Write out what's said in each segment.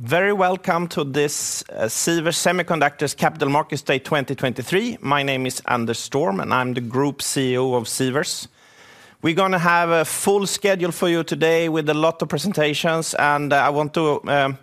Very welcome to this, Sivers Semiconductors' Capital Market Day 2023. My name is Anders Storm, and I'm the Group CEO of Sivers. We're gonna have a full schedule for you today with a lot of presentations, and I want to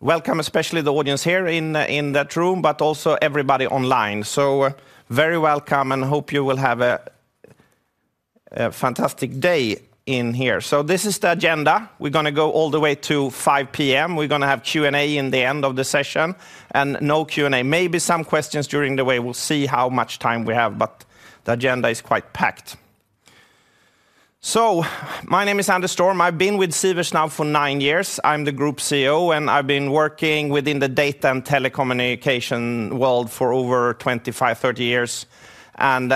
welcome, especially the audience here in that room, but also everybody online. So very welcome, and hope you will have a fantastic day in here. So this is the agenda. We're gonna go all the way to 5 P.M. We're gonna have Q&A in the end of the session, and no Q&A. Maybe some questions during the way. We'll see how much time we have, but the agenda is quite packed. So my name is Anders Storm. I've been with Sivers now for nine years. I'm the group CEO, and I've been working within the data and telecommunication world for over 25, 30 years, and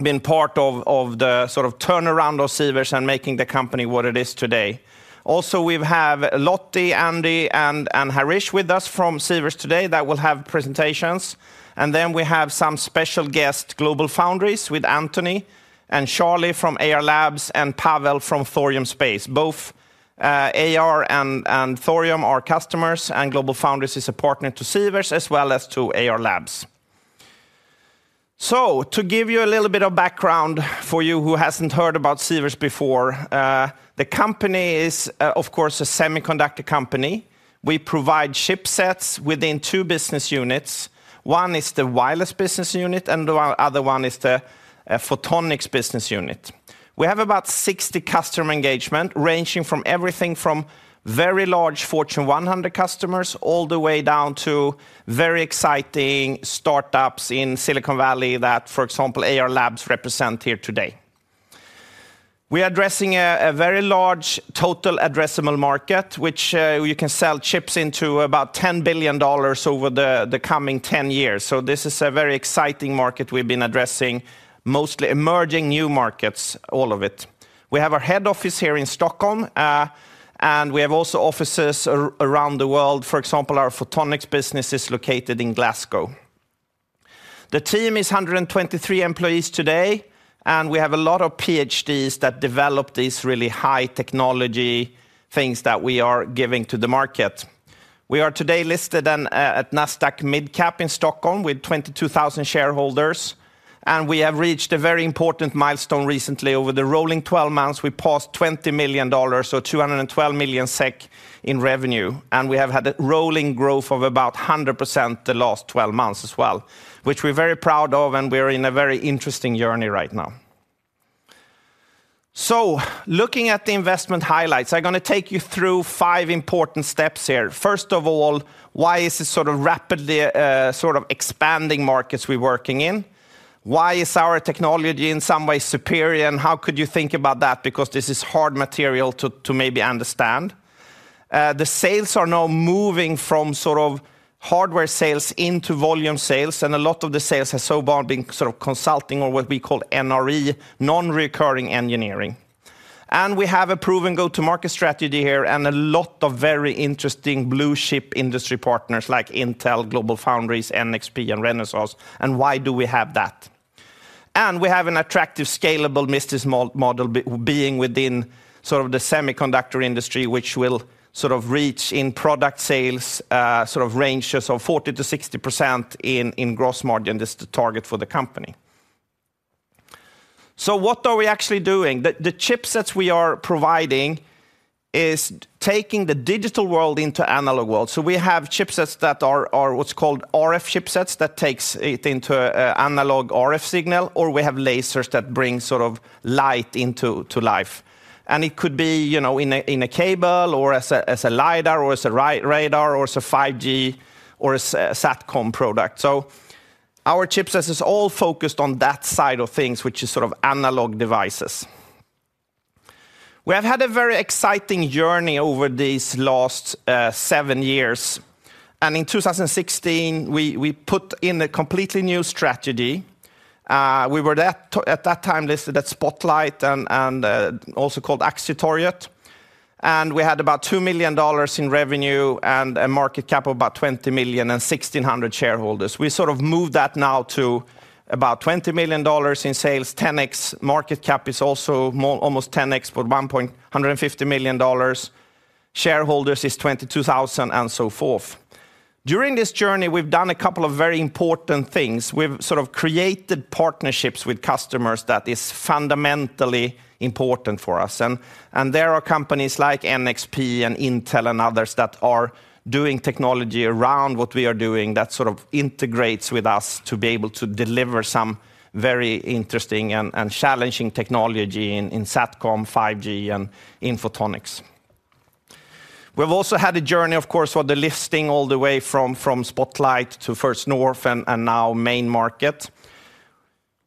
been part of the sort of turnaround of Sivers and making the company what it is today. Also, we have Lotte, Andy, and Harish with us from Sivers today that will have presentations. And then we have some special guest, GlobalFoundries, with Anthony and Charlie from Ayar Labs, and Pawel from Thorium Space. Both, Ayar and Thorium are customers, and GlobalFoundries is a partner to Sivers, as well as to Ayar Labs. So to give you a little bit of background for you who hasn't heard about Sivers before, the company is, of course, a semiconductor company. We provide chipsets within two business units. One is the wireless business unit, and the other one is the photonics business unit. We have about 60 customer engagement, ranging from everything from very large Fortune 100 customers, all the way down to very exciting startups in Silicon Valley that, for example, Ayar Labs represent here today. We are addressing a very large total addressable market, which you can sell chips into about $10 billion over the coming 10 years. So this is a very exciting market we've been addressing, mostly emerging new markets, all of it. We have our head office here in Stockholm, and we have also offices around the world. For example, our photonics business is located in Glasgow. The team is 123 employees today, and we have a lot of PhDs that develop these really high-technology things that we are giving to the market. We are today listed on Nasdaq Mid Cap in Stockholm, with 22,000 shareholders, and we have reached a very important milestone recently. Over the rolling 12 months, we passed $20 million, so 212 million SEK in revenue, and we have had a rolling growth of about 100% the last 12 months as well, which we're very proud of, and we're in a very interesting journey right now. Looking at the investment highlights, I'm gonna take you through five important steps here. First of all, why is this sort of rapidly, sort of expanding markets we're working in? Why is our technology in some way superior, and how could you think about that? Because this is hard material to, to maybe understand. The sales are now moving from sort of hardware sales into volume sales, and a lot of the sales have so far been sort of consulting or what we call NRE, non-recurring engineering. We have a proven go-to-market strategy here and a lot of very interesting blue-chip industry partners like Intel, GlobalFoundries, NXP, and Renesas, and why do we have that? We have an attractive, scalable business model being within sort of the semiconductor industry, which will sort of reach in product sales, ranges of 40%-60% in gross margin. This is the target for the company. What are we actually doing? The chipsets we are providing is taking the digital world into analog world. We have chipsets that are what's called RF chipsets, that takes it into a analog RF signal, or we have lasers that bring sort of light into to life. It could be, you know, in a cable or as a LiDAR, or as a radar, or as a 5G, or a Satcom product. Our chipsets is all focused on that side of things, which is sort of analog devices. We have had a very exciting journey over these last seven years, and in 2016, we put in a completely new strategy. We were at that time listed at Spotlight and also called Aktietorget, and we had about $2 million in revenue and a market cap of about $20 million and 1,600 shareholders. We sort of moved that now to about $20 million in sales. 10x market cap is also more, almost 10x, but $150 million. Shareholders is 22,000, and so forth. During this journey, we've done a couple of very important things. We've sort of created partnerships with customers that is fundamentally important for us, and, and there are companies like NXP and Intel and others that are doing technology around what we are doing that sort of integrates with us to be able to deliver some very interesting and, and challenging technology in, in Satcom, 5G, and photonics. We've also had a journey, of course, for the listing all the way from, from Spotlight to First North and, and now Main Market.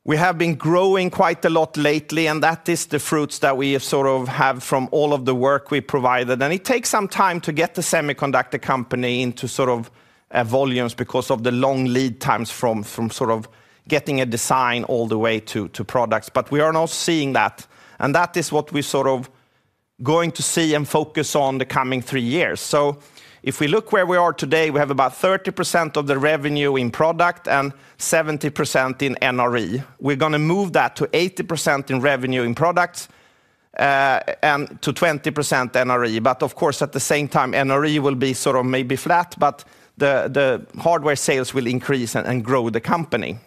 We have been growing quite a lot lately, and that is the fruits that we sort of have from all of the work we provided. It takes some time to get the semiconductor company into sort of volumes because of the long lead times from sort of getting a design all the way to products. But we are now seeing that, and that is what we sort of going to see and focus on the coming three years. If we look where we are today, we have about 30% of the revenue in product and 70% in NRE. We're gonna move that to 80% in revenue in products and to 20% NRE. But of course, at the same time, NRE will be sort of maybe flat, but the hardware sales will increase and grow the company.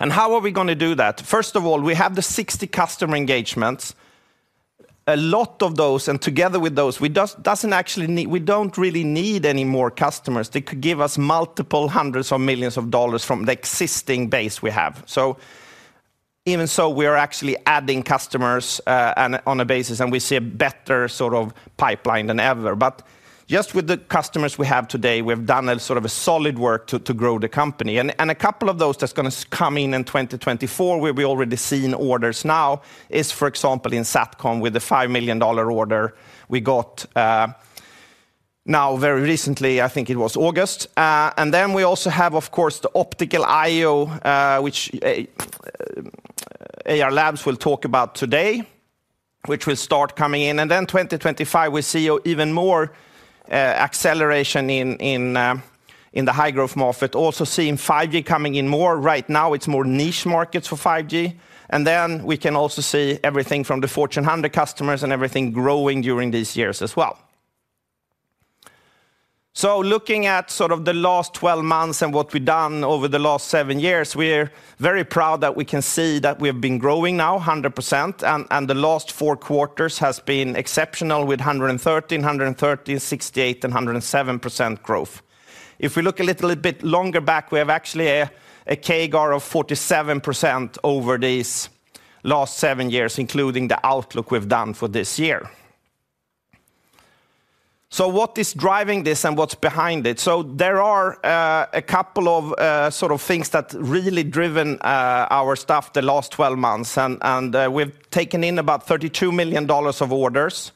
How are we gonna do that? First of all, we have the 60 customer engagements. A lot of those, and together with those, we doesn't actually need—we don't really need any more customers. They could give us multiple hundreds of millions of dollars from the existing base we have. Even so, we are actually adding customers, and on a basis, and we see a better sort of pipeline than ever. Just with the customers we have today, we've done a sort of a solid work to grow the company. A couple of those that's gonna come in in 2024, where we already seen orders now, is, for example, in Satcom with the $5 million order we got, now very recently, I think it was August. And then we also have, of course, the optical I/O, which Ayar Labs will talk about today, which will start coming in. And then 2025, we see even more acceleration in the high-growth market. Also, seeing 5G coming in more. Right now, it's more niche markets for 5G. And then we can also see everything from the Fortune 100 customers and everything growing during these years as well. So looking at sort of the last 12 months and what we've done over the last seven years, we're very proud that we can see that we've been growing now 100%, and the last four quarters has been exceptional, with 113%, 130%, 68%, and 107% growth. If we look a little bit longer back, we have actually a CAGR of 47% over these last seven years, including the outlook we've done for this year. So what is driving this, and what's behind it? So there are a couple of sort of things that really driven our stuff the last 12 months, and we've taken in about $32 million of orders.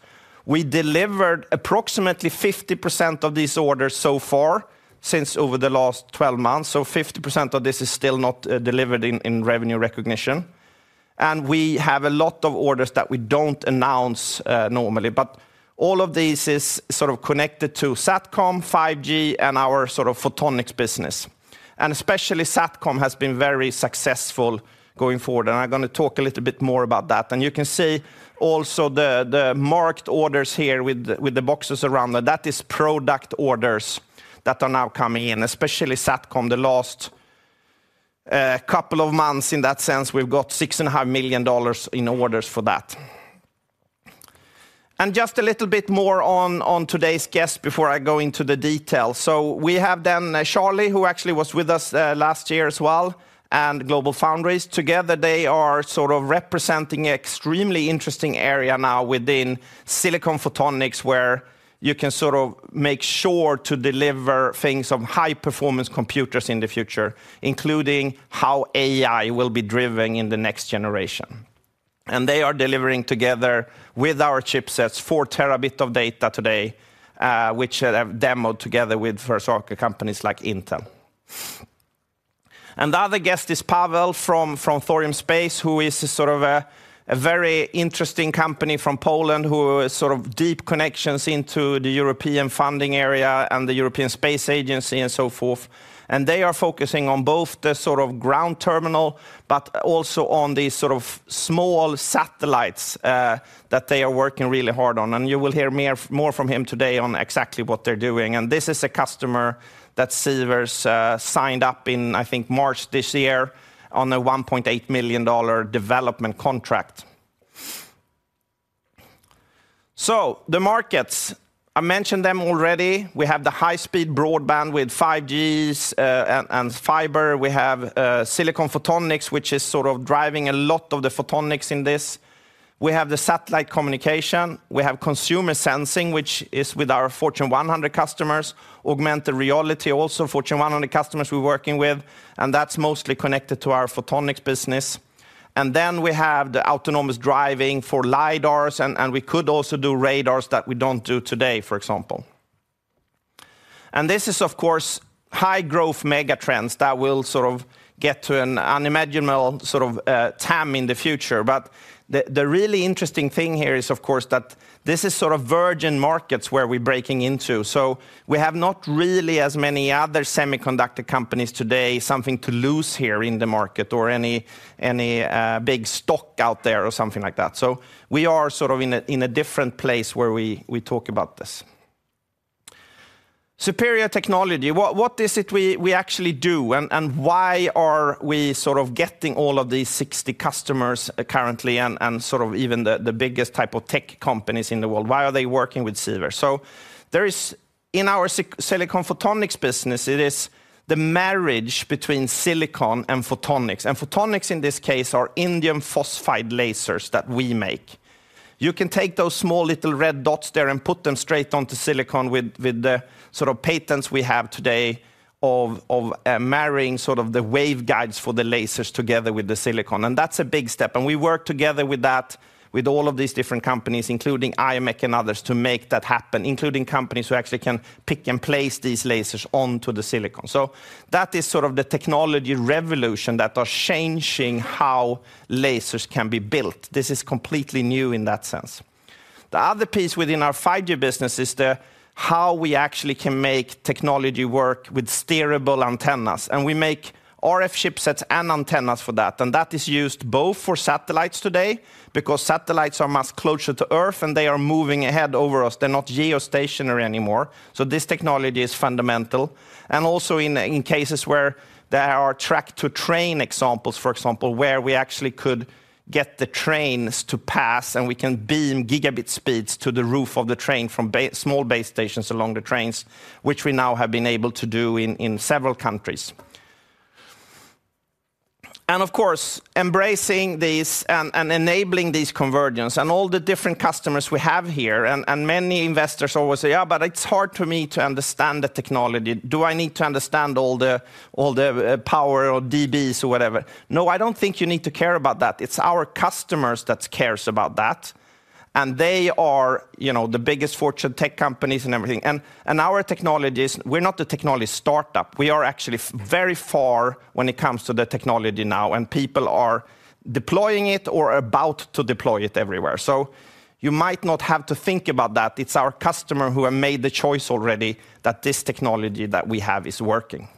We delivered approximately 50% of these orders so far since over the last 12 months, so 50% of this is still not delivered in revenue recognition. And we have a lot of orders that we don't announce normally, but all of these is sort of connected to Satcom, 5G, and our sort of photonics business. Especially Satcom has been very successful going forward, and I'm gonna talk a little bit more about that. You can see also the marked orders here with the boxes around them. That is product orders that are now coming in, especially Satcom, the last couple of months. In that sense, we've got $6.5 million in orders for that. Just a little bit more on today's guest before I go into the detail. So we have then Charlie, who actually was with us last year as well, and GlobalFoundries. Together, they are sort of representing extremely interesting area now within silicon photonics, where you can sort of make sure to deliver things of high-performance computers in the future, including how AI will be driven in the next generation. They are delivering together with our chipsets, four terabit of data today, which I have demoed together with first other companies like Intel. The other guest is Pawel from Thorium Space, who is a very interesting company from Poland, who has deep connections into the European funding area and the European Space Agency, and so forth. They are focusing on both the ground terminal, but also on these small satellites that they are working really hard on. You will hear more from him today on exactly what they're doing. This is a customer that Sivers signed up in, I think, March this year on a $1.8 million development contract. The markets, I mentioned them already. We have the high-speed broadband with 5Gs and fiber. We have silicon photonics, which is sort of driving a lot of the photonics in this. We have the satellite communication. We have consumer sensing, which is with our Fortune 100 customers. Augmented reality, also Fortune 100 customers we're working with, and that's mostly connected to our photonics business. Then we have the autonomous driving for LiDARs, and we could also do radars that we don't do today, for example. This is, of course, high-growth mega trends that will sort of get to an unimaginable sort of TAM in the future. The really interesting thing here is, of course, that this is sort of virgin markets where we're breaking into, so we have not really as many other semiconductor companies today, something to lose here in the market or any big stock out there or something like that. We are sort of in a different place where we talk about this superior technology. What is it we actually do, and why are we sort of getting all of these 60 customers currently, and sort of even the biggest type of tech companies in the world? Why are they working with Sivers? There is... In our silicon photonics business, it is the marriage between silicon and photonics, and photonics, in this case, are indium phosphide lasers that we make. You can take those small little red dots there and put them straight onto silicon with the sort of patents we have today of marrying sort of the waveguides for the lasers together with the silicon, and that's a big step. We work together with that, with all of these different companies, including IMEC and others, to make that happen, including companies who actually can pick and place these lasers onto the silicon. That is sort of the technology revolution that is changing how lasers can be built. This is completely new in that sense. The other piece within our 5G business is how we actually can make technology work with steerable antennas, and we make RF chipsets and antennas for that. That is used both for satellites today, because satellites are much closer to Earth, and they are moving ahead over us. They're not geostationary anymore. So this technology is fundamental, and also in cases where there are track-to-train examples, for example, where we actually could get the trains to pass, and we can beam gigabit speeds to the roof of the train from small base stations along the trains, which we now have been able to do in several countries. And of course, embracing these and enabling these convergence and all the different customers we have here, and many investors always say, "Yeah, but it's hard for me to understand the technology. Do I need to understand all the, all the power or DBs or whatever?" No, I don't think you need to care about that. It's our customers that cares about that, and they are, you know, the biggest Fortune tech companies and everything. And our technologies, we're not a technology start-up. We are actually very far when it comes to the technology now, and people are deploying it or about to deploy it everywhere. You might not have to think about that. It's our customer who have made the choice already that this technology that we have is working.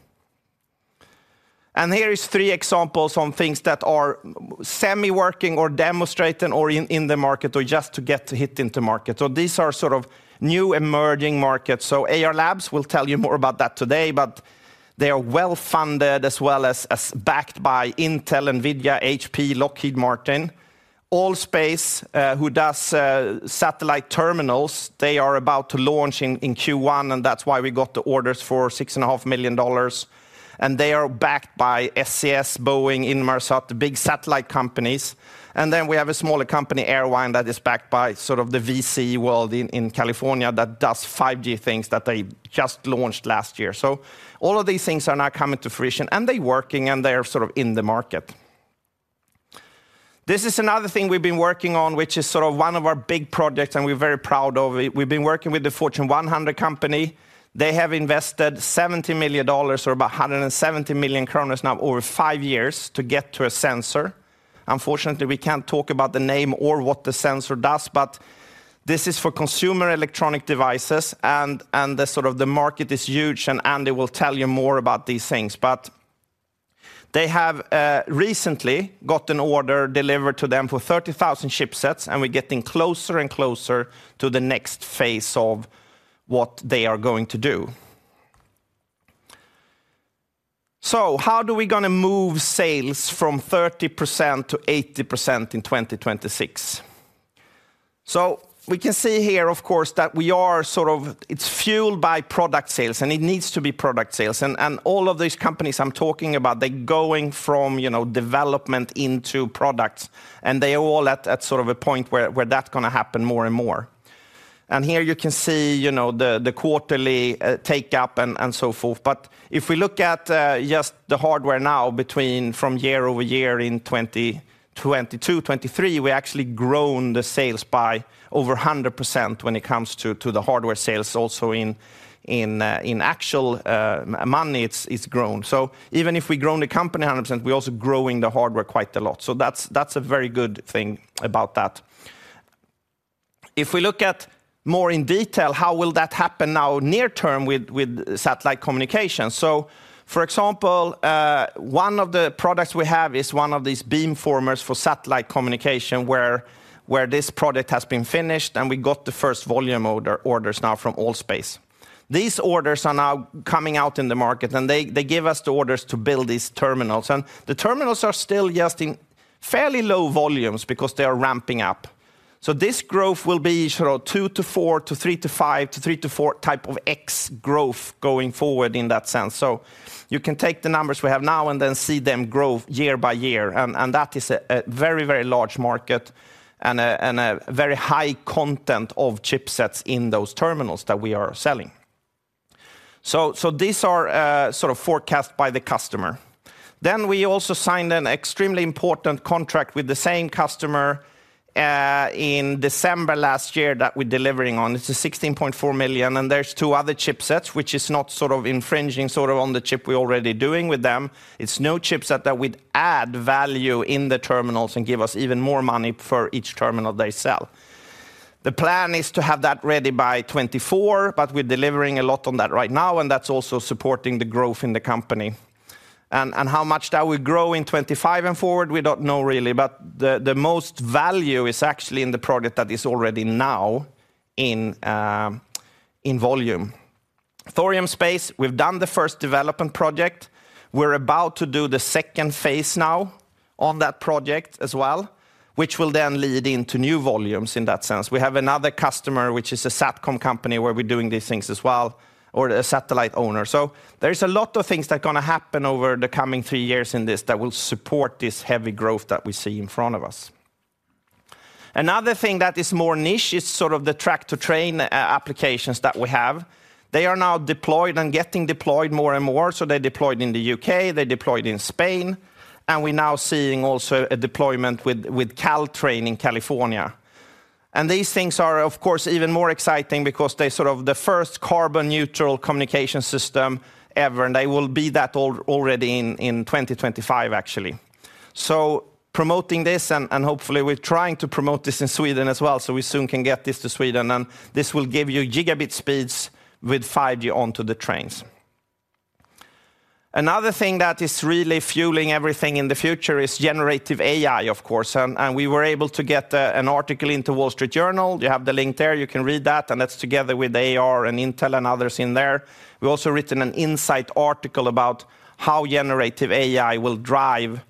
Here is three examples on things that are semi-working, or demonstrating, or in the market, or just to get to hit into market. These are sort of new emerging markets. Ayar Labs, we'll tell you more about that today, but they are well-funded, as well as backed by Intel, NVIDIA, HP, Lockheed Martin. ALL.SPACE, who does satellite terminals, they are about to launch in Q1, and that's why we got the orders for $6.5 million, and they are backed by SES, Boeing, Inmarsat, the big satellite companies. We have a smaller company, Airvine, that is backed by sort of the VC world in California, that does 5G things that they just launched last year. All of these things are now coming to fruition, and they are working, and they're sort of in the market. This is another thing we've been working on, which is sort of one of our big projects, and we're very proud of it. We've been working with a Fortune 100 company. They have invested $70 million, or about 170 million kronor now, over five years to get to a sensor. Unfortunately, we can't talk about the name or what the sensor does, but this is for consumer electronic devices, and the sort of the market is huge, and Andy will tell you more about these things. They have recently got an order delivered to them for 30,000 chipsets, and we're getting closer and closer to the next phase of what they are going to do. How are we gonna move sales from 30% to 80% in 2026? We can see here, of course, that we are sort of-- it's fueled by product sales, and it needs to be product sales. All of these companies I'm talking about, they're going from, you know, development into products, and they're all at, at sort of a point where, where that's gonna happen more and more. Here you can see, you know, the quarterly, take-up and, and so forth. If we look at just the hardware now year-over-year in 2022, 2023, we actually grown the sales by over 100% when it comes to the hardware sales. Also in actual money, it's grown. Even if we've grown the company 100%, we're also growing the hardware quite a lot. That's a very good thing about that. If we look at more in detail, how will that happen now near term with satellite communication? For example, one of the products we have is one of these beamformers for satellite communication, where this product has been finished, and we got the first volume orders now from ALL.SPACE. These orders are now coming out in the market, and they give us the orders to build these terminals, and the terminals are still just in fairly low volumes because they are ramping up. This growth will be sort of 2x-4x, to 3x-5x, to 3x-4x type of growth going forward in that sense. You can take the numbers we have now and then see them grow year by year, and that is a very, very large market and a very high content of chipsets in those terminals that we are selling. These are sort of forecast by the customer. We also signed an extremely important contract with the same customer in December last year that we're delivering on. It's a 16.4 million, and there's two other chipsets, which is not sort of infringing sort of on the chip we're already doing with them. It's new chipset that would add value in the terminals and give us even more money for each terminal they sell. The plan is to have that ready by 2024, but we're delivering a lot on that right now, and that's also supporting the growth in the company. And how much that will grow in 2025 and forward, we don't know really, but the most value is actually in the product that is already now in, you know, in volume. Thorium Space, we've done the first development project. We're about to do the second phase now on that project as well, which will then lead into new volumes in that sense. We have another customer, which is a Satcom company, where we're doing these things as well, or a satellite owner. There is a lot of things that are gonna happen over the coming three years in this that will support this heavy growth that we see in front of us. Another thing that is more niche is sort of the track-to-train applications that we have. They are now deployed and getting deployed more and more. They're deployed in the U.K., they're deployed in Spain, and we're now seeing also a deployment with Caltrain in California. These things are, of course, even more exciting because they're sort of the first carbon neutral communication system ever, and they will be that already in 2025, actually. Promoting this, and hopefully, we're trying to promote this in Sweden as well, so we soon can get this to Sweden, and this will give you gigabit speeds with 5G onto the trains. Another thing that is really fueling everything in the future is generative AI, of course, and we were able to get an article into Wall Street Journal. You have the link there, you can read that, and that's together with Ayar and Intel and others in there. We've also written an insight article about how generative AI will drive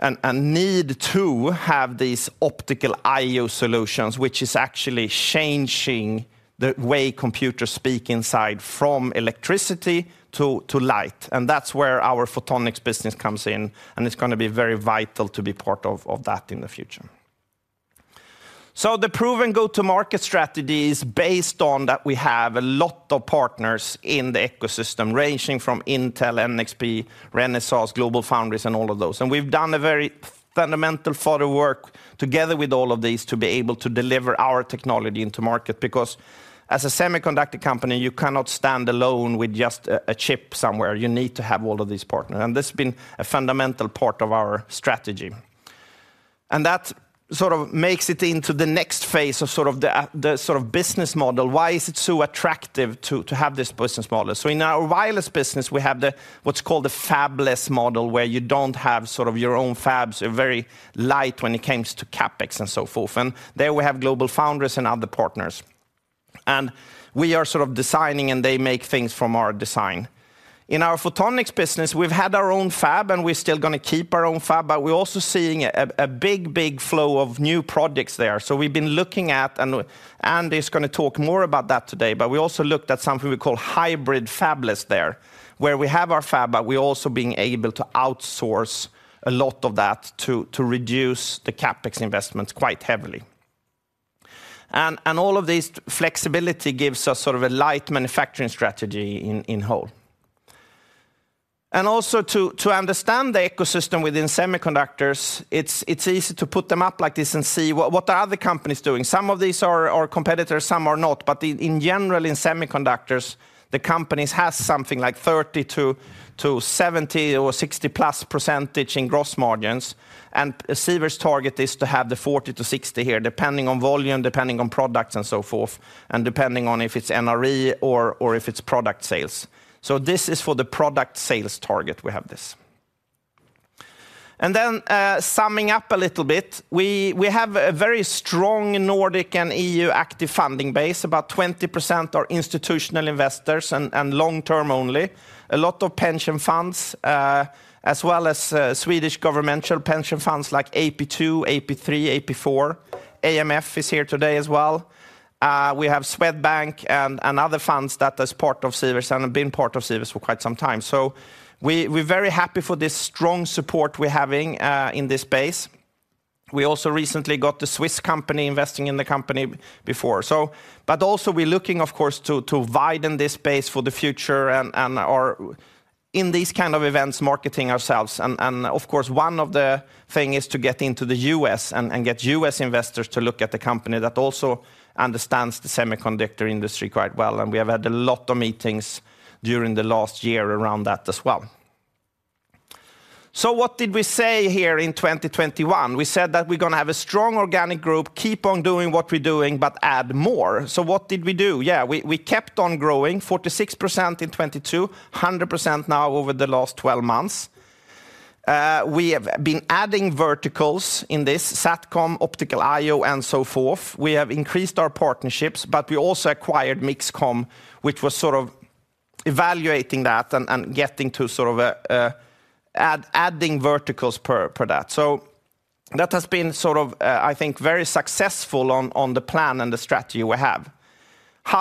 and need to have these optical I/O solutions, which is actually changing the way computers speak inside from electricity to light. That's where our photonics business comes in, and it's going to be very vital to be part of that in the future. The proven go-to-market strategy is based on that we have a lot of partners in the ecosystem, ranging from Intel, NXP, Renesas, GlobalFoundries, and all of those. We've done a very fundamental photo work together with all of these to be able to deliver our technology into market, because as a semiconductor company, you cannot stand alone with just a, a chip somewhere. You need to have all of these partners, and this has been a fundamental part of our strategy. That sort of makes it into the next phase of sort of the, the sort of business model. Why is it so attractive to, to have this business model? In our wireless business, we have the-- what's called the fabless model, where you don't have sort of your own fabs, a very light when it comes to CapEx and so forth. We have GlobalFoundries and other partners. We are sort of designing, and they make things from our design. In our photonics business, we've had our own fab, and we're still going to keep our own fab, but we're also seeing a big, big flow of new products there. We've been looking at, and Andy's going to talk more about that today, but we also looked at something we call hybrid fabless there, where we have our fab, but we're also being able to outsource a lot of that to reduce the CapEx investments quite heavily. All of this flexibility gives us sort of a light manufacturing strategy in whole. Also, to understand the ecosystem within semiconductors, it's easy to put them up like this and see what other companies are doing. Some of these are our competitors, some are not. In general, in semiconductors, the companies have something like 30 to 70 or 60%+ in gross margins. Sivers' target is to have the 40%-60% here, depending on volume, depending on products, and so forth, and depending on if it's NRE or if it's product sales. This is for the product sales target, we have this. Summing up a little bit, we have a very strong Nordic and EU active funding base. About 20% are institutional investors and long-term only. A lot of pension funds, as well as Swedish governmental pension funds like AP2, AP3, AP4. AMF is here today as well. We have Swedbank and other funds that as part of Sivers and have been part of Sivers for quite some time. We're very happy for this strong support we're having in this space. We also recently got the Swiss company investing in the company before. Also, we're looking, of course, to widen this space for the future and, in these kind of events, marketing ourselves. Of course, one of the things is to get into the U.S. and get U.S. investors to look at the company that also understands the semiconductor industry quite well, and we have had a lot of meetings during the last year around that as well. What did we say here in 2021? We said that we're going to have a strong organic group, keep on doing what we're doing, but add more. What did we do? Yeah, we kept on growing: 46% in 2022, 100% now over the last 12 months. We have been adding verticals in this Satcom, optical I/O, and so forth. We have increased our partnerships, but we also acquired MixComm, which was sort of evaluating that and getting to sort of a, a add- adding verticals per that. That has been, I think, very successful on the plan and the strategy we have.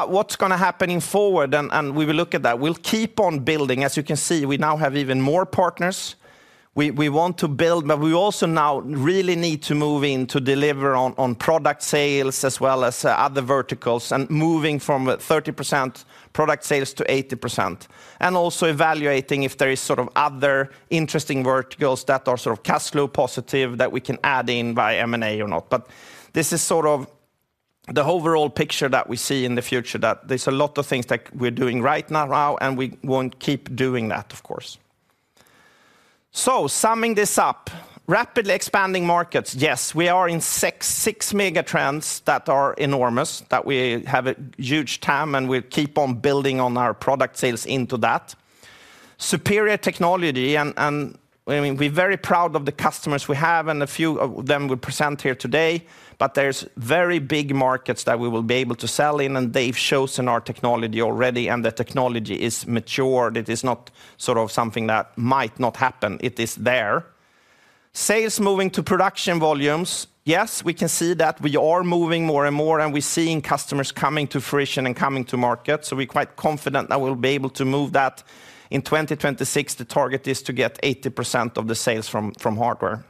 What's going to happen forward? We will look at that. We'll keep on building. As you can see, we now have even more partners. We want to build, but we also now really need to move in to deliver on product sales as well as other verticals, and moving from 30% product sales to 80%. Also evaluating if there is sort of other interesting verticals that are sort of cash flow positive that we can add in via M&A or not. This is sort of the overall picture that we see in the future, that there's a lot of things that we're doing right now, and we want to keep doing that, of course. Summing this up, rapidly expanding markets. Yes, we are in six, six mega trends that are enormous, that we have a huge TAM, and we'll keep on building on our product sales into that. Superior technology, and, I mean, we're very proud of the customers we have, and a few of them we present here today, but there's very big markets that we will be able to sell in, and they've chosen our technology already, and the technology is mature. It is not sort of something that might not happen. It is there. Sales moving to production volumes. Yes, we can see that we are moving more and more, and we're seeing customers coming to fruition and coming to market, so we're quite confident that we'll be able to move that. In 2026, the target is to get 80% of the sales from, from hardware.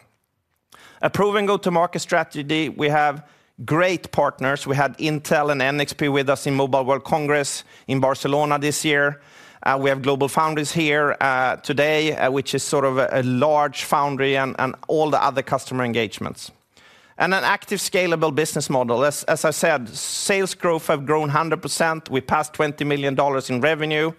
A proven go-to-market strategy, we have great partners. We had Intel and NXP with us in Mobile World Congress in Barcelona this year. We have GlobalFoundries here today, which is sort of a large foundry, and all the other customer engagements... and an active scalable business model. As I said, sales growth have grown 100%. We passed $20 million in revenue.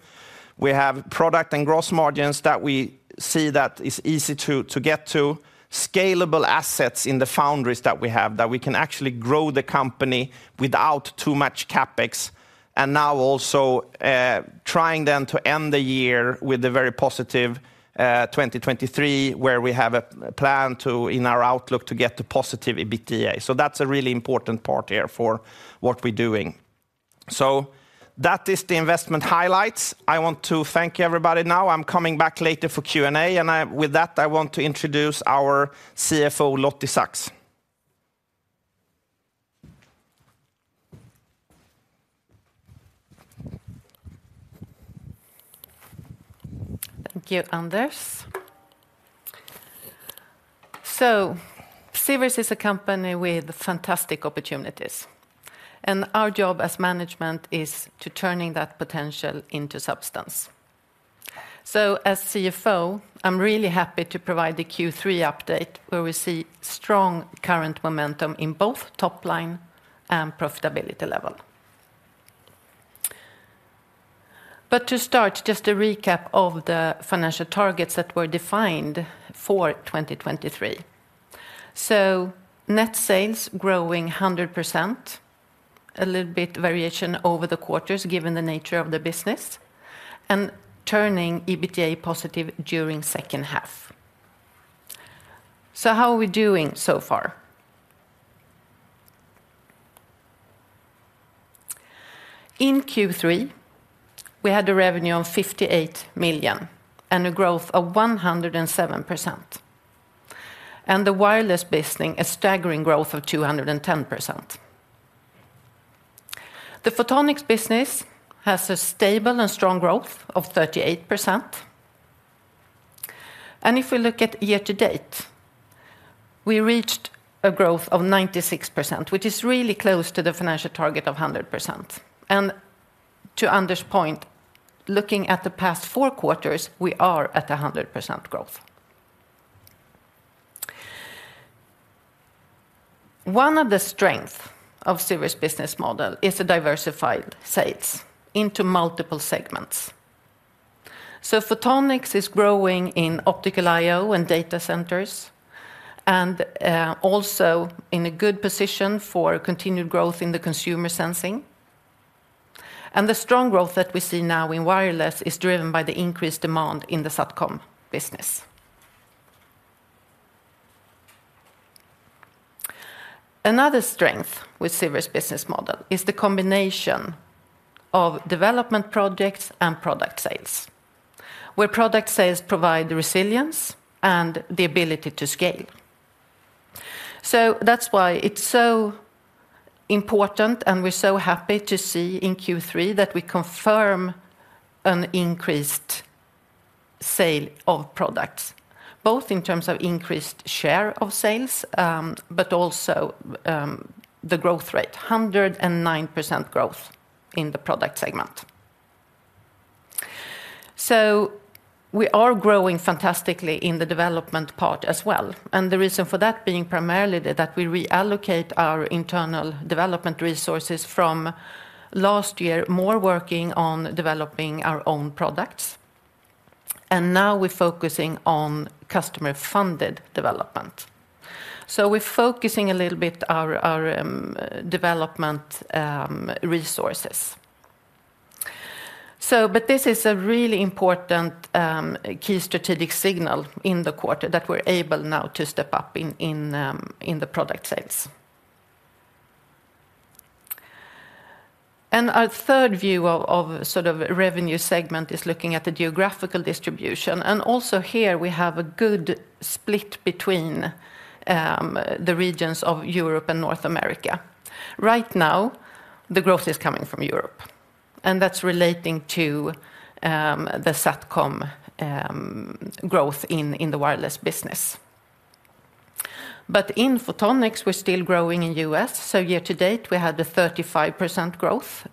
We have product and gross margins that we see that is easy to get to. Scalable assets in the foundries that we have, that we can actually grow the company without too much CapEx, and now also, trying then to end the year with a very positive 2023, where we have a plan to, in our outlook, to get to positive EBITDA. That's a really important part here for what we're doing. That is the investment highlights. I want to thank everybody now. I'm coming back later for Q&A, and with that, I want to introduce our CFO, Lotte Saks. Thank you, Anders. Sivers is a company with fantastic opportunities, and our job as management is to turning that potential into substance. As CFO, I'm really happy to provide the Q3 update, where we see strong current momentum in both top line and profitability level. To start, just a recap of the financial targets that were defined for 2023. Net sales growing 100%, a little bit variation over the quarters, given the nature of the business, and turning EBITDA positive during second half. How are we doing so far? In Q3, we had a revenue of 58 million and a growth of 107%, and the Wireless business, a staggering growth of 210%. The Photonics business has a stable and strong growth of 38%. If we look at year to date, we reached a growth of 96%, which is really close to the financial target of 100%. To Anders' point, looking at the past four quarters, we are at 100% growth. One of the strengths of Sivers' business model is the diversified sales into multiple segments. Photonics is growing in optical I/O and data centers, and, you know, also in a good position for continued growth in the consumer sensing. The strong growth that we see now in wireless is driven by the increased demand in the Satcom business. Another strength with Sivers' business model is the combination of development projects and product sales, where product sales provide the resilience and the ability to scale. That's why it's so important, and we're so happy to see in Q3 that we confirm an increased sale of products, both in terms of increased share of sales, but also the growth rate, 109% growth in the product segment. We are growing fantastically in the development part as well, and the reason for that being primarily that we reallocate our internal development resources from last year, more working on developing our own products, and now we're focusing on customer-funded development. We're focusing a little bit our development resources. This is a really important key strategic signal in the quarter that we're able now to step up in the product sales. Our third view of sort of revenue segment is looking at the geographical distribution, and also here, we have a good split between the regions of Europe and North America. Right now, the growth is coming from Europe, and that's relating to the Satcom growth in the wireless business. In Photonics, we're still growing in the U.S., so year to date, we had a 35% growth,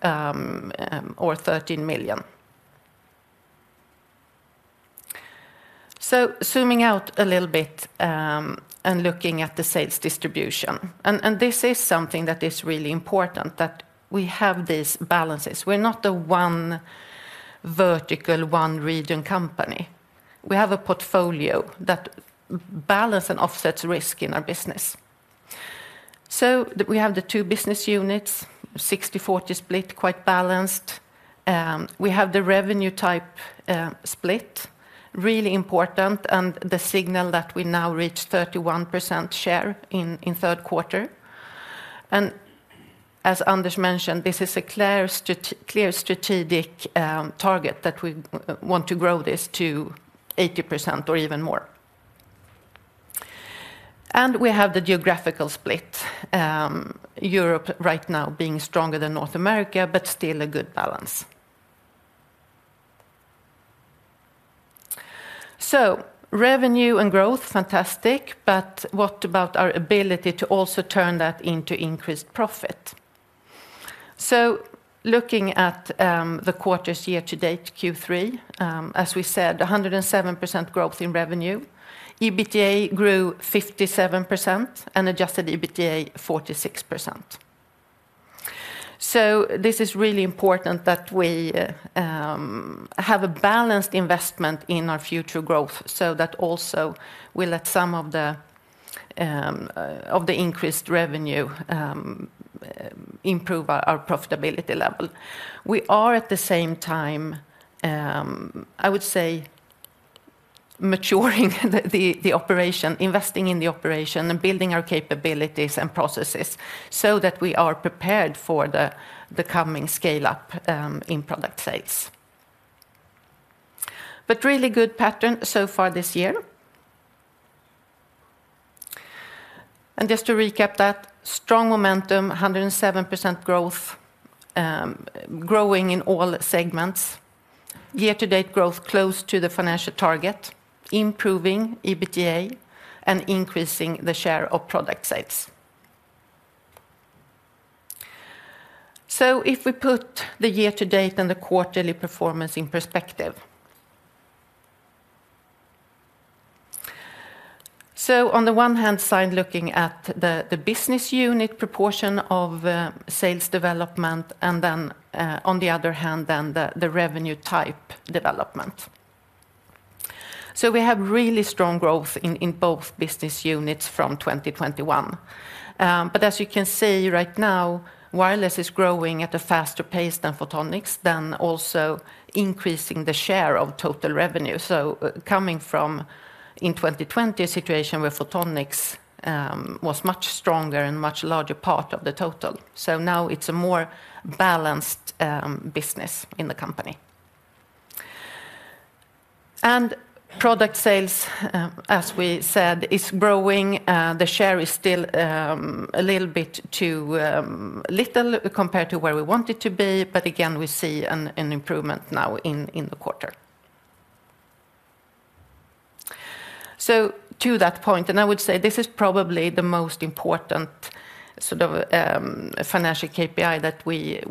or SEK 13 million. Zooming out a little bit, looking at the sales distribution, this is something that is really important, that we have these balances. We're not a one vertical, one region company. We have a portfolio that balance and offsets risk in our business. We have the two business units, 60/40 split, quite balanced. We have the revenue type split, really important, and the signal that we now reach 31% share in, in third quarter. As Anders mentioned, this is a clear strategic target that we want to grow this to 80% or even more. We have the geographical split, Europe right now being stronger than North America, but still a good balance. Revenue and growth, fantastic, what about our ability to also turn that into increased profit? Looking at the quarter's year-to-date, Q3, as we said, 107% growth in revenue. EBITDA grew 57%, and adjusted EBITDA, 46%. This is really important that we have a balanced investment in our future growth, so that also will let some of the increased revenue improve our profitability level. We are, at the same time, I would say, maturing the operation, investing in the operation, and building our capabilities and processes so that we are prepared for the coming scale-up in product sales. Really good pattern so far this year. Just to recap that, strong momentum, 107% growth, growing in all segments. Year-to-date growth close to the financial target, improving EBITDA, and increasing the share of product sales. If we put the year-to-date and the quarterly performance in perspective. On the one hand side, looking at the business unit proportion of sales development, and then, on the other hand, the revenue type development. We have really strong growth in both business units from 2021. As you can see right now, Wireless is growing at a faster pace than Photonics, also increasing the share of total revenue. Coming from, in 2020, a situation where Photonics was much stronger and much larger part of the total, now it's a more balanced business in the company. Product sales, as we said, is growing. The share is still a little bit too little compared to where we want it to be, but again, we see an improvement now in the quarter. To that point, I would say this is probably the most important sort of financial KPI that we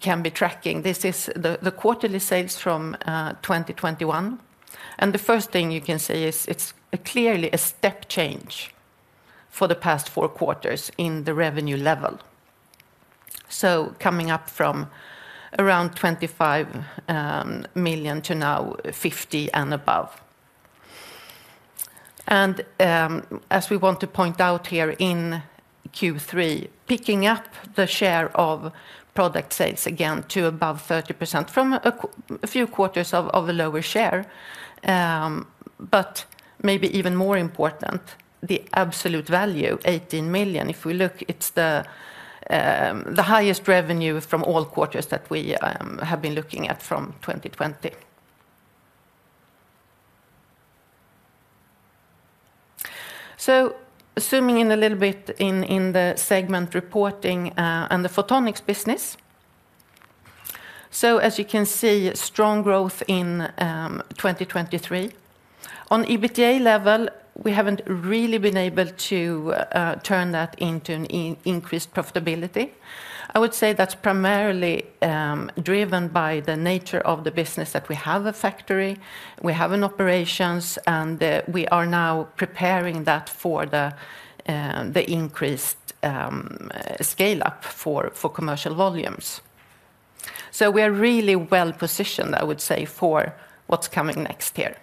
can be tracking. This is the quarterly sales from 2021. The first thing you can see is it's clearly a step change for the past four quarters in the revenue level, coming up from around 25 million to now 50 million and above. As we want to point out here in Q3, picking up the share of product sales again to above 30% from a few quarters of a lower share, maybe even more important, the absolute value, 18 million. If we look, it's the highest revenue from all quarters that we have been looking at from 2020. Zooming in a little bit in the segment reporting, and the Photonics business. As you can see, strong growth in 2023. On EBITDA level, we haven't really been able to turn that into an increased profitability. I would say that's primarily driven by the nature of the business, that we have a factory, we have operations, and we are now preparing that for the increased scale-up for commercial volumes. We are really well positioned, I would say, for what's coming next here.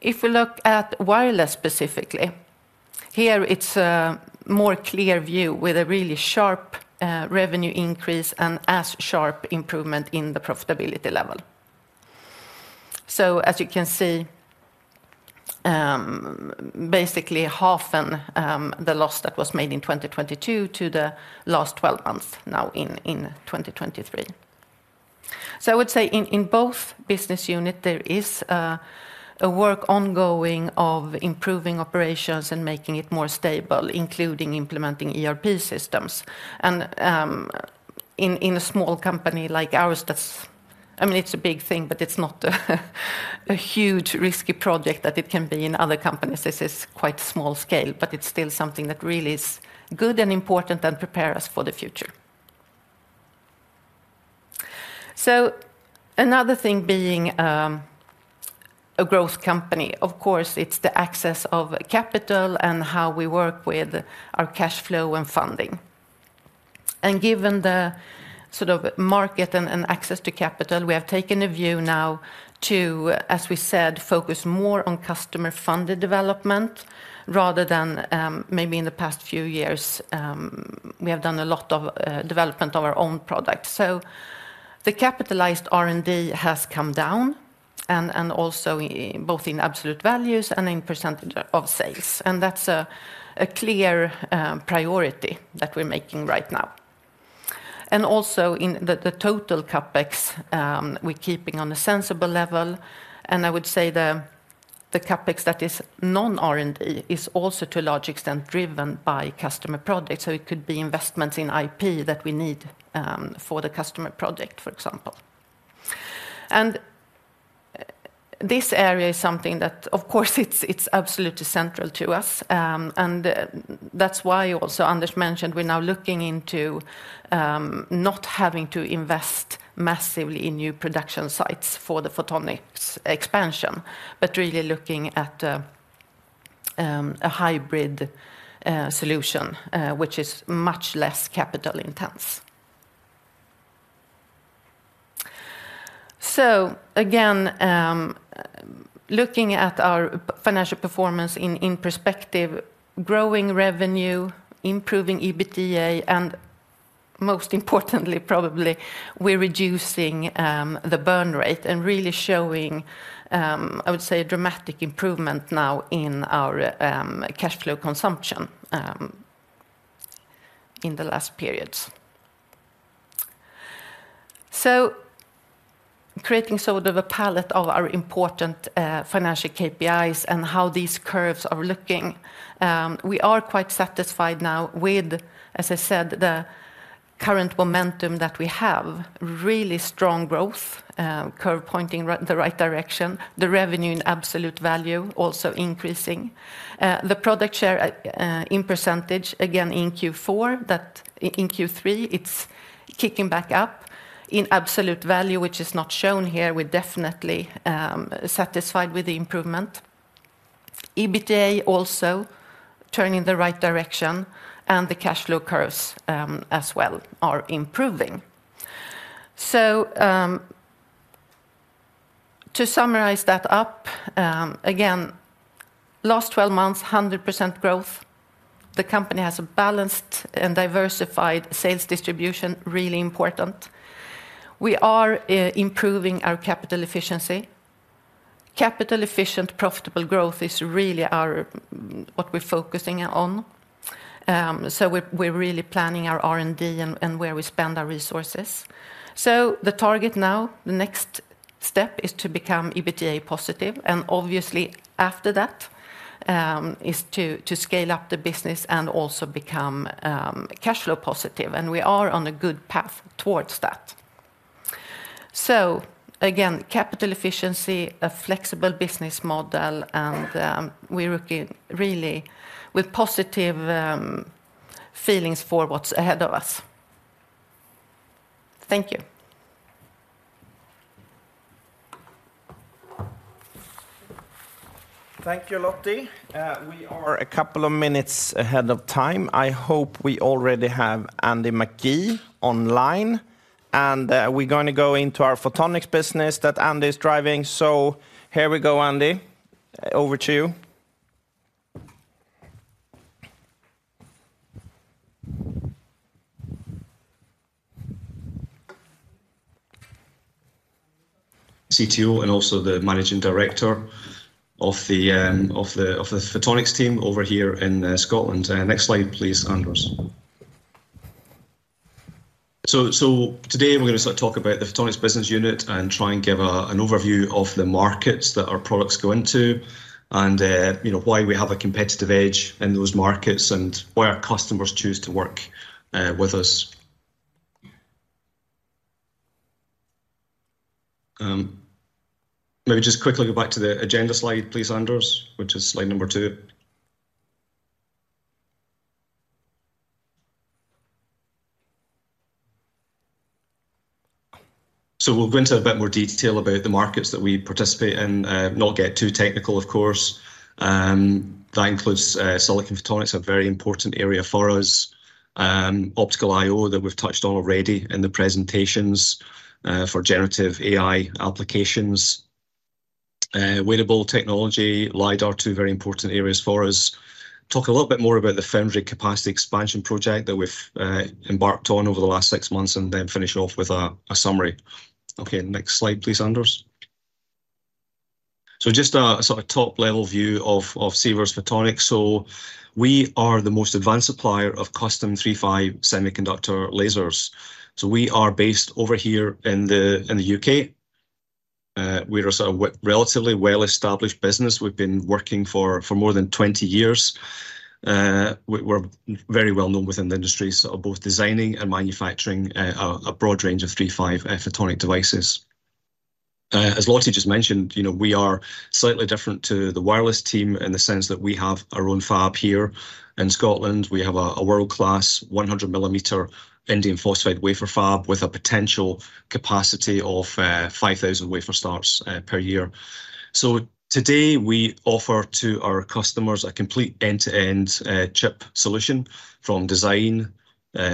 If we look at wireless specifically, here, it's a more clear view with a really sharp revenue increase and as sharp improvement in the profitability level. As you can see, basically halfen the loss that was made in 2022 to the last 12 months now in 2023. I would say in both business unit, there is a work ongoing of improving operations and making it more stable, including implementing ERP systems. In a small company like ours, that's-- I mean, it's a big thing, but it's not a huge risky project that it can be in other companies. This is quite small scale, but it's still something that really is good and important and prepare us for the future. Another thing being, I mean, a growth company, of course, it's the access of capital and how we work with our cash flow and funding. Given the sort of market and access to capital, we have taken a view now to, as we said, focus more on customer-funded development rather than maybe in the past few years we have done a lot of development of our own products. So the capitalized R&D has come down, and also both in absolute values and in percentage of sales, and that's a clear priority that we're making right now. And also in the total CapEx, we're keeping on a sensible level, and I would say the CapEx that is non-R&D is also, to a large extent, driven by customer products. So it could be investments in IP that we need for the customer project, for example. And this area is something that, of course, it is absolutely central to us. That's why also Anders mentioned we're now looking into not having to invest massively in new production sites for the Photonics expansion, but really looking at a hybrid solution, which is much less capital intense. Again, looking at our financial performance in perspective, growing revenue, improving EBITDA, and most importantly, probably, we're reducing the burn rate and really showing, I would say, a dramatic improvement now in our cash flow consumption in the last periods. Creating sort of a palette of our important financial KPIs and how these curves are looking, we are quite satisfied now with, as I said, the current momentum that we have. Really strong growth curve pointing the right direction, the revenue in absolute value also increasing. The product share, in percentage, again, in Q4, that in, in Q3, it's kicking back up. In absolute value, which is not shown here, we're definitely satisfied with the improvement. EBITDA also turning in the right direction, and the cash flow curves, as well, are improving. To summarize that up, again, last twelve months, 100% growth. The company has a balanced and diversified sales distribution, really important. We are improving our capital efficiency. Capital efficient, profitable growth is really our, what we're focusing on. We're really planning our R&D and where we spend our resources. The target now, the next step is to become EBITDA positive, and obviously, after that, is to scale up the business and also become cash flow positive, and we are on a good path towards that. Again, capital efficiency, a flexible business model, and we're looking really with positive feelings for what's ahead of us. Thank you. Thank you, Lotte. We are a couple of minutes ahead of time. I hope we already have Andy McKee online, and we're going to go into our Photonics business that Andy is driving. So here we go, Andy. Over to you. CTO, and also the managing director of the Photonics team over here in Scotland. Next slide, please, Anders. So today we're going to sort of talk about the Photonics business unit and try and give an overview of the markets that our products go into and you know why we have a competitive edge in those markets and why our customers choose to work with us. Maybe just quickly go back to the agenda slide, please, Anders, which is slide number two. So we'll go into a bit more detail about the markets that we participate in, not get too technical, of course. That includes Silicon Photonics, a very important area for us, Optical I/O that we've touched on already in the presentations for generative AI applications. Wearable technology, LiDAR, two very important areas for us. Talk a little bit more about the foundry capacity expansion project that we've embarked on over the last six months, and then finish off with a summary. Okay, next slide, please, Anders. Just a sort of top-level view of Sivers Photonics. We are the most advanced supplier of custom III-V semiconductor lasers. We are based over here in the U.K. We are a relatively well-established business. We've been working for more than 20 years. We're very well known within the industry, both designing and manufacturing a broad range of III-V photonic devices. As Lotte just mentioned, you know, we are slightly different to the wireless team in the sense that we have our own fab here in Scotland. We have a world-class 100 mm indium phosphide wafer fab with a potential capacity of 5,000 wafer starts per year. Today, we offer to our customers a complete end-to-end chip solution from design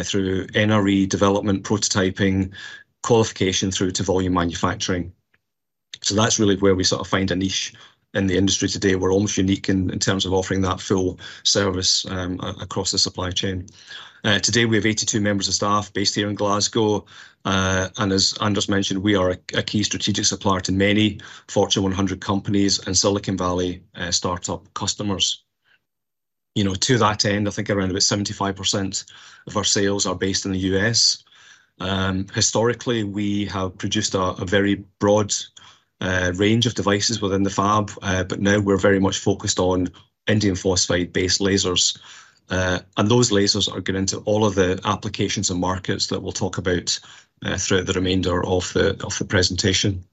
through NRE development, prototyping, qualification through to volume manufacturing. That's really where we sort of find a niche in the industry today. We're almost unique in terms of offering that full service across the supply chain. Today, we have 82 members of staff based here in Glasgow. As Anders mentioned, we are a key strategic supplier to many Fortune 100 companies and Silicon Valley startup customers. You know, to that end, I think around about 75% of our sales are based in the U.S. Historically, we have produced a very broad-... range of devices within the fab, but now we're very much focused on indium phosphide-based lasers. And those lasers are going into all of the applications and markets that we'll talk about throughout the remainder of the presentation.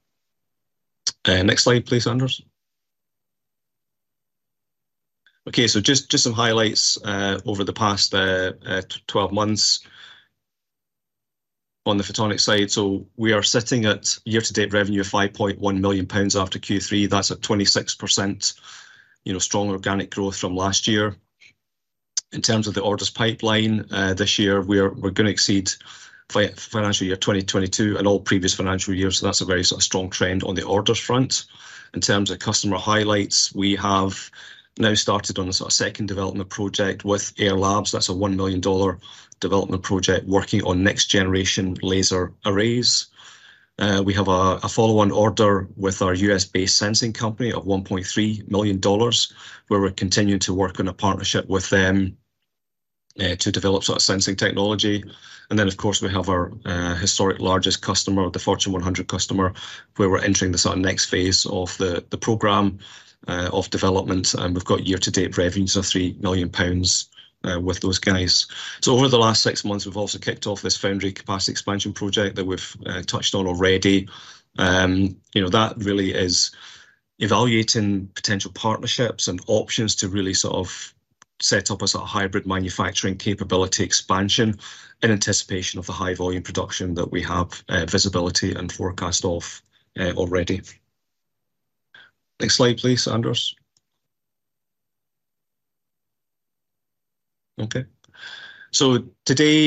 Next slide, please, Anders. Okay, so just some highlights over the past 12 months on the photonic side. So we are sitting at year-to-date revenue of 5.1 million pounds after Q3. That's a 26%, you know, strong organic growth from last year. In terms of the orders pipeline, this year, we're gonna exceed financial year 2022 and all previous financial years, so that's a very sort of strong trend on the orders front. In terms of customer highlights, we have now started on a sort of second development project with Ayar Labs. That's a $1 million development project working on next-generation laser arrays. We have a follow-on order with our U.S.-based sensing company of $1.3 million, where we're continuing to work on a partnership with them to develop sort of sensing technology. Of course, we have our historic largest customer, the Fortune 100 customer, where we're entering the sort of next phase of the program of development, and we've got year-to-date revenues of 3 million pounds with those guys. Over the last six months, we've also kicked off this foundry capacity expansion project that we've touched on already. You know, that really is evaluating potential partnerships and options to really sort of set up a sort of hybrid manufacturing capability expansion in anticipation of the high-volume production that we have visibility and forecast of already. Next slide, please, Anders. Okay. Today,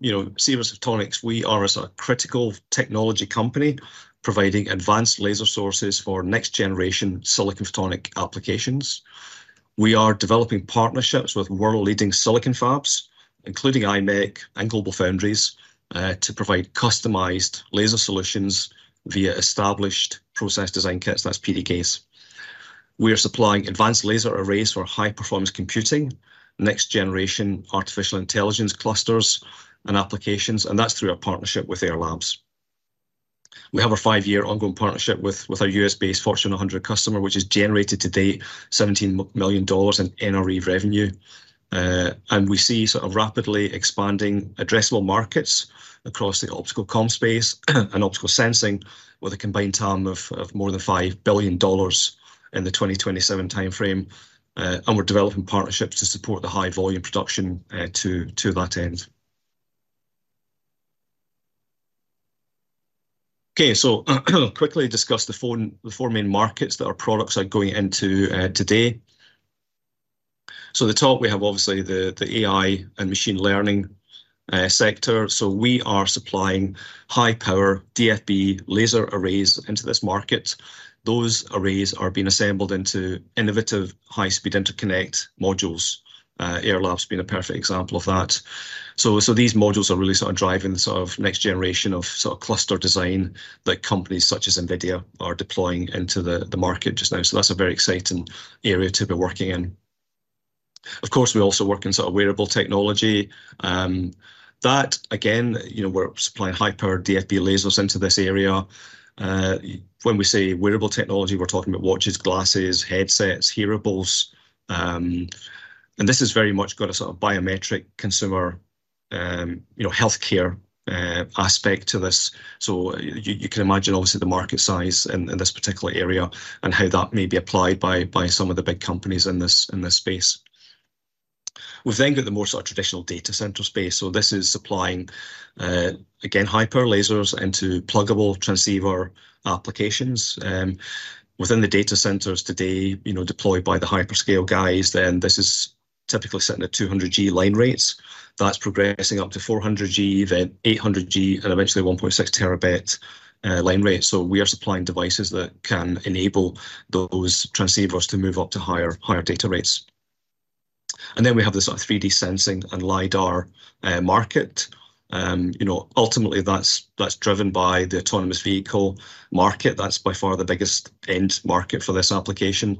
you know, Sivers Photonics, we are a sort of critical technology company, providing advanced laser sources for next-generation silicon photonic applications. We are developing partnerships with world-leading silicon fabs, including IMEC and GlobalFoundries, to provide customised laser solutions via established process design kits, that's PDKs. We are supplying advanced laser arrays for high-performance computing, next-generation artificial intelligence clusters and applications, and that's through our partnership with Ayar Labs. We have a five-year ongoing partnership with our U.S.-based Fortune 100 customer, which has generated to date, $17 million in NRE revenue. We see sort of rapidly expanding addressable markets across the optical comms space and optical sensing, with a combined TAM of more than $5 billion in the 2027 timeframe. We're developing partnerships to support the high-volume production to that end. Okay, so quickly discuss the four, the four main markets that our products are going into, today. So at the top, we have obviously the, the AI and machine learning, sector. So we are supplying high-power DFB laser arrays into this market. Those arrays are being assembled into innovative, high-speed interconnect modules, Ayar Labs being a perfect example of that. So, so these modules are really sort of driving the sort of next generation of sort of cluster design that companies such as NVIDIA are deploying into the, the market just now. So that's a very exciting area to be working in. Of course, we also work in sort of wearable technology. That, again, you know, we're supplying high-power DFB lasers into this area. When we say wearable technology, we're talking about watches, glasses, headsets, hearables. And this has very much got a sort of biometric consumer, you know, healthcare aspect to this. So you can imagine, obviously, the market size in this particular area, and how that may be applied by some of the big companies in this space. We've then got the more sort of traditional data center space, so this is supplying, again, high-power lasers into pluggable transceiver applications. Within the data centers today, you know, deployed by the hyperscale guys, then this is typically sitting at 200G line rates. That's progressing up to 400G, then 800G, and eventually 1.6 terabit line rate. So we are supplying devices that can enable those transceivers to move up to higher data rates. And then we have the sort of 3D sensing and LiDAR market. You know, ultimately, that's driven by the autonomous vehicle market. That's by far the biggest end market for this application,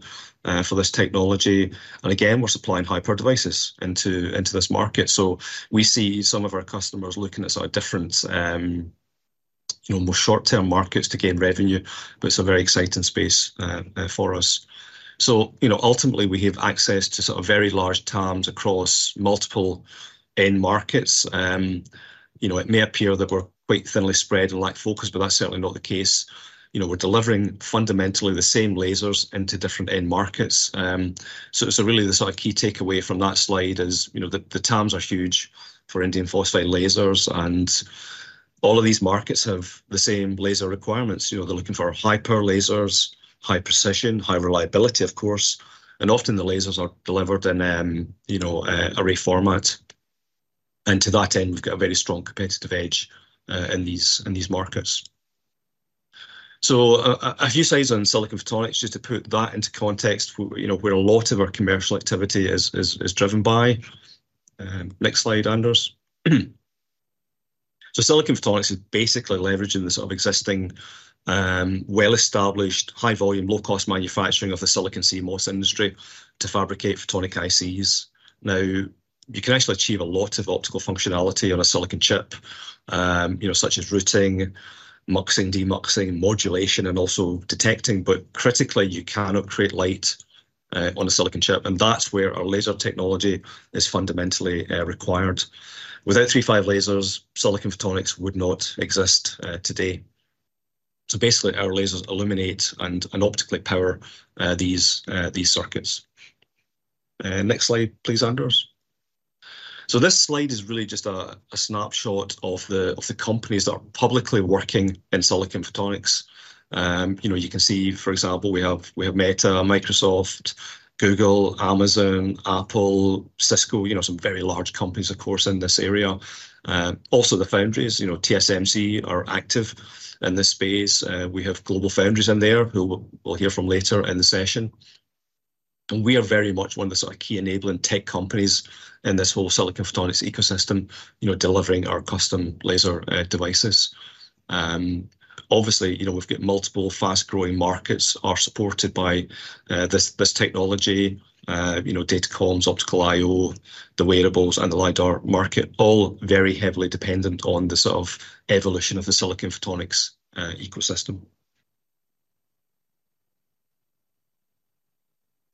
for this technology. Again, we're supplying high-power devices into this market. We see some of our customers looking at sort of different, you know, more short-term markets to gain revenue, but it's a very exciting space for us. You know, ultimately, we have access to sort of very large TAMs across multiple end markets. You know, it may appear that we're quite thinly spread and lack focus, but that's certainly not the case. You know, we're delivering fundamentally the same lasers into different end markets. Really, the sort of key takeaway from that slide is, you know, the TAMs are huge for indium phosphide lasers, and all of these markets have the same laser requirements. You know, they're looking for high-power lasers, high precision, high reliability, of course. And often, the lasers are delivered in, you know, an array format, and to that end, we've got a very strong competitive edge in these markets. So a few slides on Silicon Photonics, just to put that into context, you know, where a lot of our commercial activity is driven by. Next slide, Anders. So Silicon Photonics is basically leveraging the sort of existing, well-established, high-volume, low-cost manufacturing of the silicon CMOS industry to fabricate photonic ICs. Now you can actually achieve a lot of optical functionality on a silicon chip, you know, such as routing, muxing, demuxing, modulation, and also detecting. But critically, you cannot create light on a silicon chip, and that's where our laser technology is fundamentally required. Without III-V lasers, silicon photonics would not exist today. So basically, our lasers illuminate and optically power these circuits. Next slide, please, Anders. So this slide is really just a snapshot of the companies that are publicly working in silicon photonics. You know, you can see, for example, we have Meta, Microsoft, Google, Amazon, Apple, Cisco, you know, some very large companies, of course, in this area. Also, the foundries, you know, TSMC are active in this space. We have GlobalFoundries in there, who we'll hear from later in the session. And we are very much one of the sort of key enabling tech companies in this whole silicon photonics ecosystem, you know, delivering our custom laser devices. Obviously, you know, we've got multiple fast-growing markets are supported by this technology. You know, data comms, optical I/O, the wearables, and the LiDAR market, all very heavily dependent on the sort of evolution of the silicon photonics ecosystem.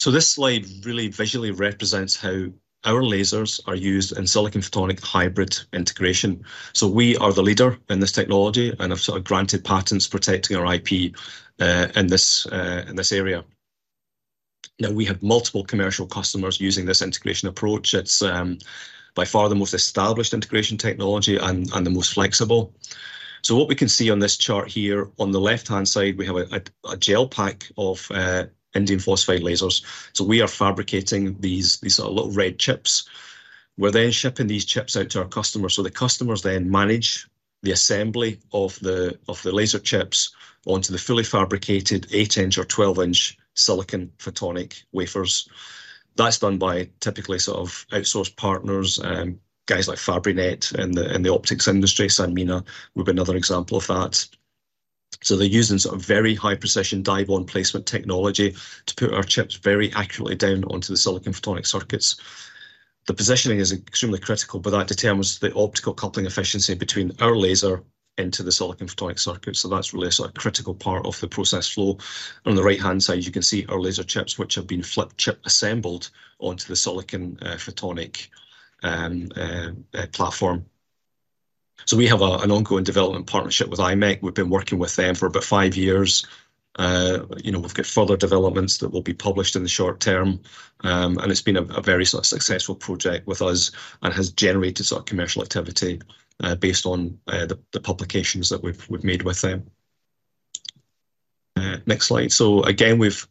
So this slide really visually represents how our lasers are used in silicon photonic hybrid integration. So we are the leader in this technology and have sort of granted patents protecting our IP in this area. Now, we have multiple commercial customers using this integration approach. It's by far the most established integration technology and the most flexible. So what we can see on this chart here, on the left-hand side, we have a gel pack of indium phosphide lasers. So we are fabricating these sort of little red chips. We're then shipping these chips out to our customers. So the customers then manage the assembly of the laser chips onto the fully fabricated 8-inch or 12-inch silicon photonic wafers. That's done by typically sort of outsourced partners, guys like Fabrinet in the optics industry. Sanmina would be another example of that. So they're using sort of very high precision die-bond placement technology to put our chips very accurately down onto the silicon photonic circuits. The positioning is extremely critical, but that determines the optical coupling efficiency between our laser into the silicon photonic circuit, so that's really a sort of critical part of the process flow. On the right-hand side, you can see our laser chips, which have been flip-chip assembled onto the silicon photonic platform. So we have an ongoing development partnership with IMEC. We've been working with them for about five years. You know, we've got further developments that will be published in the short term, and it's been a very sort of successful project with us and has generated sort of commercial activity, you know, based on the publications that we've made with them. Next slide. Again, we've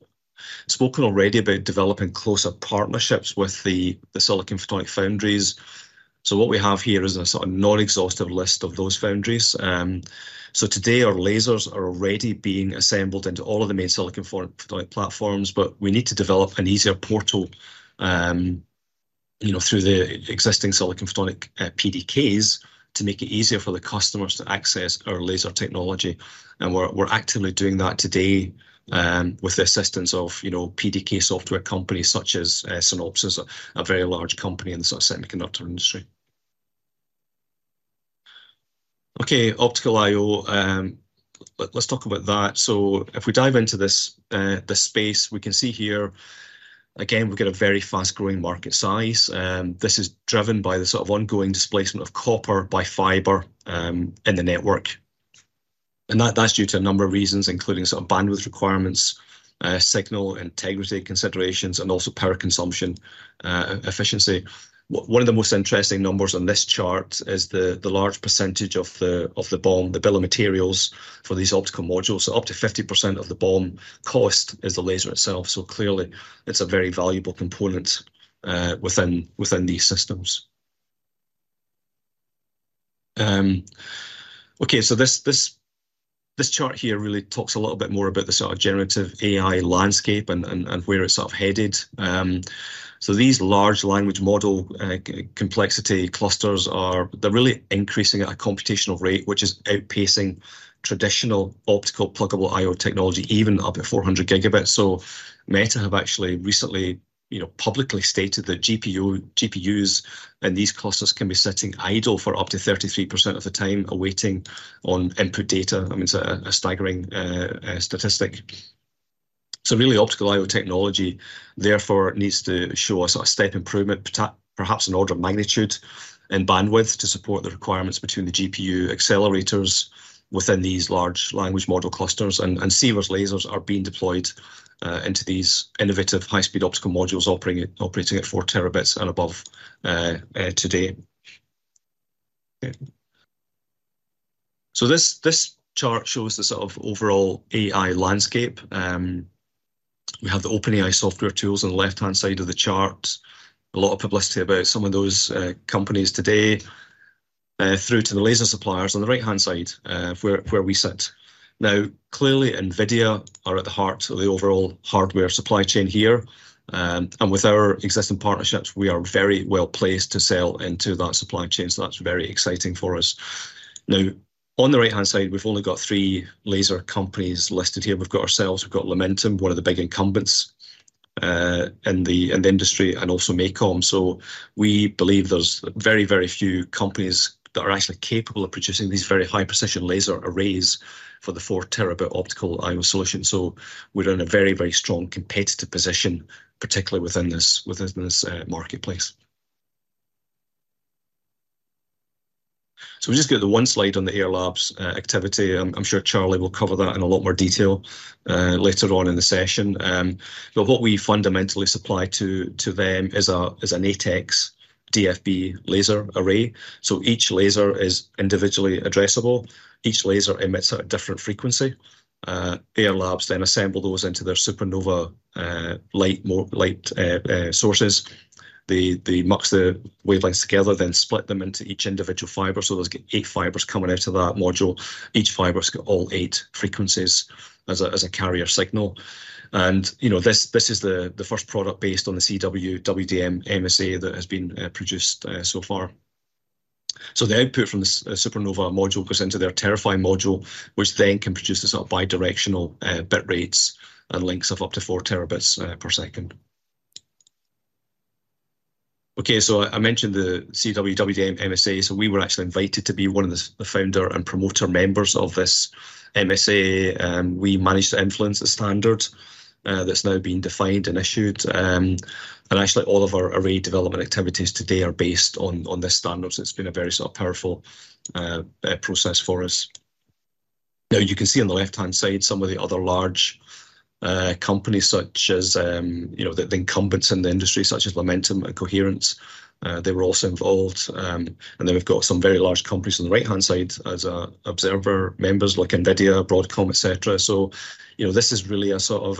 spoken already about developing closer partnerships with the silicon photonic foundries. What we have here is a sort of non-exhaustive list of those foundries. Today, our lasers are already being assembled into all of the main silicon photonics platforms, but we need to develop an easier portal, you know, through the existing silicon photonic PDKs to make it easier for the customers to access our laser technology. We're actively doing that today, with the assistance of, you know, PDK software companies such as Synopsys, a very large company in the sort of semiconductor industry. Okay, optical I/O, let's talk about that. So if we dive into this, this space, we can see here, again, we've got a very fast-growing market size. This is driven by the sort of ongoing displacement of copper by fiber, in the network. And that, that's due to a number of reasons, including sort of bandwidth requirements, signal integrity considerations, and also power consumption, efficiency. One of the most interesting numbers on this chart is the large percentage of the BOM, the bill of materials, for these optical modules. So up to 50% of the BOM cost is the laser itself, so clearly, it's a very valuable component within these systems. Okay, so this chart here really talks a little bit more about the sort of generative AI landscape and where it's sort of headed. So these large language model complexity clusters are... They're really increasing at a computational rate, which is outpacing traditional optical pluggable I/O technology, even up at 400 Gb. So Meta have actually recently, you know, publicly stated that GPU, GPUs in these clusters can be sitting idle for up to 33% of the time, awaiting on input data. I mean, it's a staggering statistic. So really, optical I/O technology, therefore, needs to show a sort of step improvement, perhaps an order of magnitude in bandwidth, to support the requirements between the GPU accelerators within these large language model clusters. And Sivers lasers are being deployed into these innovative high-speed optical modules operating at 4 Tb and above today. So this chart shows the sort of overall AI landscape. We have the OpenAI software tools on the left-hand side of the chart. A lot of publicity about some of those companies today, through to the laser suppliers on the right-hand side, where we sit. Now, clearly, NVIDIA are at the heart of the overall hardware supply chain here. And with our existing partnerships, we are very well placed to sell into that supply chain, so that's very exciting for us.... Now, on the right-hand side, we've only got three laser companies listed here. We've got ourselves, we've got Lumentum, one of the big incumbents in the industry, and also MACOM. So we believe there's very, very few companies that are actually capable of producing these very high-precision laser arrays for the four terabit optical I/O solution. So we're in a very, very strong competitive position, particularly within this marketplace. So we've just got the one slide on the Ayar Labs activity. I'm sure Charlie will cover that in a lot more detail later on in the session. But what we fundamentally supply to them is an InP DFB laser array. So each laser is individually addressable. Each laser emits at a different frequency. Ayar Labs then assemble those into their SuperNova light sources. They mux the wavelengths together, then split them into each individual fiber. So there's 8 fibers coming out of that module. Each fiber's got all 8 frequencies as a carrier signal, and, you know, this is the first product based on the CW-WDM MSA that has been produced so far. So the output from this SuperNova module goes into their TeraPHY module, which then can produce this sort of bi-directional bit rates and links of up to 4 Tb per second. Okay, so I mentioned the CW-WDM MSA. So we were actually invited to be one of the founder and promoter members of this MSA. We managed to influence the standard that's now been defined and issued. And actually, all of our array development activities today are based on this standard, so it's been a very sort of powerful process for us. Now, you can see on the left-hand side some of the other large companies such as, you know, the incumbents in the industry, such as Lumentum and Coherent. They were also involved. And then we've got some very large companies on the right-hand side as observer members, like NVIDIA, Broadcom, et cetera. So, you know, this is really a sort of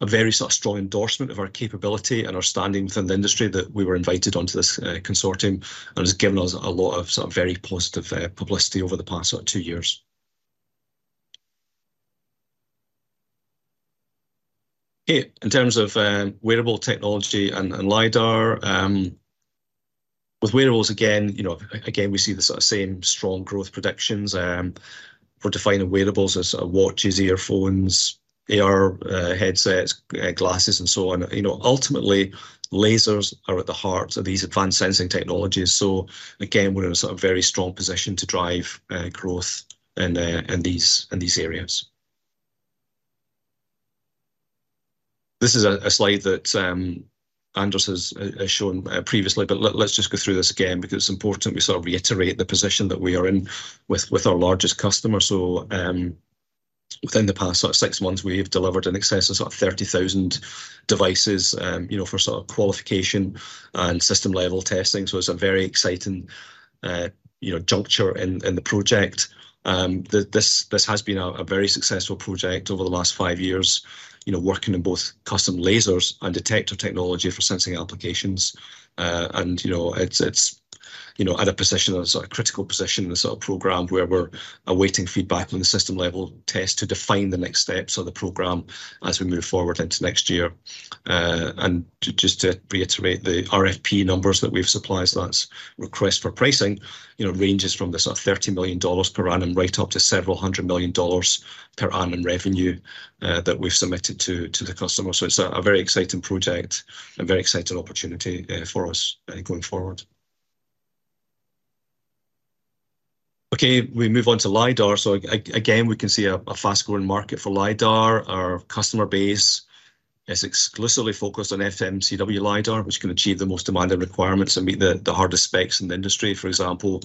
a very sort of strong endorsement of our capability and our standing within the industry, that we were invited onto this consortium, and it's given us a lot of sort of very positive publicity over the past, sort of two years. Okay, in terms of wearable technology and LiDAR, with wearables, again, you know, again, we see the sort of same strong growth predictions. We're defining wearables as watches, earphones, AR headsets, glasses, and so on. You know, ultimately, lasers are at the heart of these advanced sensing technologies. So again, we're in a sort of very strong position to drive growth in these areas. This is a slide that Anders has shown previously, but let's just go through this again because it's important we sort of reiterate the position that we are in with our largest customer. So, within the past six months, we've delivered in excess of 30,000 devices, you know, for qualification and system-level testing. So it's a very exciting, you know, juncture in the project. This has been a very successful project over the last five years, you know, working on both custom lasers and detector technology for sensing applications. And, you know, it's, you know, at a position of sort of critical position in the program where we're awaiting feedback on the system-level test to define the next steps of the program as we move forward into next year. And just to reiterate, the RFP numbers that we've supplied, so that's request for pricing, you know, ranges from the sort of $30 million per annum right up to several hundred million per annum revenue, that we've submitted to the customer. So it's a very exciting project and a very exciting opportunity for us going forward. Okay, we move on to LiDAR. So again, we can see a fast-growing market for LiDAR. Our customer base is exclusively focused on FMCW LiDAR, which can achieve the most demanding requirements and meet the hardest specs in the industry. For example,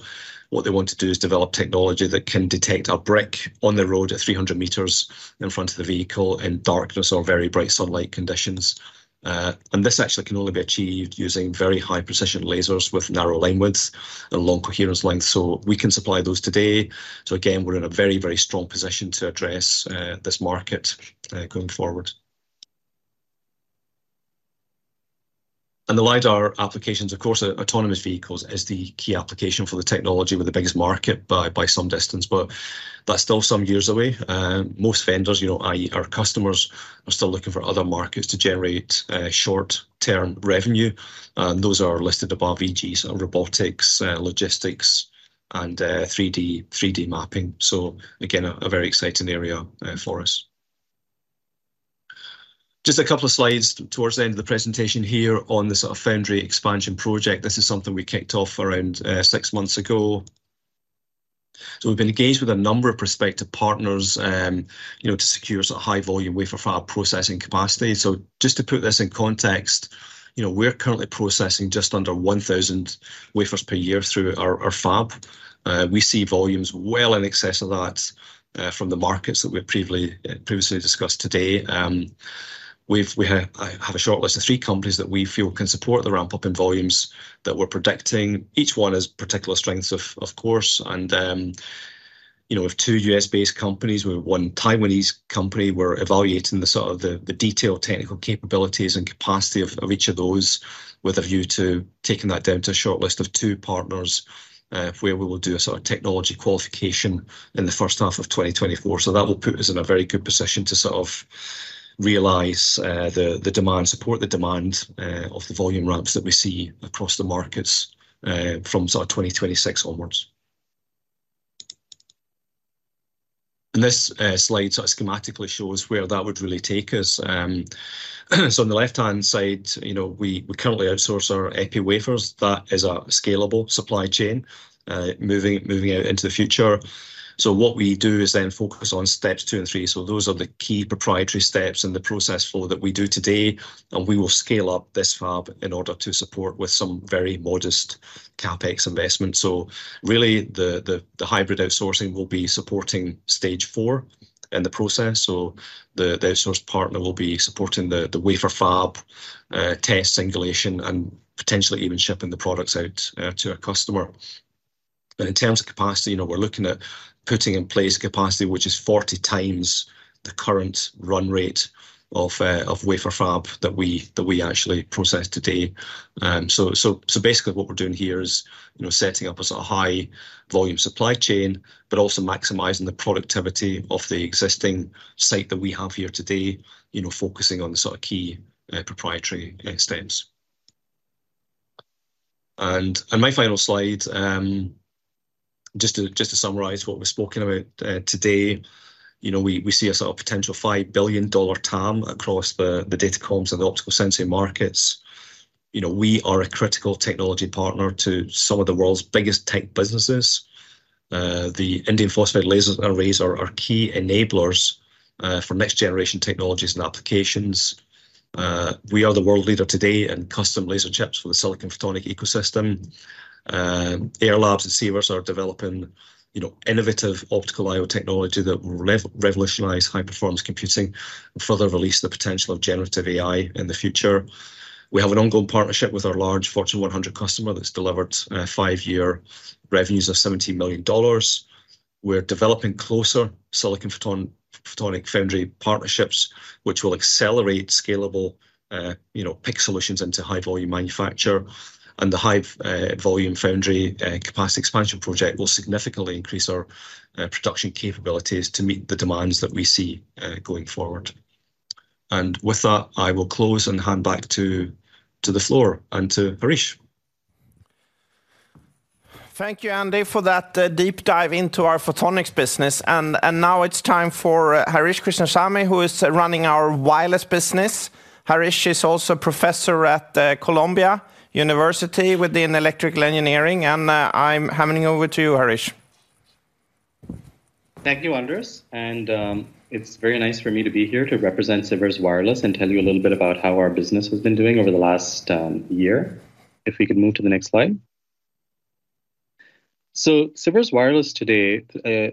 what they want to do is develop technology that can detect a brick on the road at 300 meters in front of the vehicle in darkness or very bright sunlight conditions. And this actually can only be achieved using very high-precision lasers with narrow linewidths and long coherence length. So we can supply those today, so again, we're in a very, very strong position to address this market going forward. The LiDAR applications, of course, autonomous vehicles is the key application for the technology with the biggest market by some distance, but that's still some years away. Most vendors, you know, i.e., our customers, are still looking for other markets to generate short-term revenue, and those are listed above, e.g., sort of robotics, logistics, and 3D mapping. So again, a very exciting area for us. Just a couple of slides towards the end of the presentation here on the sort of foundry expansion project. This is something we kicked off around six months ago. So we've been engaged with a number of prospective partners, you know, to secure sort of high-volume wafer fab processing capacity. So just to put this in context, you know, we're currently processing just under 1,000 wafers per year through our fab. We see volumes well in excess of that, from the markets that we've previously discussed today. We have a shortlist of three companies that we feel can support the ramp-up in volumes that we're predicting. Each one has particular strengths, of course, and, you know, we have two US-based companies. We have one Taiwanese company. We're evaluating the detailed technical capabilities and capacity of each of those, with a view to taking that down to a shortlist of two partners, where we will do a sort of technology qualification in the first half of 2024. So that will put us in a very good position to sort of realize the demand, support the demand of the volume ramps that we see across the markets, from sort of 2026 onwards. This slide sort of schematically shows where that would really take us. So on the left-hand side, you know, we currently outsource our epi wafers. That is our scalable supply chain, moving out into the future. So what we do is then focus on steps two and three. So those are the key proprietary steps in the process flow that we do today, and we will scale up this fab in order to support with some very modest CapEx investment. So really, the hybrid outsourcing will be supporting stage four in the process. So the outsource partner will be supporting the wafer fab, test singulation, and potentially even shipping the products out to our customer. In terms of capacity, you know, we're looking at putting in place a capacity which is 40 times the current run rate of wafer fab that we actually process today. Basically what we're doing here is, you know, setting up a sort of high-volume supply chain, but also maximizing the productivity of the existing site that we have here today, you know, focusing on the sort of key, proprietary steps. My final slide, just to summarize what we've spoken about today. You know, we see a sort of potential $5 billion TAM across the datacomms and the optical sensing markets. You know, we are a critical technology partner to some of the world's biggest tech businesses. The Indium Phosphide laser arrays are key enablers for next-generation technologies and applications. We are the world leader today in custom laser chips for the silicon photonics ecosystem. Ayar Labs and Sivers are developing, you know, innovative optical I/O technology that will revolutionize high-performance computing and further release the potential of generative AI in the future. We have an ongoing partnership with our large Fortune 100 customer that's delivered five-year revenues of $17 million. We're developing closer silicon photonic foundry partnerships, which will accelerate scalable, you know, PIC solutions into high-volume manufacture. And the high-volume foundry capacity expansion project will significantly increase our production capabilities to meet the demands that we see going forward. And with that, I will close and hand back to the floor and to Harish. Thank you, Andy, for that deep dive into our photonics business. And now it's time for Harish Krishnaswamy, who is running our wireless business. Harish is also a professor at Columbia University within electrical engineering, and I'm handing over to you, Harish. Thank you, Anders, and it's very nice for me to be here to represent Sivers Wireless and tell you a little bit about how our business has been doing over the last year. If we could move to the next slide. Sivers Wireless today,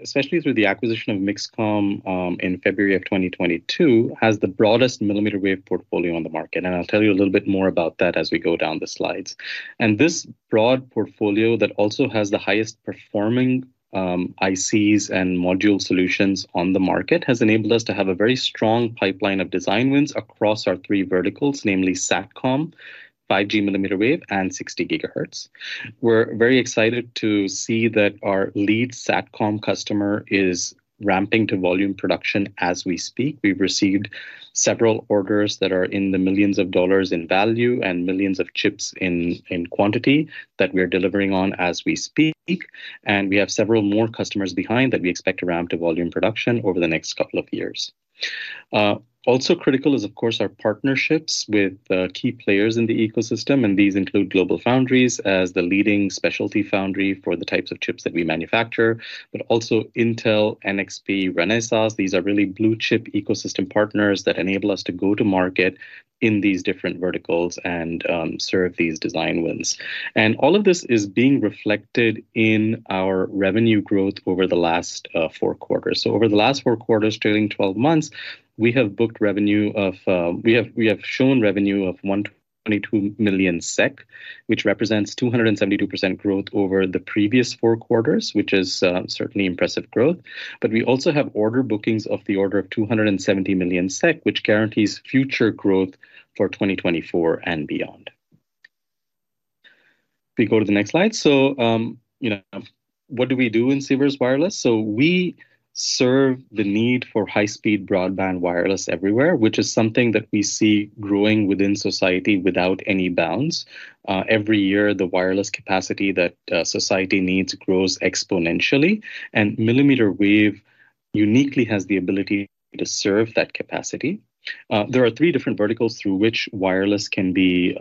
especially through the acquisition of MixComm in February of 2022, has the broadest millimeter wave portfolio on the market, and I'll tell you a little bit more about that as we go down the slides. This broad portfolio that also has the highest performing ICs and module solutions on the market has enabled us to have a very strong pipeline of design wins across our three verticals, namely Satcom, 5G mmWave, and 60 GHz. We're very excited to see that our lead Satcom customer is ramping to volume production as we speak. We've received several orders that are in the millions of dollars in value and millions of chips in quantity, that we are delivering on as we speak, and we have several more customers behind that we expect to ramp to volume production over the next couple of years. Also critical is, of course, our partnerships with key players in the ecosystem, and these include GlobalFoundries as the leading specialty foundry for the types of chips that we manufacture, but also Intel, NXP, Renesas. These are really blue-chip ecosystem partners that enable us to go to market in these different verticals and serve these design wins. And all of this is being reflected in our revenue growth over the last four quarters. So over the last four quarters, trailing twelve months, we have booked revenue of... We have shown revenue of 122 million SEK, which represents 272% growth over the previous four quarters, which is certainly impressive growth. But we also have order bookings of the order of 270 million SEK, which guarantees future growth for 2024 and beyond. We go to the next slide. So, you know, what do we do in Sivers Wireless? So we serve the need for high-speed broadband wireless everywhere, which is something that we see growing within society without any bounds. Every year, the wireless capacity that society needs grows exponentially, and millimeter wave uniquely has the ability to serve that capacity. There are three different verticals through which wireless can be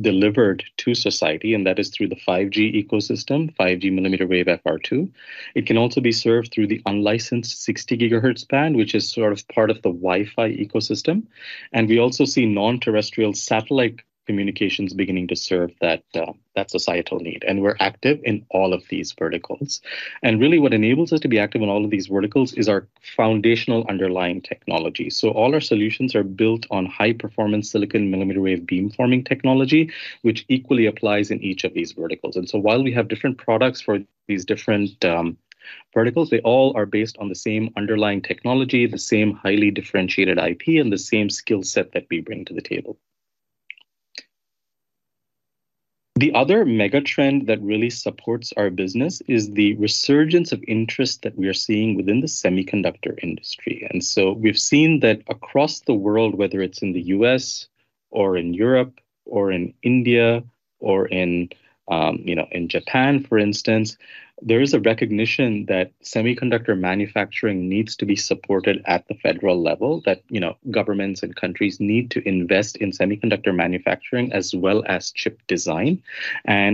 delivered to society, and that is through the 5G ecosystem, 5G mmWave FR2. It can also be served through the unlicensed 60 GHz band, which is sort of part of the Wi-Fi ecosystem. We also see non-terrestrial satellite communications beginning to serve that societal need, and we're active in all of these verticals. Really, what enables us to be active in all of these verticals is our foundational underlying technology. All our solutions are built on high-performance silicon millimeter wave beamforming technology, which equally applies in each of these verticals. While we have different products for these different verticals, they all are based on the same underlying technology, the same highly differentiated IP, and the same skill set that we bring to the table. The other mega trend that really supports our business is the resurgence of interest that we are seeing within the semiconductor industry. We've seen that across the world, whether it's in the U.S. or in Europe, or in India, or in, you know, in Japan, for instance, there is a recognition that semiconductor manufacturing needs to be supported at the federal level, that, you know, governments and countries need to invest in semiconductor manufacturing as well as chip design.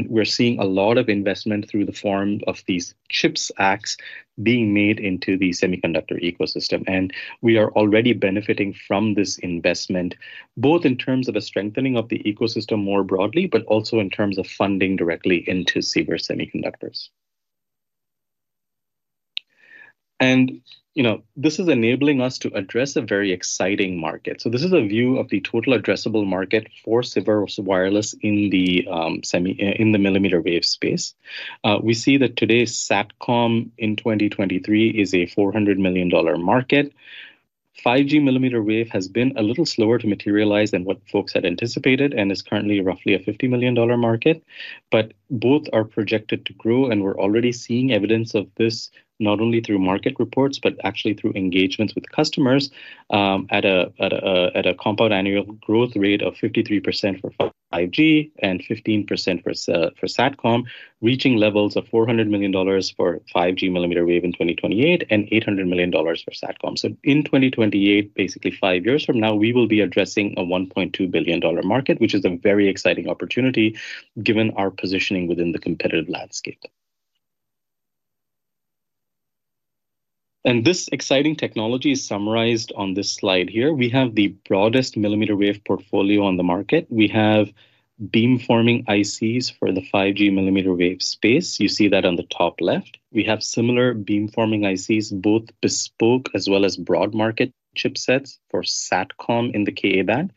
We're seeing a lot of investment through the form of these CHIPS Acts being made into the semiconductor ecosystem. We are already benefiting from this investment, both in terms of a strengthening of the ecosystem more broadly, but also in terms of funding directly into Sivers Semiconductors. You know, this is enabling us to address a very exciting market. This is a view of the total addressable market for Sivers Wireless in the millimeter wave space. We see that today's Satcom in 2023 is a $400 million market. 5G millimeter wave has been a little slower to materialize than what folks had anticipated and is currently roughly a $50 million market. Both are projected to grow, and we're already seeing evidence of this, not only through market reports, but actually through engagements with customers, at a compound annual growth rate of 53% for 5G and 15% for Satcom, reaching levels of $400 million for 5G mmWave in 2028, and $800 million for Satcom. In 2028, basically five years from now, we will be addressing a $1.2 billion market, which is a very exciting opportunity, given our positioning within the competitive landscape. This exciting technology is summarized on this slide here. We have the broadest millimeter wave portfolio on the market. We have beamforming ICs for the 5G mmWave space. You see that on the top left. We have similar beamforming ICs, both bespoke as well as broad market chipsets for Satcom in the Ka-band.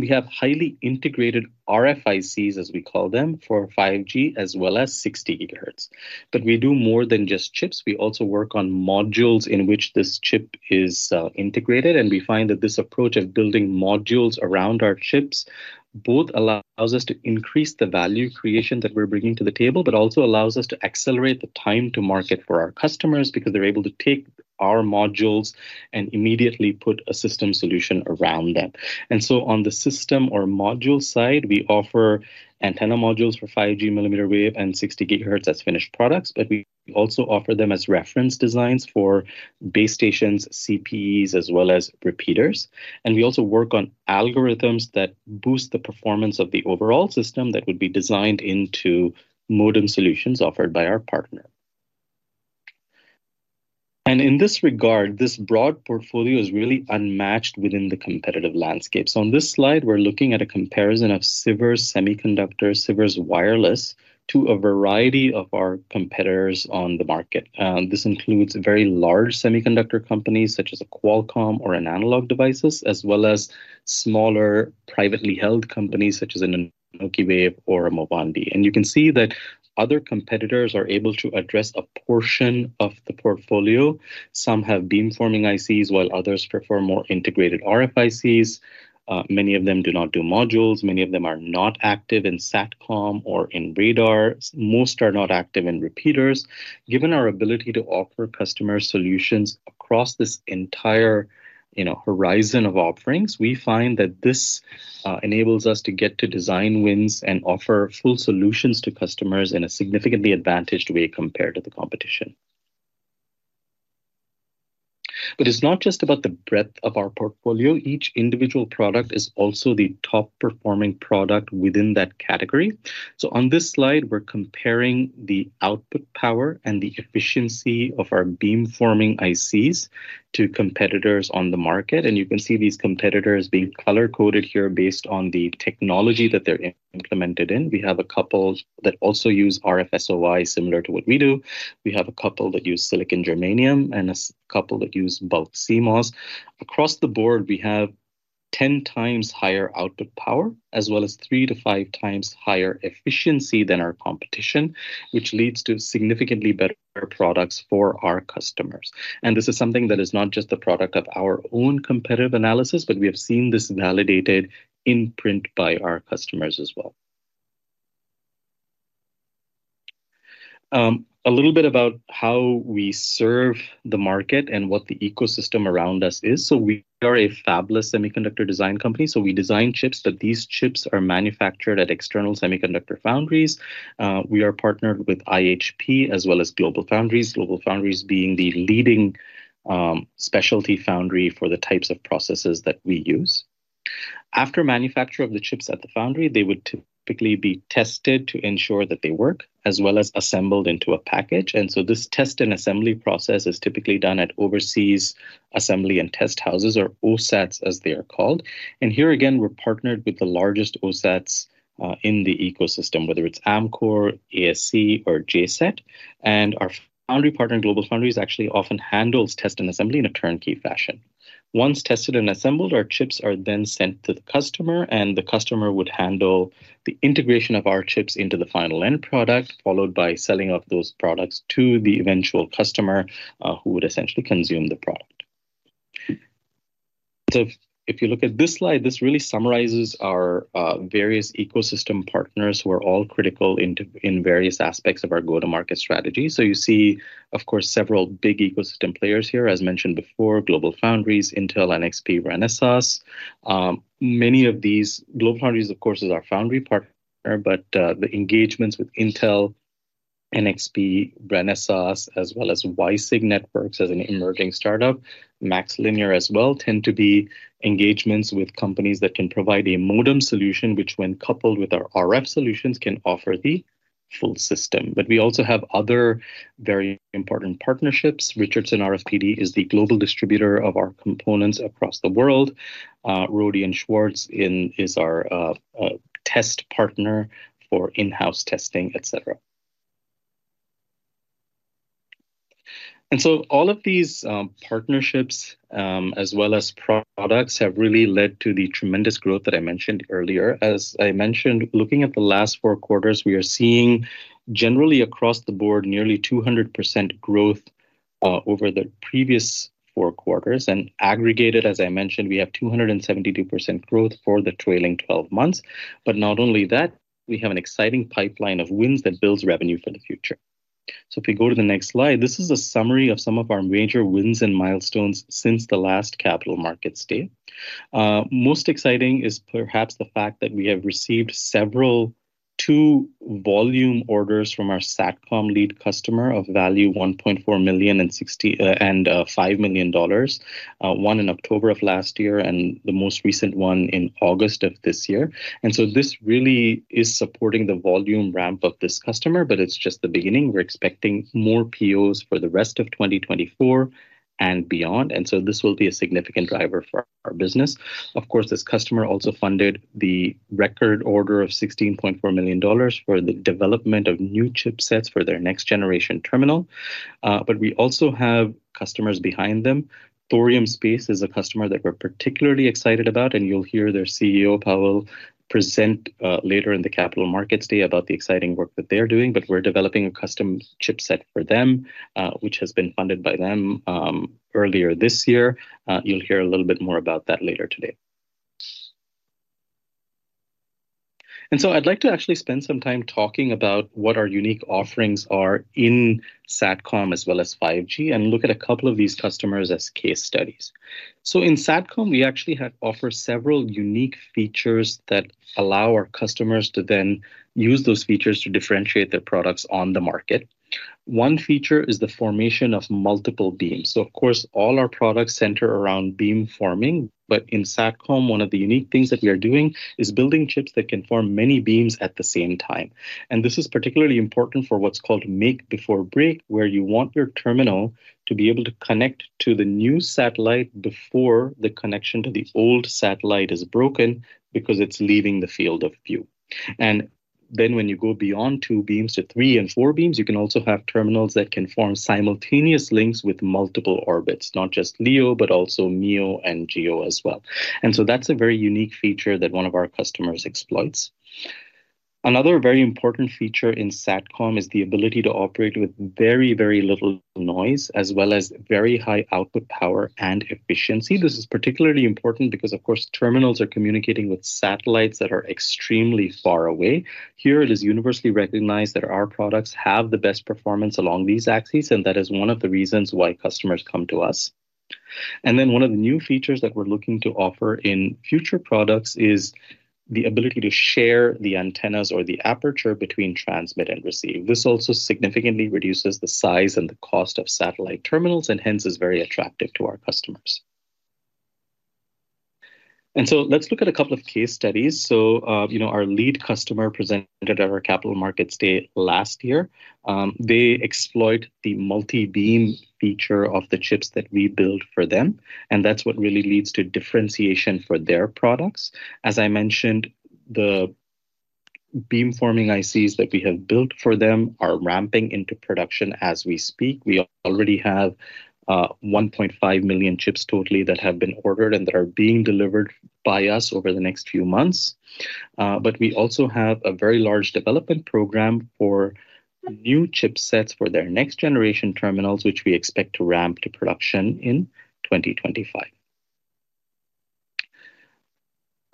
We have highly integrated RFICs, as we call them, for 5G as well as 60 GHz. We do more than just chips, we also work on modules in which this chip is integrated, and we find that this approach of building modules around our chips both allows us to increase the value creation that we're bringing to the table, but also allows us to accelerate the time to market for our customers because they're able to take our modules and immediately put a system solution around them. And so on the system or module side, we offer antenna modules for 5G mmWave and 60 GHz as finished products, but we also offer them as reference designs for base stations, CPEs, as well as repeaters. And we also work on algorithms that boost the performance of the overall system that would be designed into modem solutions offered by our partner. And in this regard, this broad portfolio is really unmatched within the competitive landscape. So on this slide, we're looking at a comparison of Sivers Semiconductors, Sivers Wireless, to a variety of our competitors on the market. This includes very large semiconductor companies such as a Qualcomm or an Analog Devices, as well as smaller, privately held companies such as an Anokiwave or a Movandi. And you can see that other competitors are able to address a portion of the portfolio. Some have beamforming ICs, while others prefer more integrated RFICs. Many of them do not do modules, many of them are not active in Satcom or in radar. Most are not active in repeaters. Given our ability to offer customer solutions across this entire, you know, horizon of offerings, we find that this enables us to get to design wins and offer full solutions to customers in a significantly advantaged way compared to the competition. But it's not just about the breadth of our portfolio, each individual product is also the top-performing product within that category. So on this slide, we're comparing the output power and the efficiency of our beamforming ICs to competitors on the market, and you can see these competitors being color-coded here based on the technology that they're implemented in. We have a couple that also use RF-SOI, similar to what we do. We have a couple that use silicon germanium, and a couple that use bulk CMOS. Across the board, we have 10 times higher output power, as well as 3-5 times higher efficiency than our competition, which leads to significantly better products for our customers. And this is something that is not just a product of our own competitive analysis, but we have seen this validated in print by our customers as well. A little bit about how we serve the market and what the ecosystem around us is. So we are a fabless semiconductor design company, so we design chips, but these chips are manufactured at external semiconductor foundries. We are partnered with IHP as well as GlobalFoundries. GlobalFoundries being the leading specialty foundry for the types of processes that we use. After manufacture of the chips at the foundry, they would typically be tested to ensure that they work, as well as assembled into a package. This test and assembly process is typically done at overseas assembly and test houses, or OSATs, as they are called. Here again, we're partnered with the largest OSATs in the ecosystem, whether it's Amkor, ASE or JCET. Our foundry partner, GlobalFoundries, actually often handles test and assembly in a turnkey fashion. Once tested and assembled, our chips are then sent to the customer, and the customer would handle the integration of our chips into the final end product, followed by selling off those products to the eventual customer, who would essentially consume the product.... So if you look at this slide, this really summarizes our various ecosystem partners who are all critical in various aspects of our go-to-market strategy. So you see, of course, several big ecosystem players here. As mentioned before, GlobalFoundries, Intel, NXP, Renesas. Many of these GlobalFoundries, of course, is our foundry partner, but the engagements with Intel, NXP, Renesas, as well as WiSig Networks as an emerging startup, MaxLinear as well, tend to be engagements with companies that can provide a modem solution, which when coupled with our RF solutions, can offer the full system. But we also have other very important partnerships. Richardson RFPD is the global distributor of our components across the world. Rohde & Schwarz is our test partner for in-house testing, et cetera. And so all of these, partnerships, as well as products, have really led to the tremendous growth that I mentioned earlier. As I mentioned, looking at the last four quarters, we are seeing generally across the board, nearly 200% growth over the previous four quarters, and aggregated, as I mentioned, we have 272% growth for the trailing 12 months. But not only that, we have an exciting pipeline of wins that builds revenue for the future. So if we go to the next slide, this is a summary of some of our major wins and milestones since the last Capital Markets Day. Most exciting is perhaps the fact that we have received several two volume orders from our Satcom lead customer of value $1.4 million and $6 million and $5 million. One in October of last year, and the most recent one in August of this year. And so this really is supporting the volume ramp of this customer, but it's just the beginning. We're expecting more POs for the rest of 2024 and beyond, and so this will be a significant driver for our business. Of course, this customer also funded the record order of $16.4 million for the development of new chipsets for their next generation terminal. But we also have customers behind them. Thorium Space is a customer that we're particularly excited about, and you'll hear their CEO, Pawel, present later in the Capital Markets Day about the exciting work that they're doing. But we're developing a custom chipset for them, which has been funded by them, earlier this year. You'll hear a little bit more about that later today. I’d like to actually spend some time talking about what our unique offerings are in Satcom as well as 5G, and look at a couple of these customers as case studies. In Satcom, we actually have offered several unique features that allow our customers to then use those features to differentiate their products on the market. One feature is the formation of multiple beams. Of course, all our products center around beam forming, but in Satcom, one of the unique things that we are doing is building chips that can form many beams at the same time. This is particularly important for what's called make before break, where you want your terminal to be able to connect to the new satellite before the connection to the old satellite is broken, because it's leaving the field of view. When you go beyond two beams to three and four beams, you can also have terminals that can form simultaneous links with multiple orbits, not just LEO, but also MEO and GEO as well. That's a very unique feature that one of our customers exploits. Another very important feature in Satcom is the ability to operate with very, very little noise, as well as very high output power and efficiency. This is particularly important because, of course, terminals are communicating with satellites that are extremely far away. Here, it is universally recognized that our products have the best performance along these axes, and that is one of the reasons why customers come to us. And then, one of the new features that we're looking to offer in future products is the ability to share the antennas or the aperture between transmit and receive. This also significantly reduces the size and the cost of satellite terminals, and hence is very attractive to our customers. And so let's look at a couple of case studies. So, you know, our lead customer presented at our Capital Markets Day last year. They exploit the multi-beam feature of the chips that we build for them, and that's what really leads to differentiation for their products. As I mentioned, the beam forming ICs that we have built for them are ramping into production as we speak. We already have, 1.5 million chips totally that have been ordered and that are being delivered by us over the next few months. But we also have a very large development program for new chipsets for their next generation terminals, which we expect to ramp to production in 2025.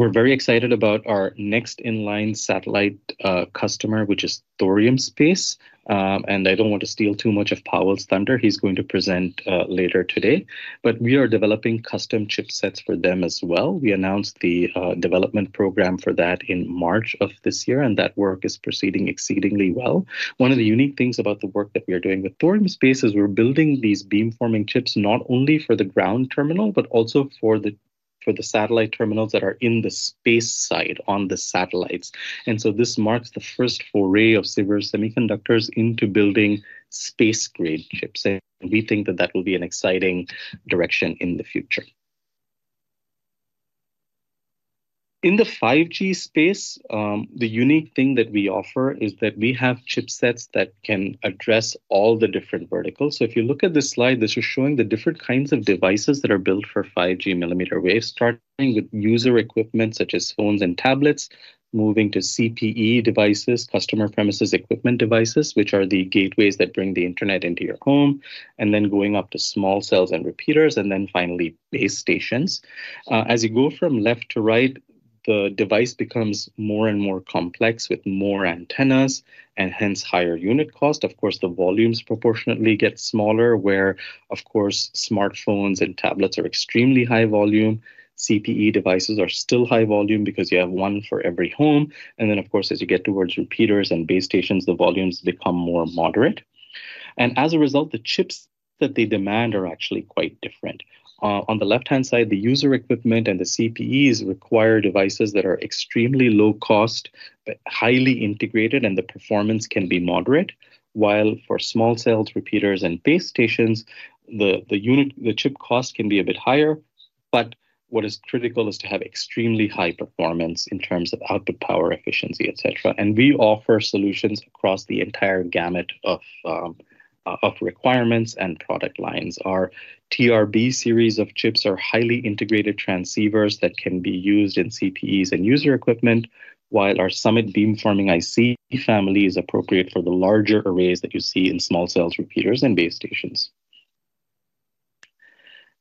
We're very excited about our next in-line satellite, customer, which is Thorium Space. And I don't want to steal too much of Pawel's thunder. He's going to present, later today. But we are developing custom chipsets for them as well. We announced the, development program for that in March of this year, and that work is proceeding exceedingly well. One of the unique things about the work that we are doing with Thorium Space is we're building these beamforming chips not only for the ground terminal, but also for the satellite terminals that are in the space side on the satellites. So this marks the first foray of Sivers Semiconductors into building space-grade chips, and we think that that will be an exciting direction in the future. In the 5G space, the unique thing that we offer is that we have chipsets that can address all the different verticals. So if you look at this slide, this is showing the different kinds of devices that are built for 5G mmWave. Starting with user equipment, such as phones and tablets, moving to CPE devices, customer premises equipment devices, which are the gateways that bring the internet into your home, and then going up to small cells and repeaters, and then finally, base stations. As you go from left to right, the device becomes more and more complex with more antennas and hence higher unit cost. Of course, the volumes proportionately get smaller, where of course, smartphones and tablets are extremely high volume. CPE devices are still high volume because you have one for every home, and then, of course, as you get towards repeaters and base stations, the volumes become more moderate. And as a result, the chips that they demand are actually quite different. On the left-hand side, the user equipment and the CPEs require devices that are extremely low cost, but highly integrated, and the performance can be moderate. While for small cells, repeaters, and base stations, the chip cost can be a bit higher, but what is critical is to have extremely high performance in terms of output, power, efficiency, et cetera. We offer solutions across the entire gamut of requirements and product lines. Our TRB Series of chips are highly integrated transceivers that can be used in CPEs and user equipment, while our Summit beamforming IC family is appropriate for the larger arrays that you see in small cells, repeaters, and base stations.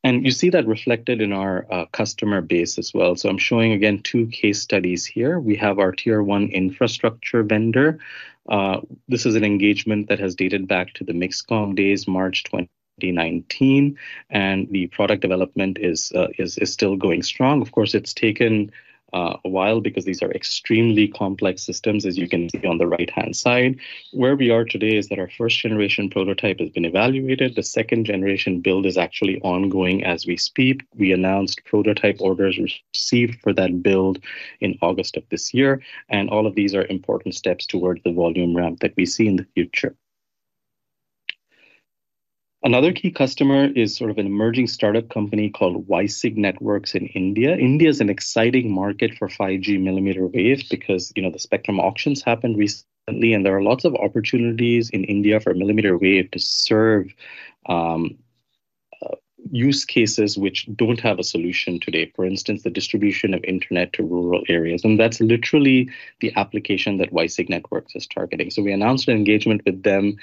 You see that reflected in our customer base as well. I'm showing, again, two case studies here. We have our Tier 1 infrastructure vendor. This is an engagement that has dated back to the MixCom days, March 2019, and the product development is, is still going strong. Of course, it's taken a while because these are extremely complex systems, as you can see on the right-hand side. Where we are today is that our first-generation prototype has been evaluated. The second-generation build is actually ongoing as we speak. We announced prototype orders received for that build in August of this year, and all of these are important steps towards the volume ramp that we see in the future. Another key customer is sort of an emerging startup company called WiSig Networks in India. India is an exciting market for 5G mmWave because, you know, the spectrum auctions happened recently, and there are lots of opportunities in India for millimeter wave to serve, you know, use cases which don't have a solution today. For instance, the distribution of internet to rural areas, and that's literally the application that WiSig Networks is targeting. We announced an engagement with them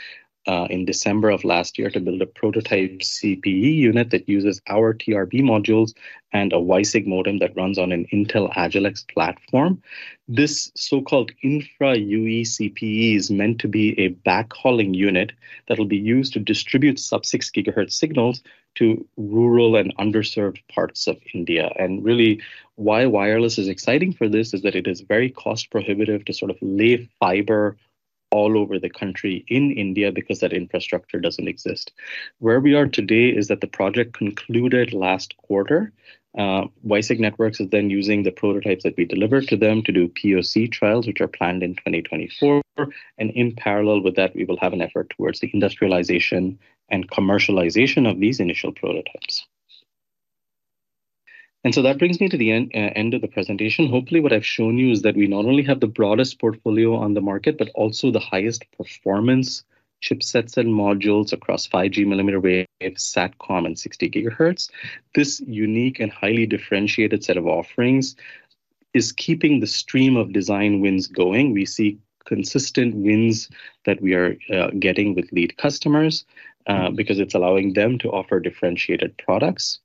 in December of last year to build a prototype CPE unit that uses our TRB modules and a WiSig modem that runs on an Intel Agilex platform. This so-called infra UE CPE is meant to be a backhauling unit that will be used to distribute sub-6 GHz signals to rural and underserved parts of India. And really, why wireless is exciting for this, is that it is very cost prohibitive to sort of lay fiber all over the country in India because that infrastructure doesn't exist. Where we are today is that the project concluded last quarter. WiSig Networks is then using the prototypes that we delivered to them to do POC trials, which are planned in 2024, and in parallel with that, we will have an effort towards the industrialization and commercialization of these initial prototypes. And so that brings me to the end of the presentation. Hopefully, what I've shown you is that we not only have the broadest portfolio on the market, but also the highest performance chipsets and modules across 5G mmWave, Satcom, and 60 GHz. This unique and highly differentiated set of offerings is keeping the stream of design wins going. We see consistent wins that we are getting with lead customers because it's allowing them to offer differentiated products.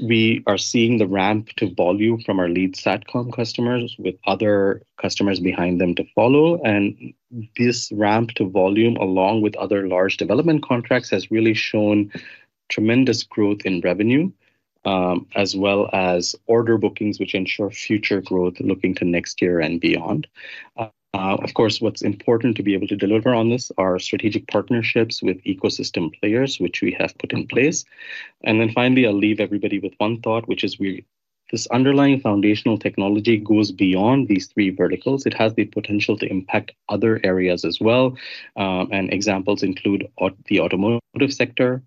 We are seeing the ramp to volume from our lead Satcom customers, with other customers behind them to follow, and this ramp to volume, along with other large development contracts, has really shown tremendous growth in revenue, as well as order bookings, which ensure future growth looking to next year and beyond. Of course, what's important to be able to deliver on this are strategic partnerships with ecosystem players, which we have put in place. And then finally, I'll leave everybody with one thought, which is we—this underlying foundational technology goes beyond these three verticals. It has the potential to impact other areas as well, and examples include aut... The automotive sector,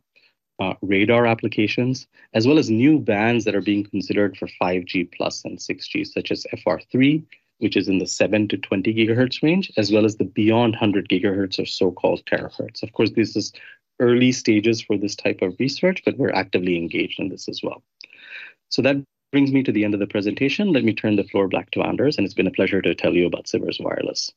radar applications, as well as new bands that are being considered for 5G plus and 6G, such as FR3, which is in the 7-20 GHz range, as well as the beyond 100 GHz or so-called terahertz. Of course, this is early stages for this type of research, but we're actively engaged in this as well. So that brings me to the end of the presentation. Let me turn the floor back to Anders, and it's been a pleasure to tell you about Sivers Wireless.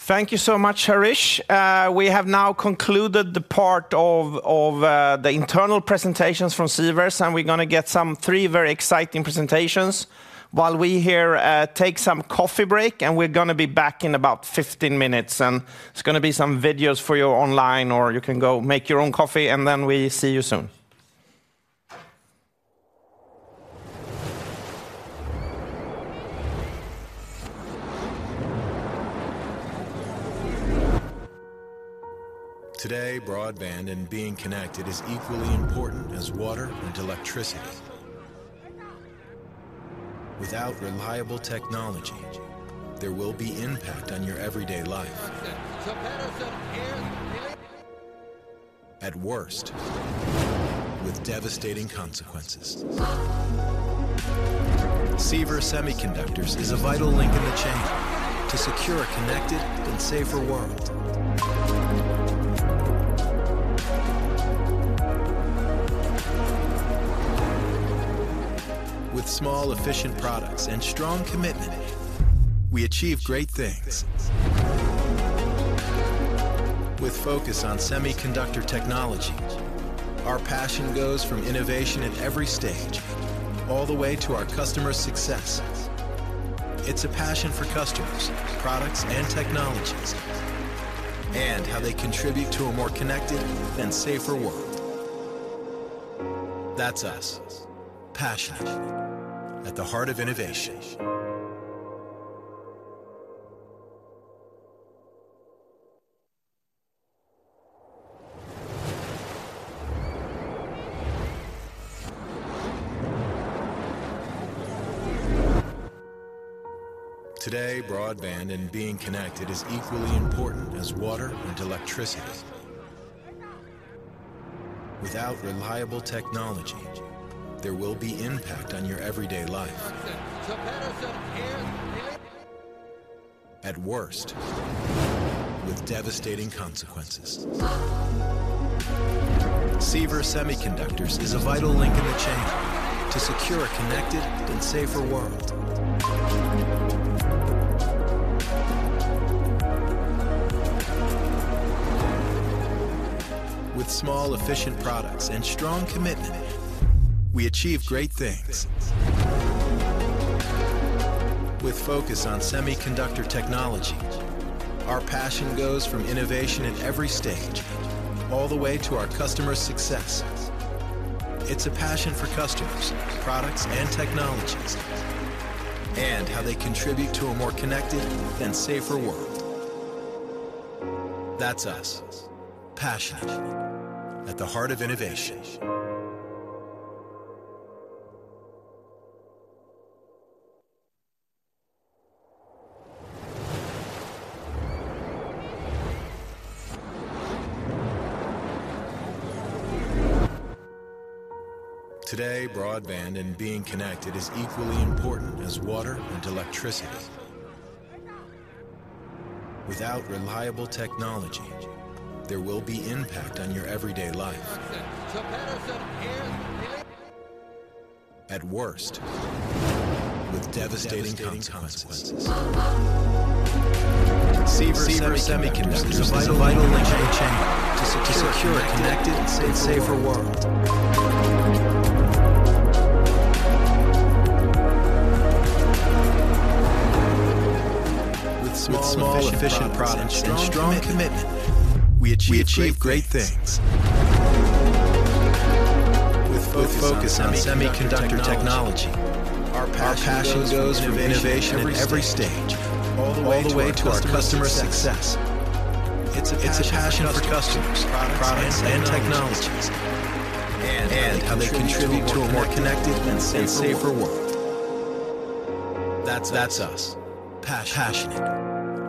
Thank you so much, Harish. We have now concluded the part of the internal presentations from Sivers, and we're gonna get some three very exciting presentations while we here take some coffee break, and we're gonna be back in about 15 minutes. It's gonna be some videos for you online, or you can go make your own coffee, and then we see you soon. Today, broadband and being connected is equally important as water and electricity. Without reliable technology, there will be impact on your everyday life. So Patterson can't leave- At worst, with devastating consequences. Sivers Semiconductors is a vital link in the chain to secure a connected and safer world. With small, efficient products and strong commitment, we achieve great things. With focus on semiconductor technology, our passion goes from innovation at every stage, all the way to our customers' success. It's a passion for customers, products, and technologies, and how they contribute to a more connected and safer world. That's us, passionate at the heart of innovation. Today, broadband and being connected is equally important as water and electricity. Without reliable technology, there will be impact on your everyday life. At worst, with devastating consequences. Sivers Semiconductors is a vital link in the chain to secure a connected and safer world. With small, efficient products and strong commitment, we achieve great things. With focus on semiconductor technology, our passion goes from innovation at every stage, all the way to our customers' success. It's a passion for customers, products, and technologies, and how they contribute to a more connected and safer world. That's us, passionate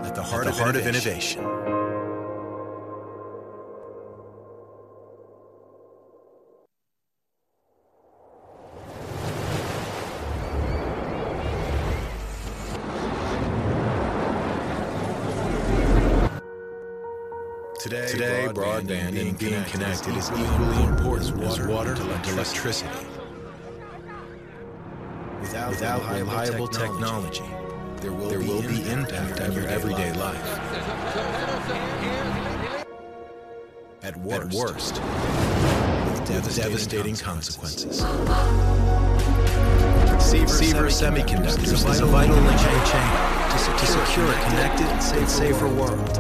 at the heart of innovation. Today, broadband and being connected is equally important as water and electricity. Without reliable technology, there will be impact on your everyday life. At worst, with devastating consequences. Sivers Semiconductors is a vital link in the chain to secure a connected and safer world.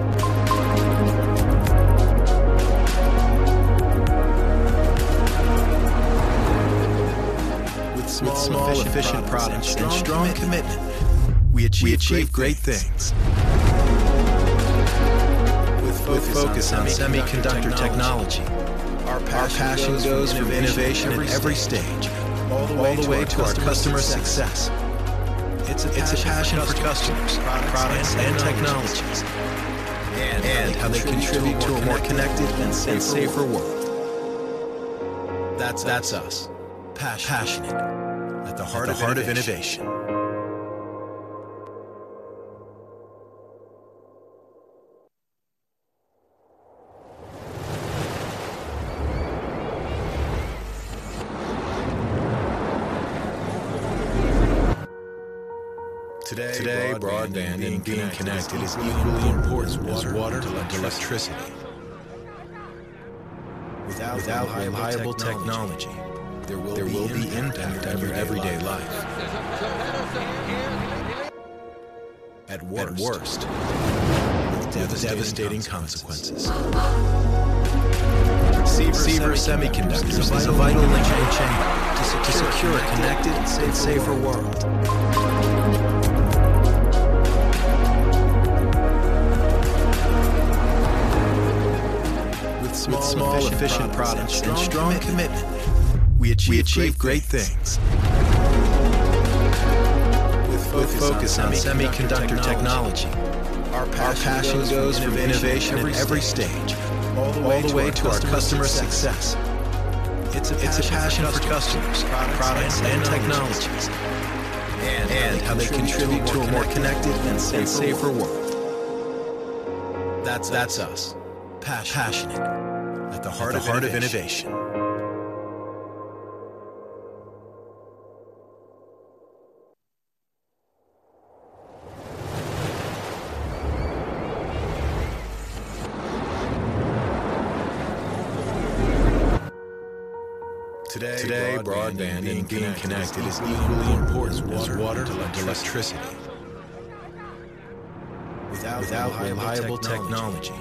With small, efficient products and strong commitment, we achieve great things. With focus on semiconductor technology, our passion goes from innovation at every stage, all the way to our customers' success. It's a passion for customers, products, and technologies, and how they contribute to a more connected and safer world. That's us, passionate at the heart of innovation. Today, broadband and being connected is equally important as water and electricity. Without reliable technology,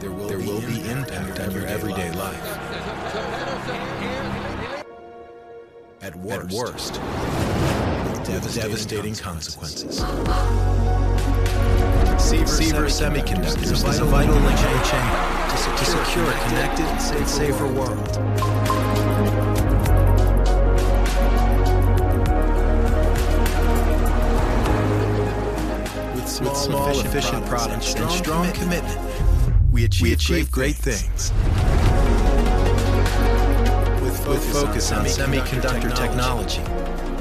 there will be impact on your everyday life. At worst, with devastating consequences. Sivers Semiconductors is a vital link in the chain to secure a connected and safer world. With small, efficient products and strong commitment, we achieve great things. With focus on semiconductor technology,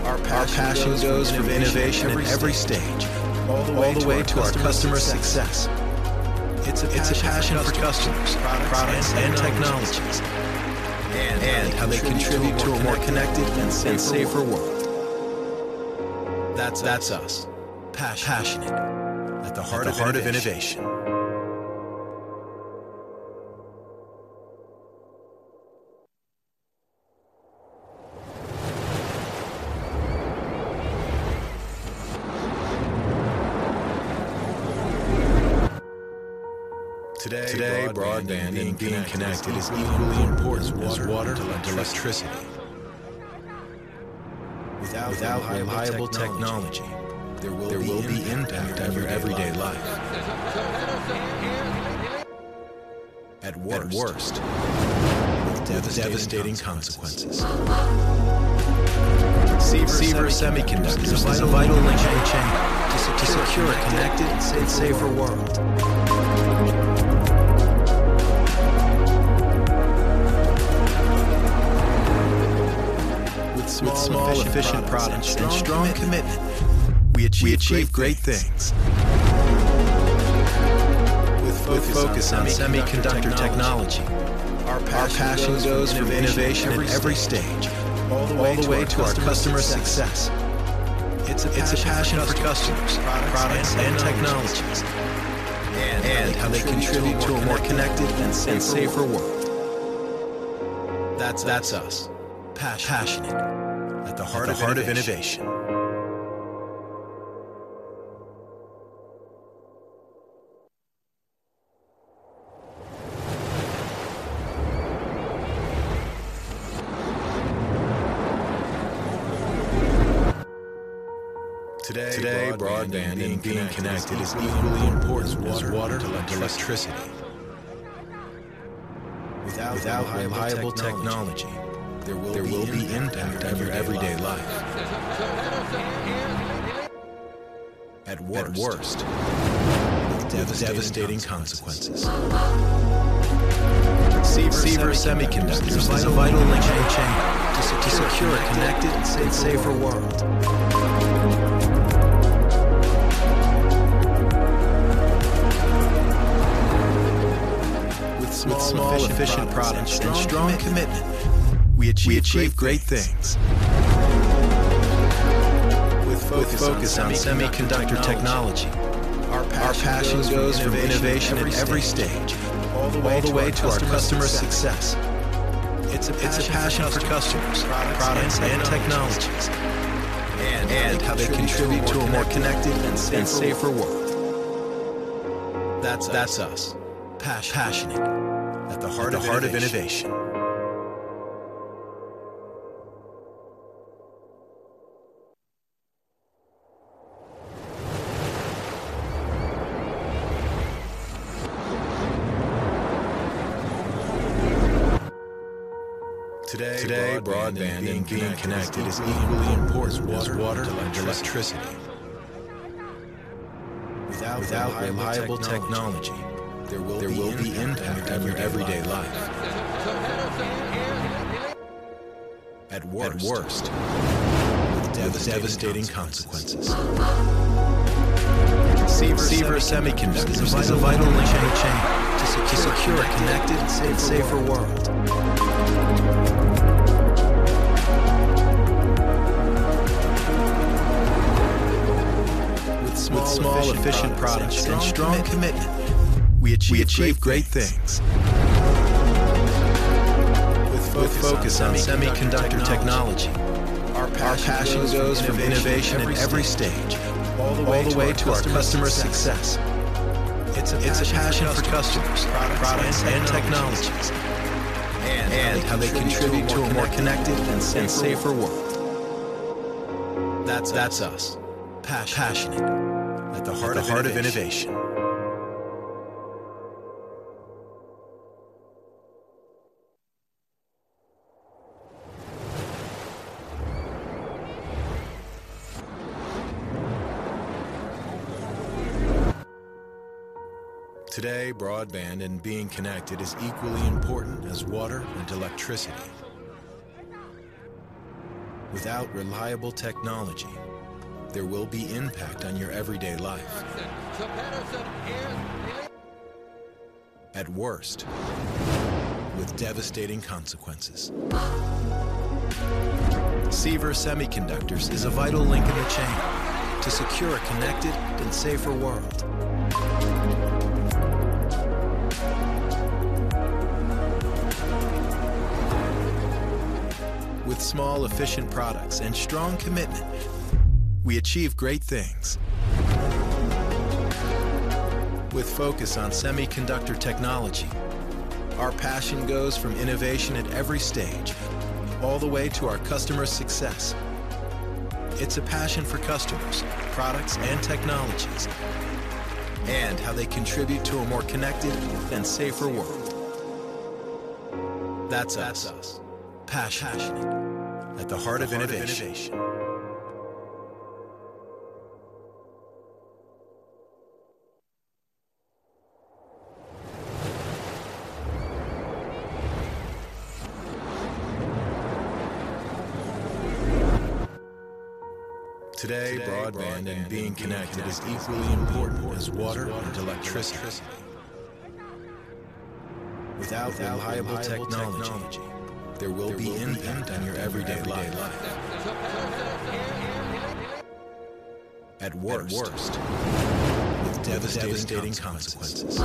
our passion goes from innovation at every stage, all the way to our customers' success. It's a passion for customers, products, and technologies, and With small, efficient products and strong commitment, we achieve great things. With focus on semiconductor technology, our passion goes from innovation at every stage, all the way to our customer success. It's a passion for customers, products, and technologies, and how they contribute to a more connected and safer world. That's us, passionate at the heart of innovation. Today, broadband and being connected is equally important as water and electricity. Without reliable technology, there will be impact on your everyday life. At worst, with devastating consequences. Sivers Semiconductors is a vital link in the chain to secure a connected and safer world. With small, efficient products and strong commitment, we achieve great things. With focus on semiconductor technology, our passion goes from innovation at every stage, all the way to our customer success. It's a passion for customers, products, and technologies, and how they contribute to a more connected and safer world. That's us, passionate at the heart of innovation. Today, broadband and being connected is equally important as water and electricity. Without reliable technology, there will be impact on your everyday life. At worst, with devastating consequences. Sivers Semiconductors is a vital link in the chain to secure a connected and safer world. With small, efficient products and strong commitment, we achieve great things. With focus on semiconductor technology, our passion goes from innovation at every stage, all the way to our customer success. It's a passion for customers, products, and technologies, and how they contribute to a more connected and safer world. That's us, passionate at the heart of innovation. Today, broadband and being connected is equally important as water and electricity. Without reliable technology, there will be impact on your everyday life. At worst, with devastating consequences.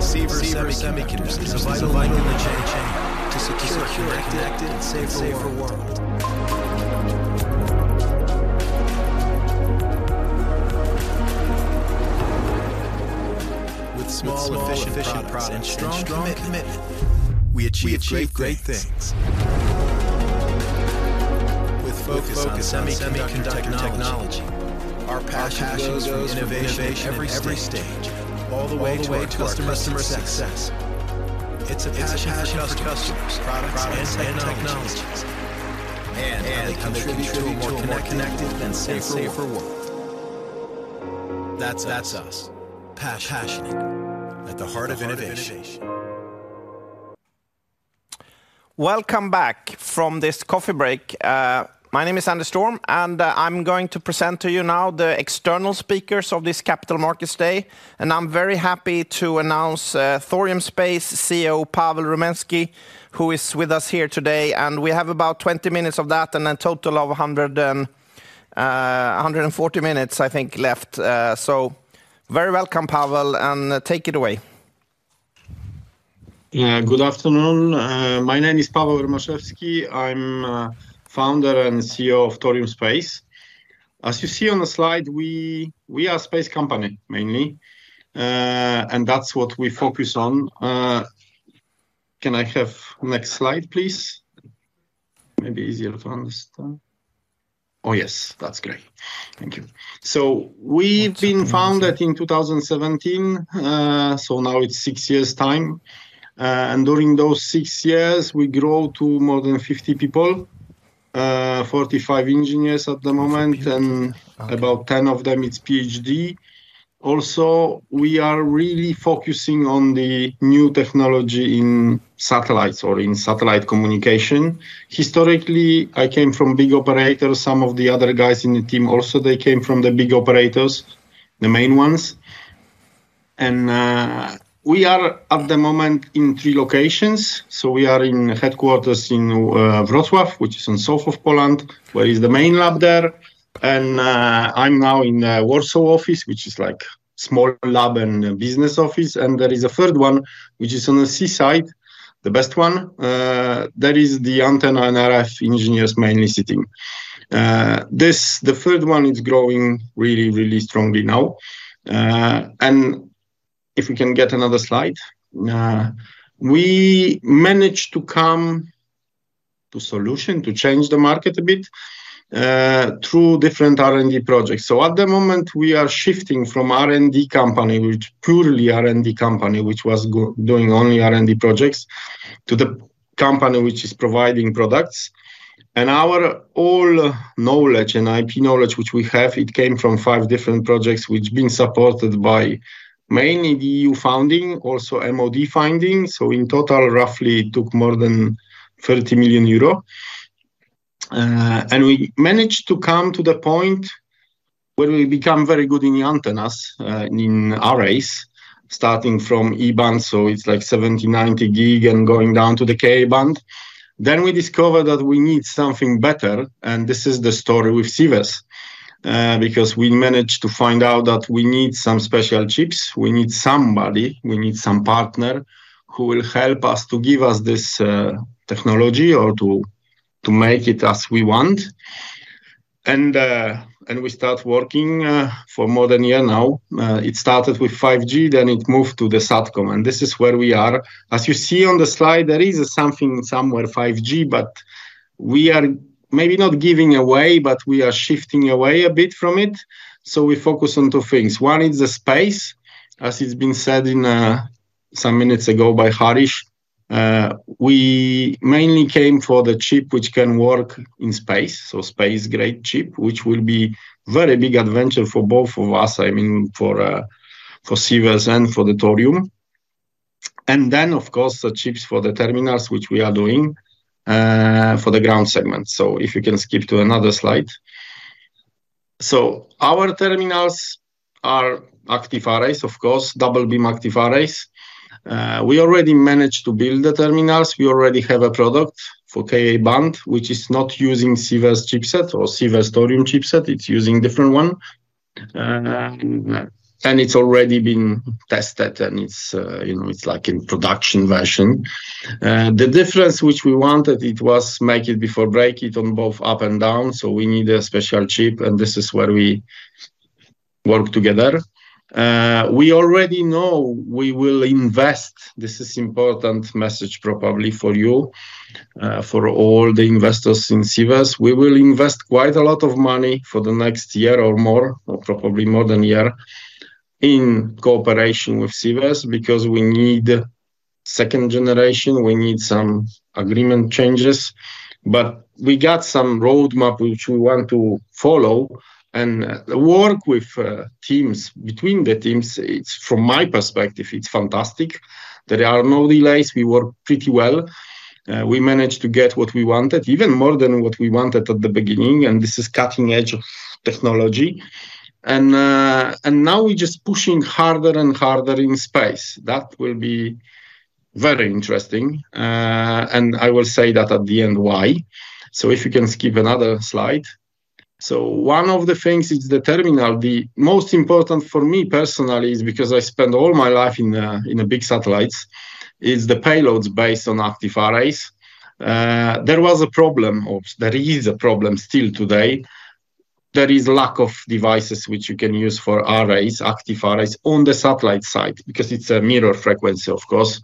Sivers Semiconductors is a vital link in the chain to secure a connected and safer world. With small, efficient products and strong commitment, we achieve great things. With focus on semiconductor technology, our passion goes from innovation at every stage, all the way to our customer success. It's a passion for customers, products, and technologies, and how they contribute to a more connected and safer world. That's us, passionate at the heart of innovation. Today, broadband and being connected is equally important as water and electricity. Without reliable technology, there will be impact on your everyday life.... At worst, with devastating consequences. Sivers Semiconductors is a vital link in the chain to secure a connected and safer world. With small, efficient products and strong commitment, we achieve great things. With focus on semiconductor technology, our passion goes from innovation at every stage, all the way to Yeah, good afternoon. My name is Pawel Rymaszewski. I'm founder and CEO of Thorium Space. As you see on the slide, we are a space company, mainly, and that's what we focus on. Can I have next slide, please? Maybe easier to understand. Oh, yes. That's great. Thank you. So we've been founded in 2017, so now it's six years' time. And during those six years, we grow to more than 50 people. 45 engineers at the moment, and about 10 of them is PhD. Also, we are really focusing on the new technology in satellites or in satellite communication. Historically, I came from big operators. Some of the other guys in the team also, they came from the big operators, the main ones. And we are, at the moment, in three locations. So we are in headquarters in Wrocław, which is in south of Poland, where is the main lab there. And I'm now in Warsaw office, which is like small lab and a business office. And there is a third one, which is on the seaside, the best one. That is the antenna and RF engineers mainly sitting. This, the third one is growing really, really strongly now. And if we can get another slide. We managed to come to solution to change the market a bit, through different R&D projects. So at the moment, we are shifting from R&D company, which purely R&D company, which was doing only R&D projects, to the company which is providing products. Our all knowledge and IP knowledge, which we have, it came from five different projects, which been supported by mainly EU funding, also MOD funding. So in total, roughly, it took more than 30 million euro. And we managed to come to the point where we become very good in the antennas, in arrays, starting from E-band, so it's like 70, 90 gig and going down to the K-band. Then we discover that we need something better, and this is the story with Sivers. Because we managed to find out that we need some special chips, we need somebody, we need some partner who will help us to give us this, technology or to, to make it as we want. And, and we start working, for more than a year now. It started with 5G, then it moved to the Satcom, and this is where we are. As you see on the slide, there is something somewhere 5G, but we are maybe not giving away, but we are shifting away a bit from it. So we focus on two things. One is the space, as it's been said in some minutes ago by Harish. We mainly came for the chip, which can work in space, so space-grade chip, which will be very big adventure for both of us. I mean, for, for Sivers and for the Thorium. And then, of course, the chips for the terminals, which we are doing, for the ground segment. So if you can skip to another slide. So our terminals are active arrays, of course, double beam active arrays. We already managed to build the terminals. We already have a product for Ka-band, which is not using Sivers's chipset or Sivers's Thorium chipset. It's using different one, and it's already been tested, and it's, you know, it's like in production version. The difference which we wanted, it was make it before break it on both up and down, so we need a special chip, and this is where we work together. We already know we will invest. This is important message probably for you, for all the investors in Sivers. We will invest quite a lot of money for the next year or more, or probably more than a year, in cooperation with Sivers because we need second generation, we need some agreement changes. But we got some roadmap which we want to follow and, work with, teams. Between the teams, it's from my perspective, it's fantastic. There are no delays. We work pretty well. We managed to get what we wanted, even more than what we wanted at the beginning, and this is cutting edge of technology. And now we're just pushing harder and harder in space. That will be very interesting, and I will say that at the end, why. So if you can skip another slide. So one of the things is the terminal. The most important for me personally is because I spent all my life in big satellites, is the payloads based on active arrays. There was a problem or there is a problem still today. There is lack of devices which you can use for arrays, active arrays on the satellite side, because it's a millimeter frequency, of course.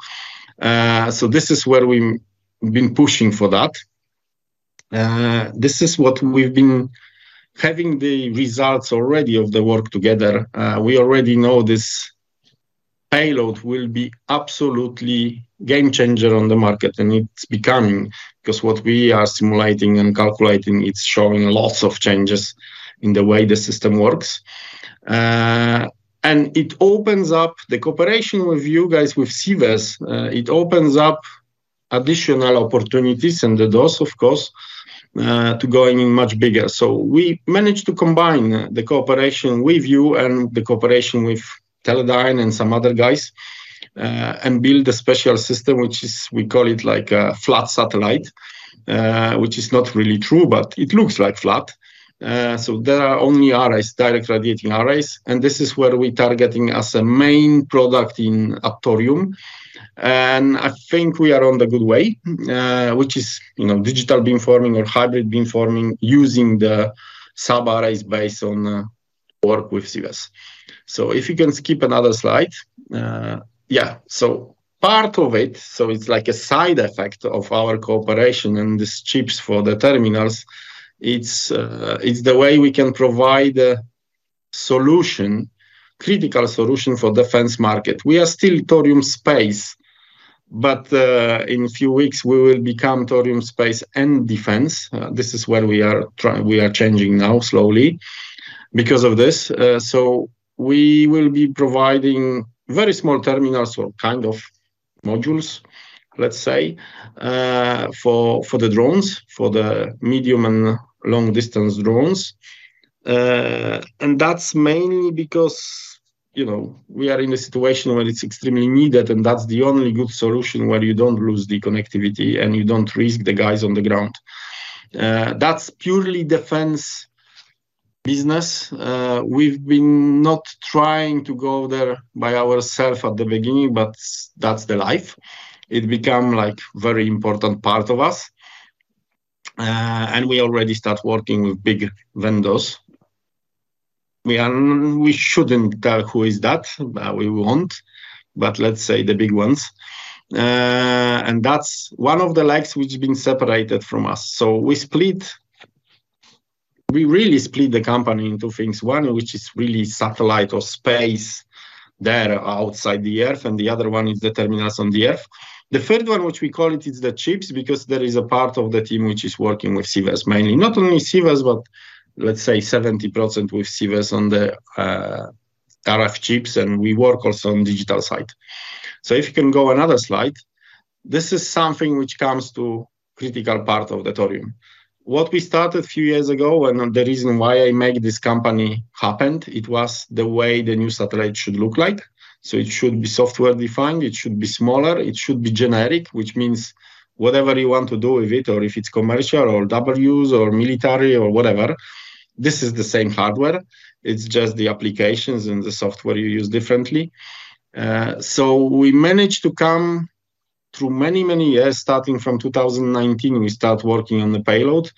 So this is where we've been pushing for that. This is what we've been having the results already of the work together. We already know this payload will be absolutely game changer on the market, and it's becoming, 'cause what we are simulating and calculating, it's showing lots of changes in the way the system works. And it opens up the cooperation with you guys, with Sivers, it opens up additional opportunities and the doors, of course, to going in much bigger. So we managed to combine the cooperation with you and the cooperation with Teledyne and some other guys, and build a special system, which is we call it like a flat satellite. Which is not really true, but it looks like flat. So there are only arrays, direct radiating arrays, and this is where we're targeting as a main product in Thorium. I think we are on the good way, which is, you know, digital beamforming or hybrid beamforming, using the subarrays based on work with Sivers. So if you can skip another slide. Yeah, so part of it, so it's like a side effect of our cooperation and these chips for the terminals, it's the way we can provide a solution, critical solution for defense market. We are still Thorium Space, but in a few weeks, we will become Thorium Space and Defense. This is where we are changing now, slowly because of this. So we will be providing very small terminals or kind of modules, let's say, for the drones, for the medium and long distance drones. And that's mainly because, you know, we are in a situation where it's extremely needed, and that's the only good solution where you don't lose the connectivity, and you don't risk the guys on the ground. That's purely defense business. We've been not trying to go there by ourself at the beginning, but that's the life. It become like very important part of us, and we already start working with big vendors. We shouldn't tell who is that, we won't, but let's say the big ones. And that's one of the legs which been separated from us. So we split, we really split the company into things. One, which is really satellite or space there outside the Earth, and the other one is the terminals on the Earth. The third one, which we call it, is the chips, because there is a part of the team which is working with Sivers, mainly. Not only Sivers, but let's say 70% with Sivers on the RF chips, and we work also on digital side. So if you can go another slide, this is something which comes to critical part of the Thorium. What we started a few years ago, and the reason why I make this company happened, it was the way the new satellite should look like. So it should be software-defined, it should be smaller, it should be generic, which means whatever you want to do with it, or if it's commercial or double use or military or whatever, this is the same hardware. It's just the applications and the software you use differently. So we managed to come through many, many years. Starting from 2019, we start working on the payload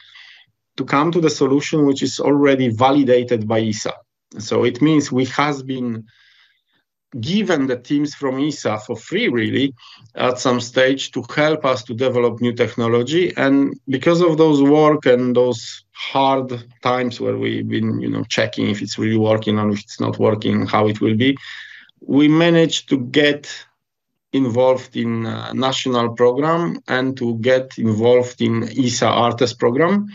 to come to the solution, which is already validated by ESA. So it means we have been given the teams from ESA for free, really, at some stage, to help us to develop new technology. And because of those work and those hard times where we've been, you know, checking if it's really working or if it's not working, how it will be, we managed to get involved in a national program and to get involved in ESA ARTES program.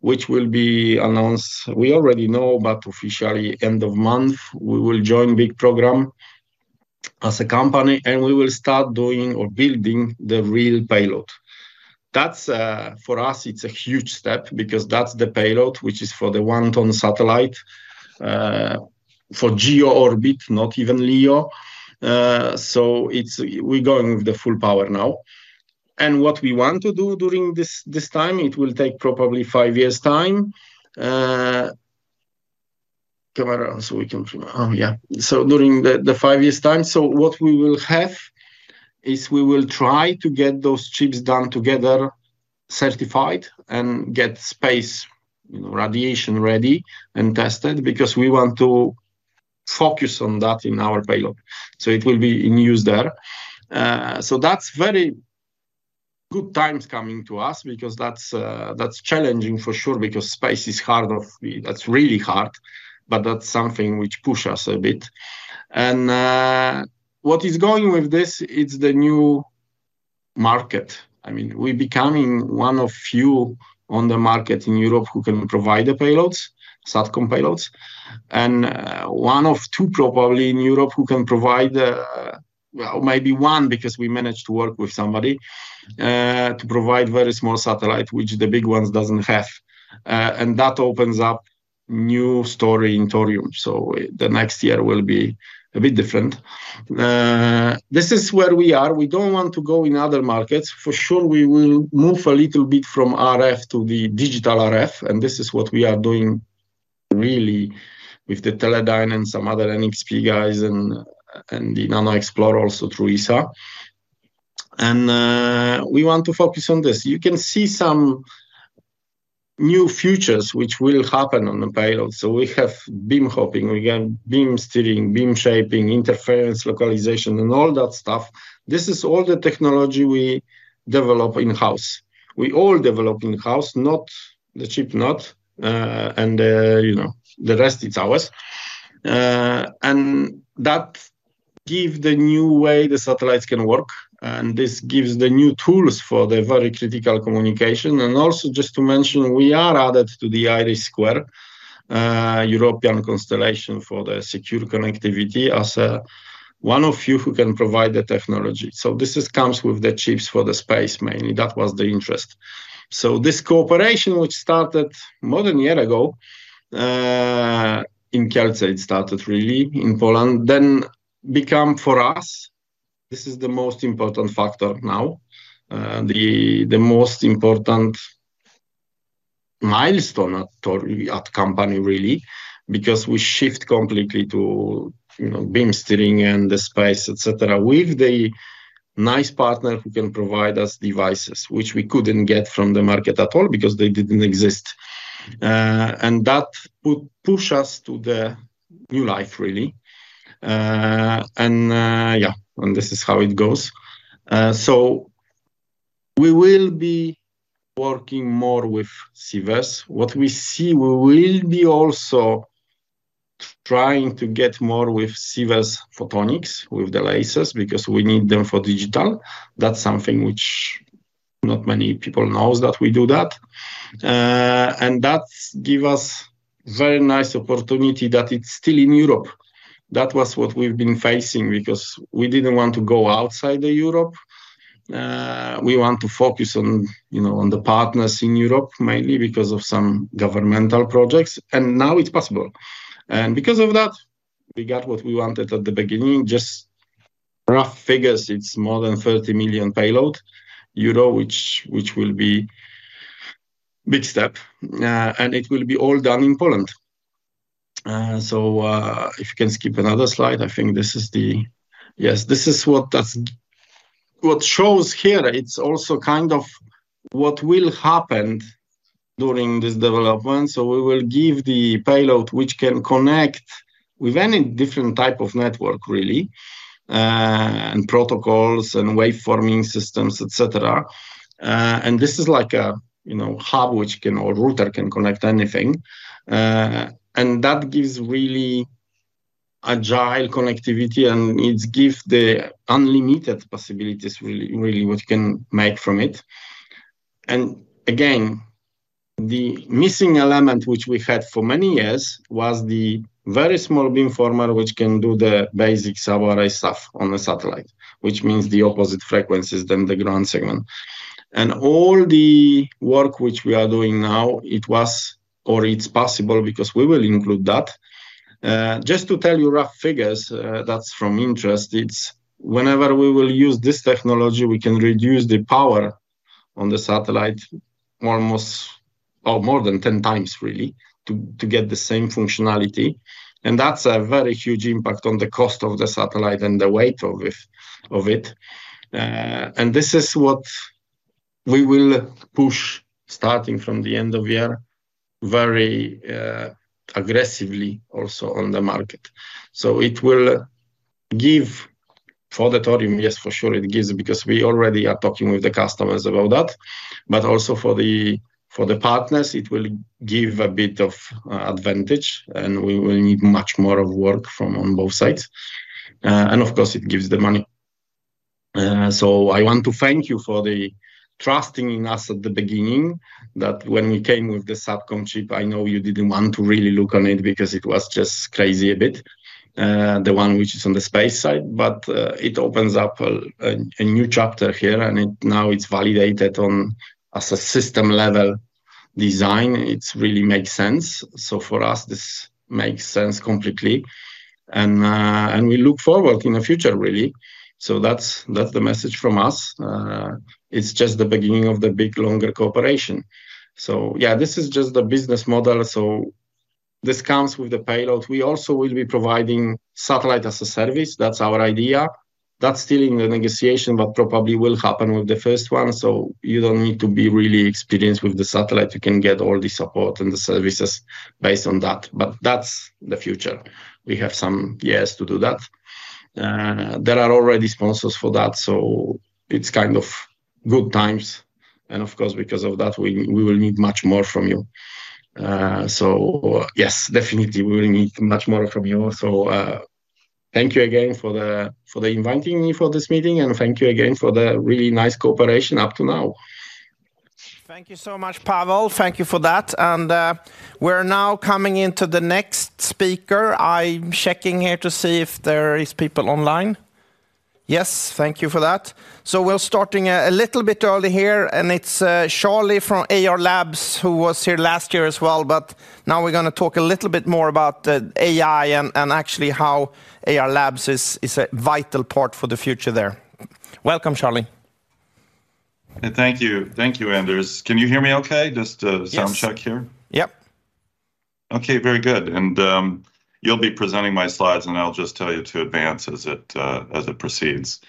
Which will be announced. We already know, but officially end of month, we will join big program as a company, and we will start doing or building the real payload. That's, for us, it's a huge step because that's the payload, which is for the 1-ton satellite, for GEO orbit, not even LEO. So it's we're going with the full power now. And what we want to do during this time, it will take probably five years time. So during the five years time, so what we will have is we will try to get those chips done together, certified, and get space, you know, radiation ready and tested, because we want to focus on that in our payload. So it will be in use there. So that's very good times coming to us because that's, that's challenging for sure, because space is hard of... That's really hard, but that's something which push us a bit. And, what is going with this, it's the new market. I mean, we're becoming one of few on the market in Europe who can provide the payloads, Satcom payloads, and one of two, probably in Europe, who can provide, well, maybe one, because we managed to work with somebody to provide very small satellite, which the big ones doesn't have. And that opens up new story in Thorium. So the next year will be a bit different. This is where we are. We don't want to go in other markets. For sure, we will move a little bit from RF to the digital RF, and this is what we are doing really with the Teledyne and some other NXP guys and the NanoXplore, also through ESA. And we want to focus on this. You can see some new features which will happen on the payload. So we have beam hopping, we got beam steering, beam shaping, interference, localization, and all that stuff. This is all the technology we develop in-house. We all develop in-house, not the chip, not and you know the rest, it's ours. And that give the new way the satellites can work, and this gives the new tools for the very critical communication. And also, just to mention, we are added to the IRIS² European Constellation for the secure connectivity as one of few who can provide the technology. So this is comes with the chips for the space, mainly. That was the interest. So this cooperation, which started more than a year ago, in Kielce, it started really in Poland, then become for us, this is the most important factor now, the, the most important milestone at Thorium, the company, really, because we shift completely to, you know, beam steering and the space, et cetera, with the nice partner who can provide us devices, which we couldn't get from the market at all because they didn't exist. And that would push us to the new life, really. And, yeah, and this is how it goes. So we will be working more with Sivers. What we see, we will be also trying to get more with Sivers Photonics, with the lasers, because we need them for digital. That's something which not many people knows that we do that. And that give us very nice opportunity that it's still in Europe. That was what we've been facing because we didn't want to go outside the Europe. We want to focus on, you know, on the partners in Europe, mainly because of some governmental projects, and now it's possible. And because of that, we got what we wanted at the beginning. Just rough figures, it's more than 30 million euro payload, which will be big step, and it will be all done in Poland. So, if you can skip another slide, I think this is the... Yes, this is what shows here, it's also kind of what will happen during this development. So we will give the payload, which can connect with any different type of network, really, and protocols and beamforming systems, et cetera. This is like a, you know, hub which can or router can connect anything. And that gives really agile connectivity, and it gives the unlimited possibilities, really, really, what you can make from it. And again, the missing element, which we've had for many years, was the very small beamformer, which can do the basic subarray stuff on a satellite, which means the opposite frequencies, then the ground segment. And all the work which we are doing now, it was or it's possible because we will include that. Just to tell you rough figures, that's from interest, it's whenever we will use this technology, we can reduce the power on the satellite almost or more than 10 times, really, to get the same functionality. And that's a very huge impact on the cost of the satellite and the weight of it. And this is what we will push, starting from the end of year, very, aggressively also on the market. So it will give for the Thorium, yes, for sure it gives, because we already are talking with the customers about that, but also for the, for the partners, it will give a bit of advantage, and we will need much more of work from on both sides. And of course, it gives the money.... So I want to thank you for the trusting in us at the beginning, that when we came with the Satcom chip, I know you didn't want to really look on it because it was just crazy a bit, the one which is on the space side. But, it opens up a new chapter here, and it now it's validated on as a system-level design. It really makes sense. So for us, this makes sense completely, and we look forward in the future, really. So that's, that's the message from us. It's just the beginning of the big, longer cooperation. So yeah, this is just the business model, so this comes with the payload. We also will be providing satellite as a service. That's our idea. That's still in the negotiation, but probably will happen with the first one, so you don't need to be really experienced with the satellite. You can get all the support and the services based on that, but that's the future. We have some years to do that. There are already sponsors for that, so it's kind of good times, and of course, because of that, we will need much more from you. So yes, definitely, we will need much more from you. Thank you again for the inviting me for this meeting, and thank you again for the really nice cooperation up to now. Thank you so much, Pawel. Thank you for that. And, we're now coming into the next speaker. I'm checking here to see if there is people online. Yes, thank you for that. So we're starting a little bit early here, and it's Charlie from Ayar Labs, who was here last year as well. But now we're gonna talk a little bit more about the AI and actually how Ayar Labs is a vital part for the future there. Welcome, Charlie. Thank you. Thank you, Anders. Can you hear me okay? Just a- Yes. Sound check here. Yep. Okay, very good. And you'll be presenting my slides, and I'll just tell you to advance as it proceeds.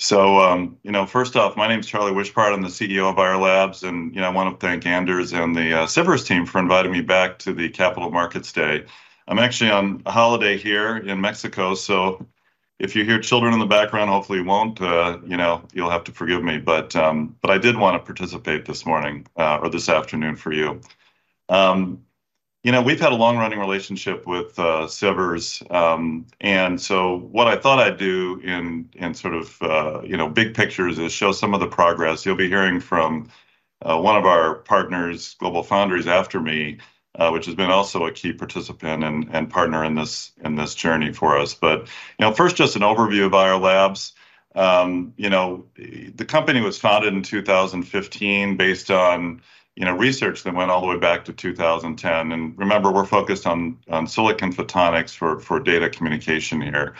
So, you know, first off, my name is Charlie Wuischpard. I'm the CEO of Ayar Labs, and, you know, I want to thank Anders and the Sivers team for inviting me back to the Capital Markets Day. I'm actually on holiday here in Mexico, so if you hear children in the background, hopefully you won't, you know, you'll have to forgive me. But I did want to participate this morning or this afternoon for you. You know, we've had a long-running relationship with Sivers, and so what I thought I'd do in sort of, you know, big picture is show some of the progress. You'll be hearing from one of our partners, GlobalFoundries, after me, which has been also a key participant and partner in this journey for us. But, you know, first, just an overview of Ayar Labs. You know, the company was founded in 2015, based on, you know, research that went all the way back to 2010. And remember, we're focused on Silicon Photonics for data communication here.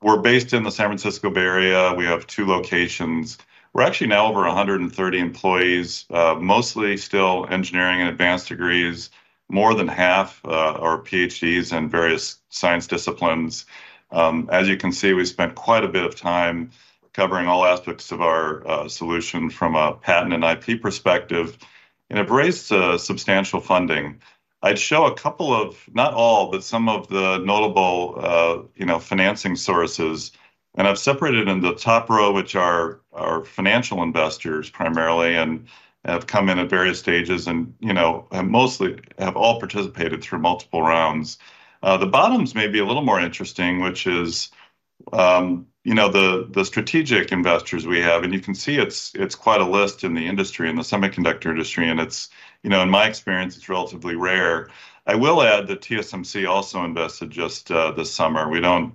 We're based in the San Francisco Bay Area. We have two locations. We're actually now over 130 employees, mostly still engineering and advanced degrees. More than half are PhDs in various science disciplines. As you can see, we've spent quite a bit of time covering all aspects of our solution from a patent and IP perspective, and it raised substantial funding. I'd show a couple of, not all, but some of the notable, you know, financing sources, and I've separated in the top row, which are our financial investors primarily and have come in at various stages and, you know, have mostly all participated through multiple rounds. The bottoms may be a little more interesting, which is, you know, the strategic investors we have, and you can see it's quite a list in the industry, in the semiconductor industry, and it's, you know, in my experience, it's relatively rare. I will add that TSMC also invested just this summer. We don't,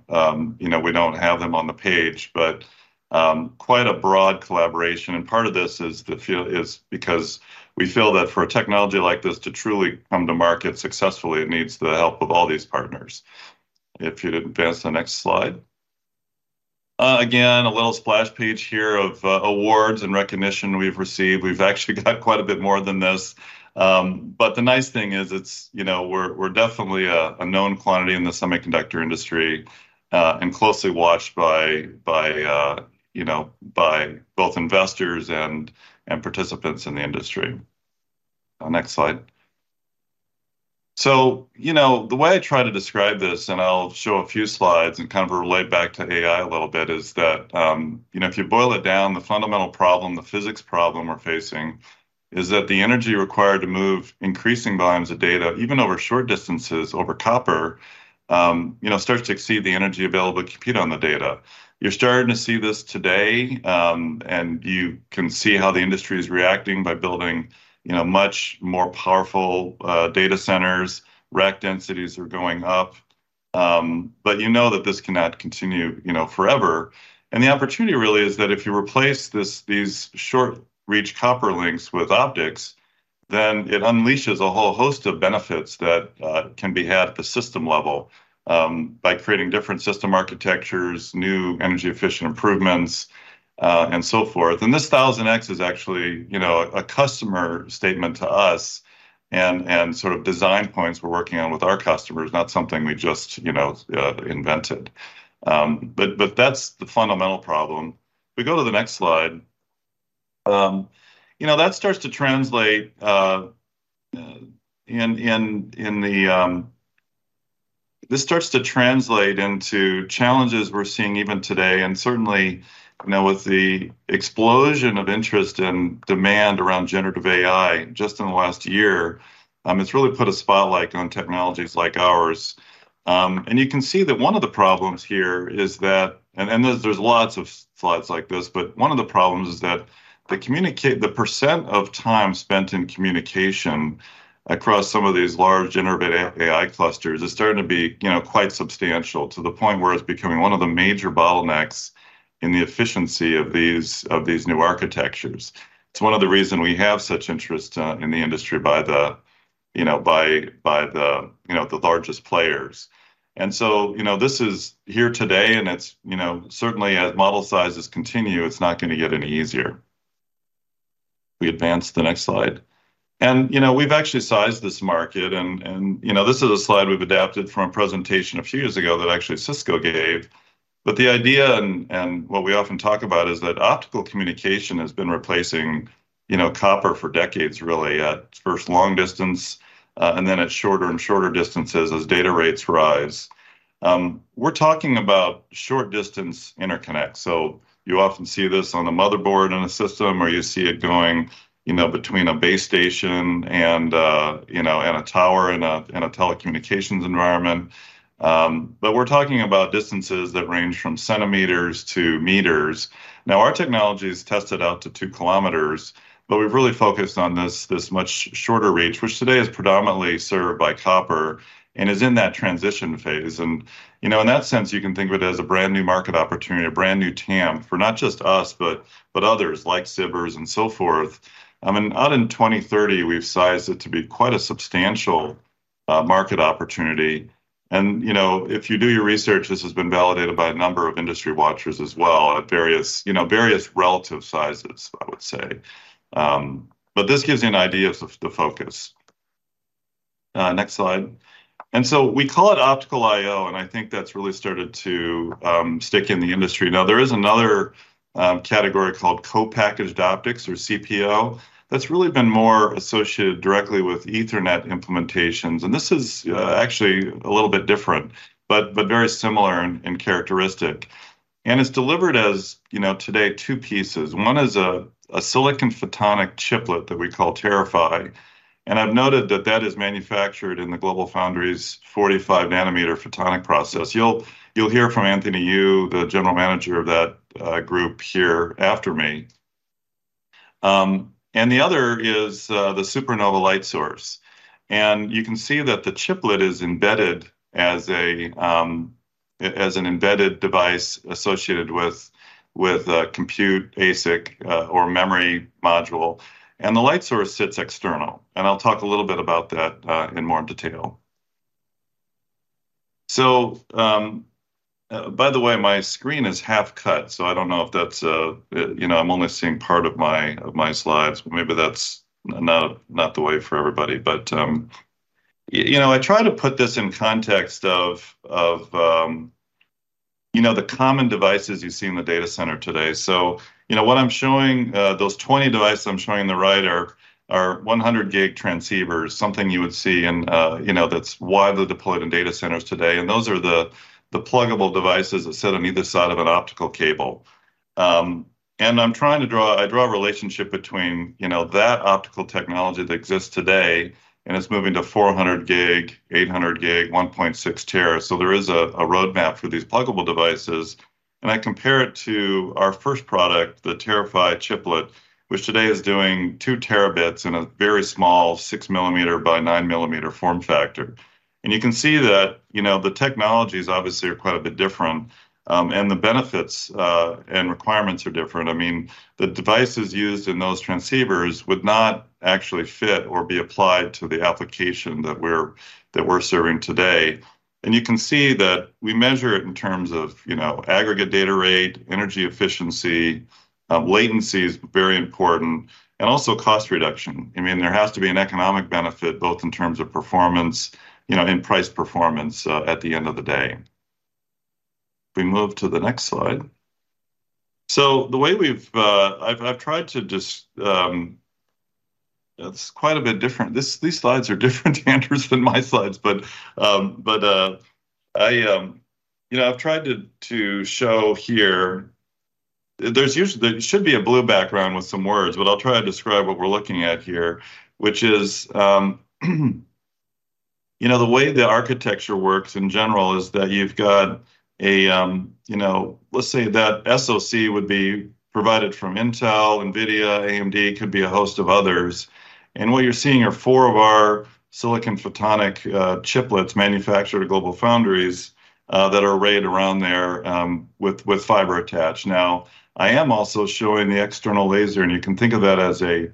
you know, we don't have them on the page, but, quite a broad collaboration, and part of this is because we feel that for a technology like this to truly come to market successfully, it needs the help of all these partners. If you'd advance to the next slide. Again, a little splash page here of, awards and recognition we've received. We've actually got quite a bit more than this. But the nice thing is, it's, you know, we're, we're definitely a, a known quantity in the semiconductor industry, and closely watched by, by, you know, by both investors and, and participants in the industry. Next slide. So, you know, the way I try to describe this, and I'll show a few slides and kind of relate back to AI a little bit, is that, you know, if you boil it down, the fundamental problem, the physics problem we're facing, is that the energy required to move increasing volumes of data, even over short distances, over copper, you know, starts to exceed the energy available to compute on the data. You're starting to see this today, and you can see how the industry is reacting by building, you know, much more powerful, data centers. Rack densities are going up, but you know that this cannot continue, you know, forever. The opportunity really is that if you replace these short-reach copper links with optics, then it unleashes a whole host of benefits that can be had at the system level by creating different system architectures, new energy-efficient improvements, and so forth. This 1000x is actually, you know, a customer statement to us and sort of design points we're working on with our customers, not something we just, you know, invented. But that's the fundamental problem. If we go to the next slide, you know, that starts to translate into challenges we're seeing even today, and certainly, you know, with the explosion of interest and demand around generative AI just in the last year, it's really put a spotlight on technologies like ours. And you can see that one of the problems here is that... And there's lots of slides like this, but one of the problems is that the communication - the percent of time spent in communication across some of these large generative AI clusters is starting to be, you know, quite substantial, to the point where it's becoming one of the major bottlenecks in the efficiency of these, of these new architectures. It's one of the reasons we have such interest in the industry by the, you know, by, by the, you know, the largest players. And so, you know, this is here today, and it's, you know, certainly as model sizes continue, it's not going to get any easier. We advance to the next slide. You know, we've actually sized this market and, you know, this is a slide we've adapted from a presentation a few years ago that actually Cisco gave. But the idea and what we often talk about is that optical communication has been replacing, you know, copper for decades, really, at first long distance, and then at shorter and shorter distances as data rates rise. We're talking about short-distance interconnect. So you often see this on a motherboard in a system, or you see it going, you know, between a base station and, you know, a tower in a telecommunications environment. But we're talking about distances that range from centimeters to meters. Now, our technology is tested out to 2 km, but we've really focused on this much shorter range, which today is predominantly served by copper and is in that transition phase. And, you know, in that sense, you can think of it as a brand new market opportunity, a brand new TAM for not just us, but others like Sivers and so forth. I mean, out in 2030, we've sized it to be quite a substantial market opportunity. And, you know, if you do your research, this has been validated by a number of industry watchers as well, at various relative sizes, I would say. But this gives you an idea of the focus. Next slide. And so we call it optical I/O, and I think that's really started to stick in the industry. Now, there is another, category called co-packaged optics, or CPO. That's really been more associated directly with Ethernet implementations, and this is, actually a little bit different, but, but very similar in, in characteristic. And it's delivered, as you know, today, two pieces. One is a, a silicon photonic chiplet that we call TeraPHY, and I've noted that that is manufactured in the GlobalFoundries 45 nm photonic process. You'll, you'll hear from Anthony Yu, the general manager of that, group, here after me. And the other is, the SuperNova light source, and you can see that the chiplet is embedded as a, as an embedded device associated with, compute ASIC, or memory module, and the light source sits external. And I'll talk a little bit about that, in more detail. So, by the way, my screen is half cut, so I don't know if that's, you know, I'm only seeing part of my slides, but maybe that's not the way for everybody. But, you know, I try to put this in context of, you know, the common devices you see in the data center today. So, you know what I'm showing, those 20 devices I'm showing on the right are 100 gig transceivers, something you would see in, you know, that's widely deployed in data centers today, and those are the pluggable devices that sit on either side of an optical cable. And I'm trying to draw. I draw a relationship between, you know, that optical technology that exists today, and it's moving to 400 gig, 800 gig, 1.6 tera. So there is a roadmap for these pluggable devices, and I compare it to our first product, the TeraPHY chiplet, which today is doing 2 Tb in a very small 6 mm by 9 mm form factor. And you can see that, you know, the technologies obviously are quite a bit different, and the benefits and requirements are different. I mean, the devices used in those transceivers would not actually fit or be applied to the application that we're serving today. And you can see that we measure it in terms of, you know, aggregate data rate, energy efficiency, latency is very important, and also cost reduction. I mean, there has to be an economic benefit, both in terms of performance, you know, and price performance at the end of the day. We move to the next slide. So the way we've... I've tried to just, it's quite a bit different. These slides are different, Andrew, than my slides, but, you know, I've tried to show here. There's usually a blue background with some words, but I'll try to describe what we're looking at here, which is, you know, the way the architecture works in general is that you've got a, you know, let's say that SoC would be provided from Intel, NVIDIA, AMD, could be a host of others. And what you're seeing are four of our silicon photonic chiplets manufactured at GlobalFoundries that are arrayed around there, with fiber attached. Now, I am also showing the external laser, and you can think of that as an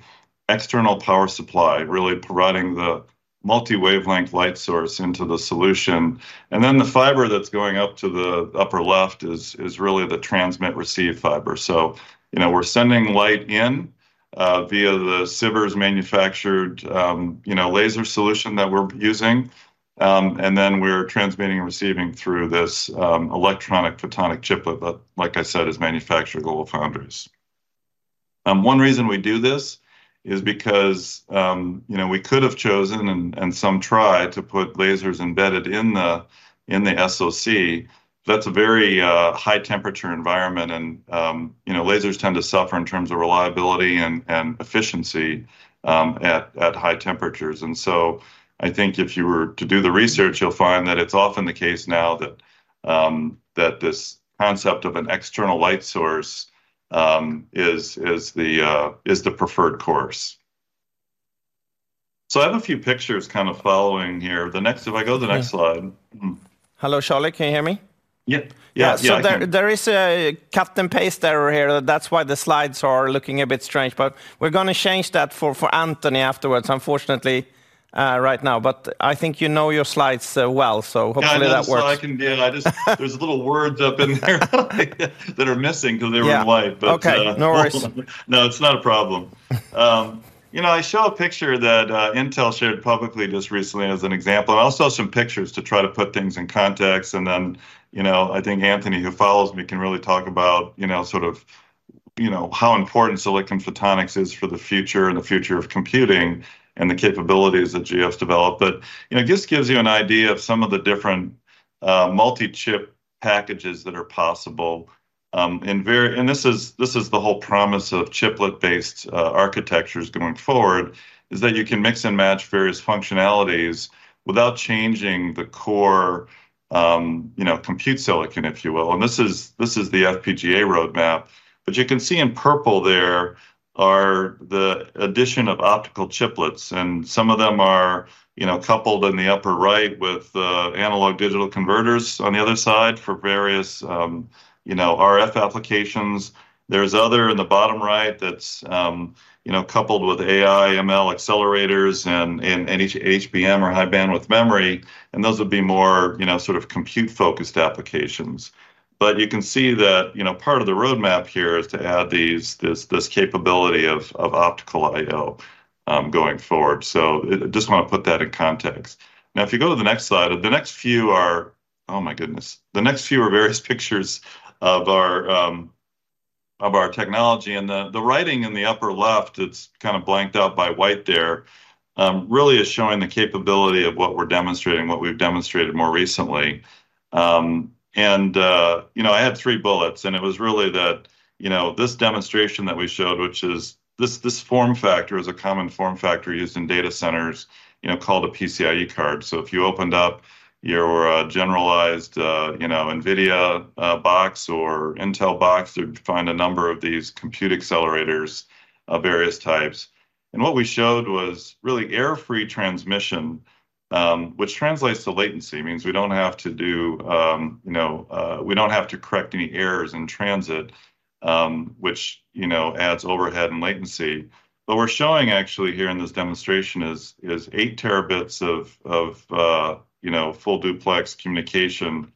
external power supply, really providing the multi-wavelength light source into the solution. And then the fiber that's going up to the upper left is really the transmit/receive fiber. So, you know, we're sending light in via the Sivers manufactured laser solution that we're using. And then we're transmitting and receiving through this electronic photonic chiplet, but like I said, is manufactured at GlobalFoundries. One reason we do this is because, you know, we could have chosen, and some tried, to put lasers embedded in the SoC. That's a very high-temperature environment, and, you know, lasers tend to suffer in terms of reliability and efficiency at high temperatures. And so I think if you were to do the research, you'll find that it's often the case now that this concept of an external light source is the preferred course. So I have a few pictures kind of following here. The next, if I go to the next slide. Hello, Charlie, can you hear me? Yep. Yeah, yeah, I can. So there, there is a cut and paste error here. That's why the slides are looking a bit strange, but we're gonna change that for, for Anthony afterwards, unfortunately, right now. But I think you know your slides, well, so hopefully that works. Yeah, I know the slide again. I just... There's little words up in there that are missing because they were white. Yeah. Okay, no worries. No, it's not a problem. You know, I show a picture that Intel shared publicly just recently as an example, and also some pictures to try to put things in context. And then, you know, I think Anthony, who follows me, can really talk about, you know, sort of, you know, how important silicon photonics is for the future and the future of computing and the capabilities that GF's developed. But, you know, just gives you an idea of some of the different multi-chip packages that are possible. And very-- and this is, this is the whole promise of chiplet-based architectures going forward, is that you can mix and match various functionalities without changing the core, you know, compute silicon, if you will. And this is, this is the FPGA roadmap. But you can see in purple there are the addition of optical chiplets, and some of them are, you know, coupled in the upper right with analog digital converters on the other side for various, you know, RF applications. There's other in the bottom right, that's, you know, coupled with AI, ML accelerators and, and HBM or high bandwidth memory, and those would be more, you know, sort of compute-focused applications. But you can see that, you know, part of the roadmap here is to add these, this, this capability of, of optical I/O, going forward. So just want to put that in context. Now, if you go to the next slide, the next few are... Oh, my goodness! The next few are various pictures of our of our technology, and the the writing in the upper left, it's kind of blanked out by white there, really is showing the capability of what we're demonstrating, what we've demonstrated more recently. And you know, I had three bullets, and it was really that, you know, this demonstration that we showed, which is this, this form factor is a common form factor used in data centers, you know, called a PCIe card. So if you opened up your, generalized, you know, NVIDIA box or Intel box, you'd find a number of these compute accelerators of various types. What we showed was really error-free transmission, which translates to latency, means we don't have to do, you know, we don't have to correct any errors in transit, which, you know, adds overhead and latency. But we're showing actually here in this demonstration is eight terabits of, you know, full duplex communication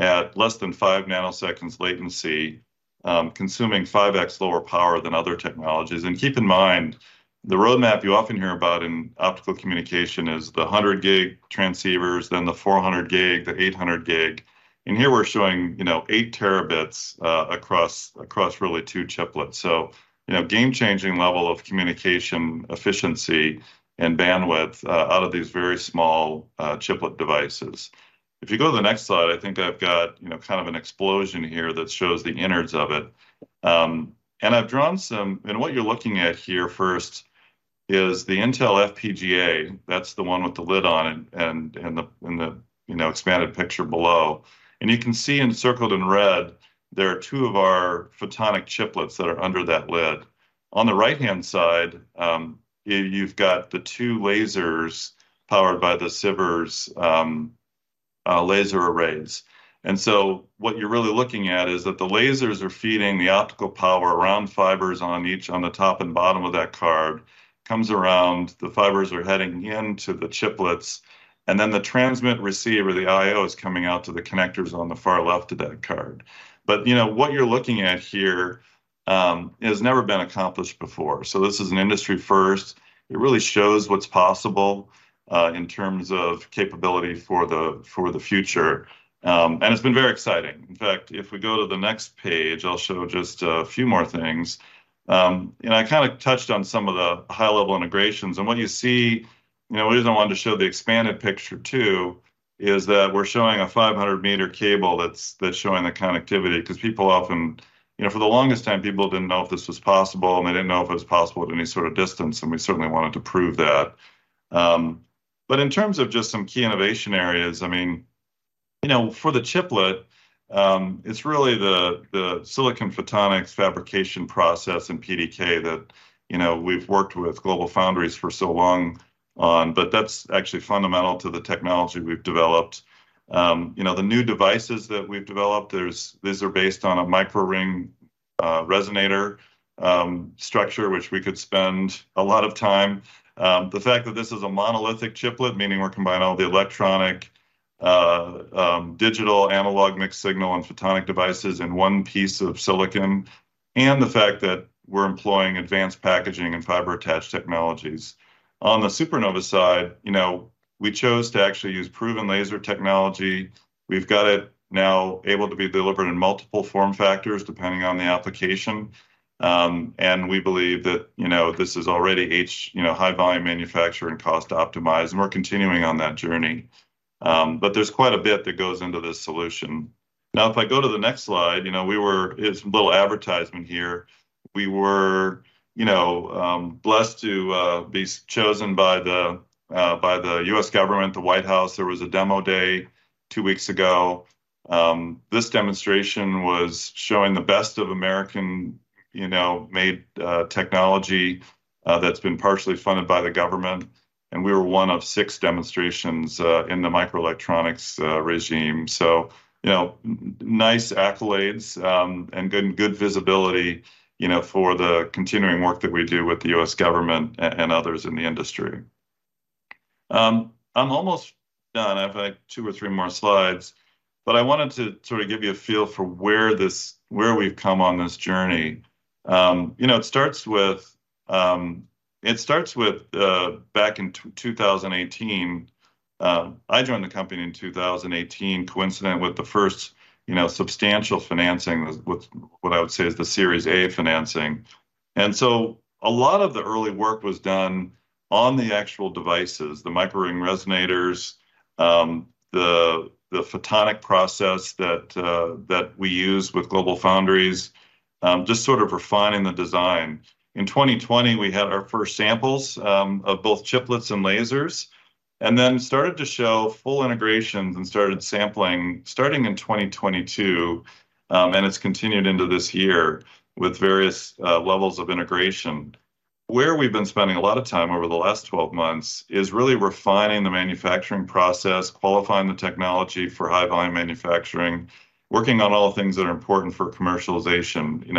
at less than 5 nanoseconds latency, consuming 5x lower power than other technologies. And keep in mind, the roadmap you often hear about in optical communication is the 100 gig transceivers, then the 400 gig, the 800 gig. And here we're showing, you know, 8 Tb, across really 2 chiplets. So, you know, game-changing level of communication, efficiency, and bandwidth, out of these very small, chiplet devices. If you go to the next slide, I think I've got, you know, kind of an explosion here that shows the innards of it. And I've drawn some, and what you're looking at here first is the Intel FPGA. That's the one with the lid on it, and the expanded picture below. And you can see encircled in red, there are two of our photonic chiplets that are under that lid. On the right-hand side, you've got the two lasers powered by the Sivers laser arrays. And so what you're really looking at is that the lasers are feeding the optical power around fibers on each, on the top and bottom of that card, comes around, the fibers are heading into the chiplets, and then the transmit, receiver, the I/O, is coming out to the connectors on the far left of that card. But, you know, what you're looking at here has never been accomplished before. So this is an industry first. It really shows what's possible in terms of capability for the, for the future. And it's been very exciting. In fact, if we go to the next page, I'll show just a few more things. And I kind of touched on some of the high-level integrations, and what you see, you know, the reason I wanted to show the expanded picture, too, is that we're showing a 500-meter cable that's showing the connectivity, because people often, you know, for the longest time, people didn't know if this was possible, and they didn't know if it was possible at any sort of distance, and we certainly wanted to prove that. But in terms of just some key innovation areas, I mean, you know, for the chiplet, it's really the silicon photonics fabrication process and PDK that, you know, we've worked with GlobalFoundries for so long on, but that's actually fundamental to the technology we've developed. You know, the new devices that we've developed, these are based on a microring resonator structure, which we could spend a lot of time. The fact that this is a monolithic chiplet, meaning we're combining all the electronic, digital, analog, mixed signal, and photonic devices in one piece of silicon, and the fact that we're employing advanced packaging and fiber-attached technologies. On the SuperNova side, you know. We chose to actually use proven laser technology. We've got it now able to be delivered in multiple form factors, depending on the application, and we believe that, you know, this is already high volume manufacturing cost optimized, and we're continuing on that journey. But there's quite a bit that goes into this solution. Now, if I go to the next slide, you know, we were. It's a little advertisement here. We were, you know, blessed to be so chosen by the U.S. government, the White House. There was a demo day two weeks ago. This demonstration was showing the best of American, you know, made technology that's been partially funded by the government, and we were one of six demonstrations in the microelectronics regime. So, you know, nice accolades and good, good visibility, you know, for the continuing work that we do with the U.S. government and others in the industry. I'm almost done. I've two or three more slides, but I wanted to sort of give you a feel for where this- where we've come on this journey. You know, it starts with back in 2018, I joined the company in 2018, coincident with the first, you know, substantial financing, with what I would say is the Series A financing. And so a lot of the early work was done on the actual devices, the microring resonators, the photonic process that we use with GlobalFoundries, just sort of refining the design. In 2020, we had our first samples of both chiplets and lasers, and then started to show full integrations and started sampling starting in 2022, and it's continued into this year with various levels of integration. Where we've been spending a lot of time over the last 12 months is really refining the manufacturing process, qualifying the technology for high-volume manufacturing, working on all the things that are important for commercialization, you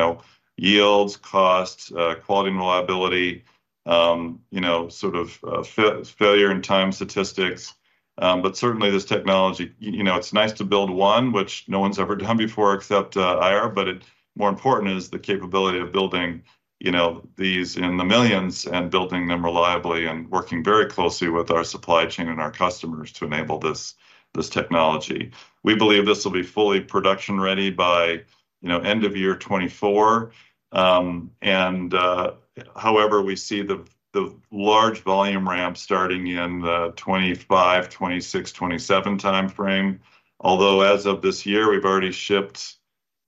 know, yields, costs, quality and reliability, you know, sort of, failure in time statistics. But certainly, this technology, you know, it's nice to build one, which no one's ever done before except, IR, but it more important is the capability of building, you know, these in the millions, and building them reliably, and working very closely with our supply chain and our customers to enable this, this technology. We believe this will be fully production-ready by, you know, end of year 2024. However, we see the large volume ramp starting in the 2025-2027 timeframe, although as of this year, we've already shipped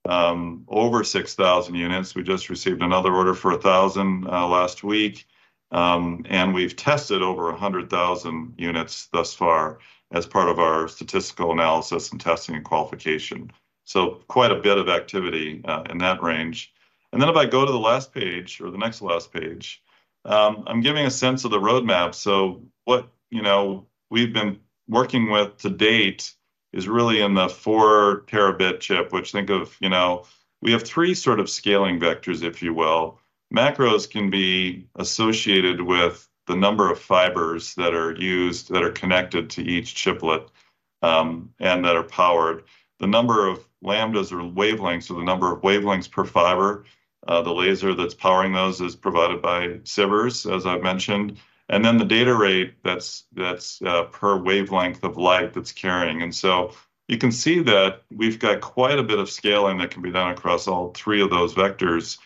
over 6,000 units. We just received another order for 1,000 last week, and we've tested over 100,000 units thus far as part of our statistical analysis and testing and qualification. So quite a bit of activity in that range. And then if I go to the last page or the next last page, I'm giving a sense of the roadmap. So what, you know, we've been working with to date is really in the 4 Tb chip, which think of, you know... We have three sort of scaling vectors, if you will. Macros can be associated with the number of fibers that are used, that are connected to each chiplet, and that are powered. The number of lambdas or wavelengths, so the number of wavelengths per fiber, the laser that's powering those is provided by Sivers, as I've mentioned, and then the data rate, that's per wavelength of light that's carrying. And so you can see that we've got quite a bit of scaling that can be done across all three of those vectors.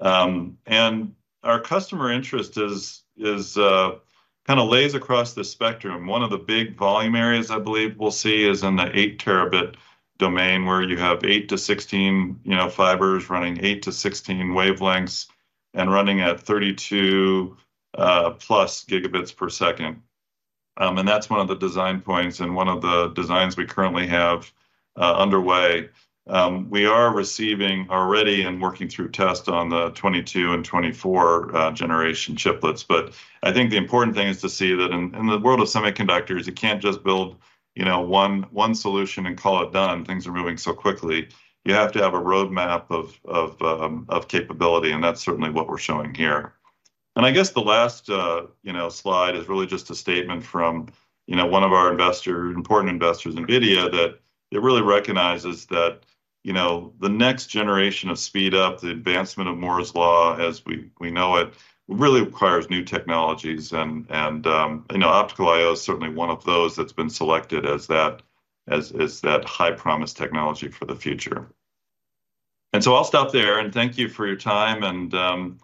And our customer interest is kind of lies across the spectrum. One of the big volume areas I believe we'll see is in the 8-Tb domain, where you have 8-16, you know, fibers running 8-16 wavelengths and running at 32+ Gb per second. And that's one of the design points and one of the designs we currently have underway. We are receiving already and working through test on the 22 and 24 generation chiplets, but I think the important thing is to see that in the world of semiconductors, you can't just build, you know, one solution and call it done. Things are moving so quickly. You have to have a roadmap of capability, and that's certainly what we're showing here. And I guess the last, you know, slide is really just a statement from, you know, one of our investor-important investors, NVIDIA, that it really recognizes that, you know, the next generation of speed-up, the advancement of Moore's Law as we know it, really requires new technologies. And you know, optical I/O is certainly one of those that's been selected as that high-promise technology for the future. And so I'll stop there, and thank you for your time, and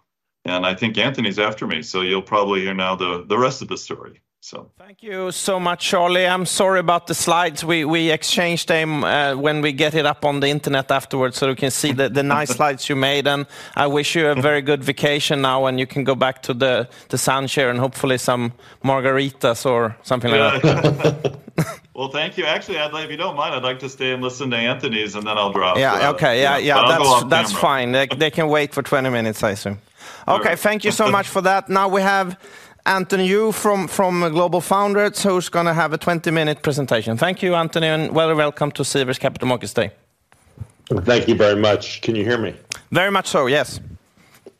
I think Anthony's after me, so you'll probably hear now the rest of the story, so. Thank you so much, Charlie. I'm sorry about the slides. We exchanged them when we get it up on the internet afterwards, so we can see the nice slides you made, and I wish you a very good vacation now, and you can go back to the sun shore and hopefully some margaritas or something like that. Yeah. Well, thank you. Actually, I'd like, if you don't mind, I'd like to stay and listen to Anthony's, and then I'll drop. Yeah. Okay. Yeah, yeah. I'll go off camera. That's fine. They can wait for 20 minutes, I assume. All right. Okay, thank you so much for that. Now, we have Anthony Yu from GlobalFoundries, who's gonna have a 20-minute presentation. Thank you, Anthony, and well, welcome to Sivers Capital Markets Day. Thank you very much. Can you hear me? Very much so, yes.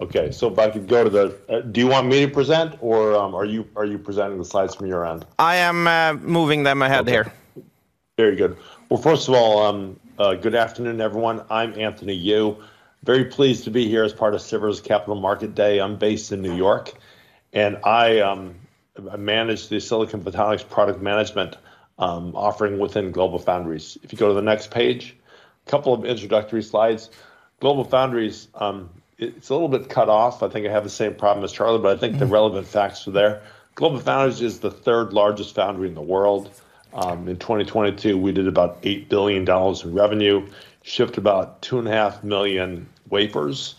Okay, so if I could go to the... Do you want me to present, or are you, are you presenting the slides from your end? I am moving them ahead here. Very good. Well, first of all, good afternoon, everyone. I'm Anthony Yu. Very pleased to be here as part of Sivers' Capital Market Day. I'm based in New York, and I manage the Silicon Photonics product management offering within GlobalFoundries. If you go to the next page, a couple of introductory slides. GlobalFoundries, it's a little bit cut off. I think I have the same problem as Charlie, but I think the relevant facts are there. GlobalFoundries is the third largest foundry in the world. In 2022, we did about $8 billion in revenue, shipped about 2.5 million wafers.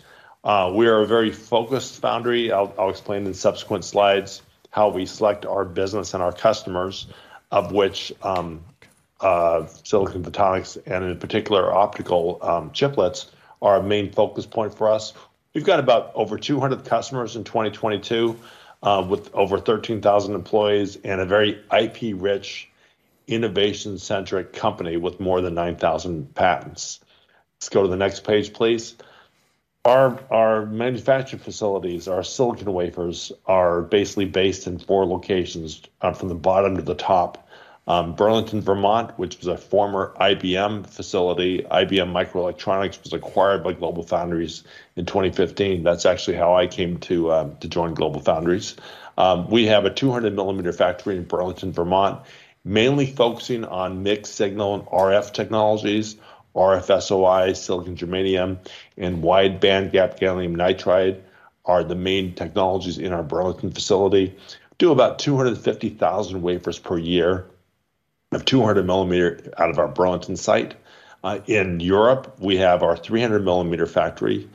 We are a very focused foundry. I'll explain in subsequent slides how we select our business and our customers, of which, Silicon Photonics and in particular, optical chiplets, are a main focus point for us. We've got about over 200 customers in 2022, with over 13,000 employees and a very IP-rich, innovation-centric company with more than 9,000 patents. Let's go to the next page, please. Our, our manufacturing facilities, our silicon wafers, are basically based in four locations, from the bottom to the top. Burlington, Vermont, which was a former IBM facility. IBM Microelectronics was acquired by GlobalFoundries in 2015. That's actually how I came to, to join GlobalFoundries. We have a 200-mm factory in Burlington, Vermont, mainly focusing on mixed signal and RF technologies, RF SOI, silicon germanium, and wide bandgap gallium nitride are the main technologies in our Burlington facility. Do about 250,000 wafers per year of 200-mm out of our Burlington site. In Europe, we have our 300-mm factory,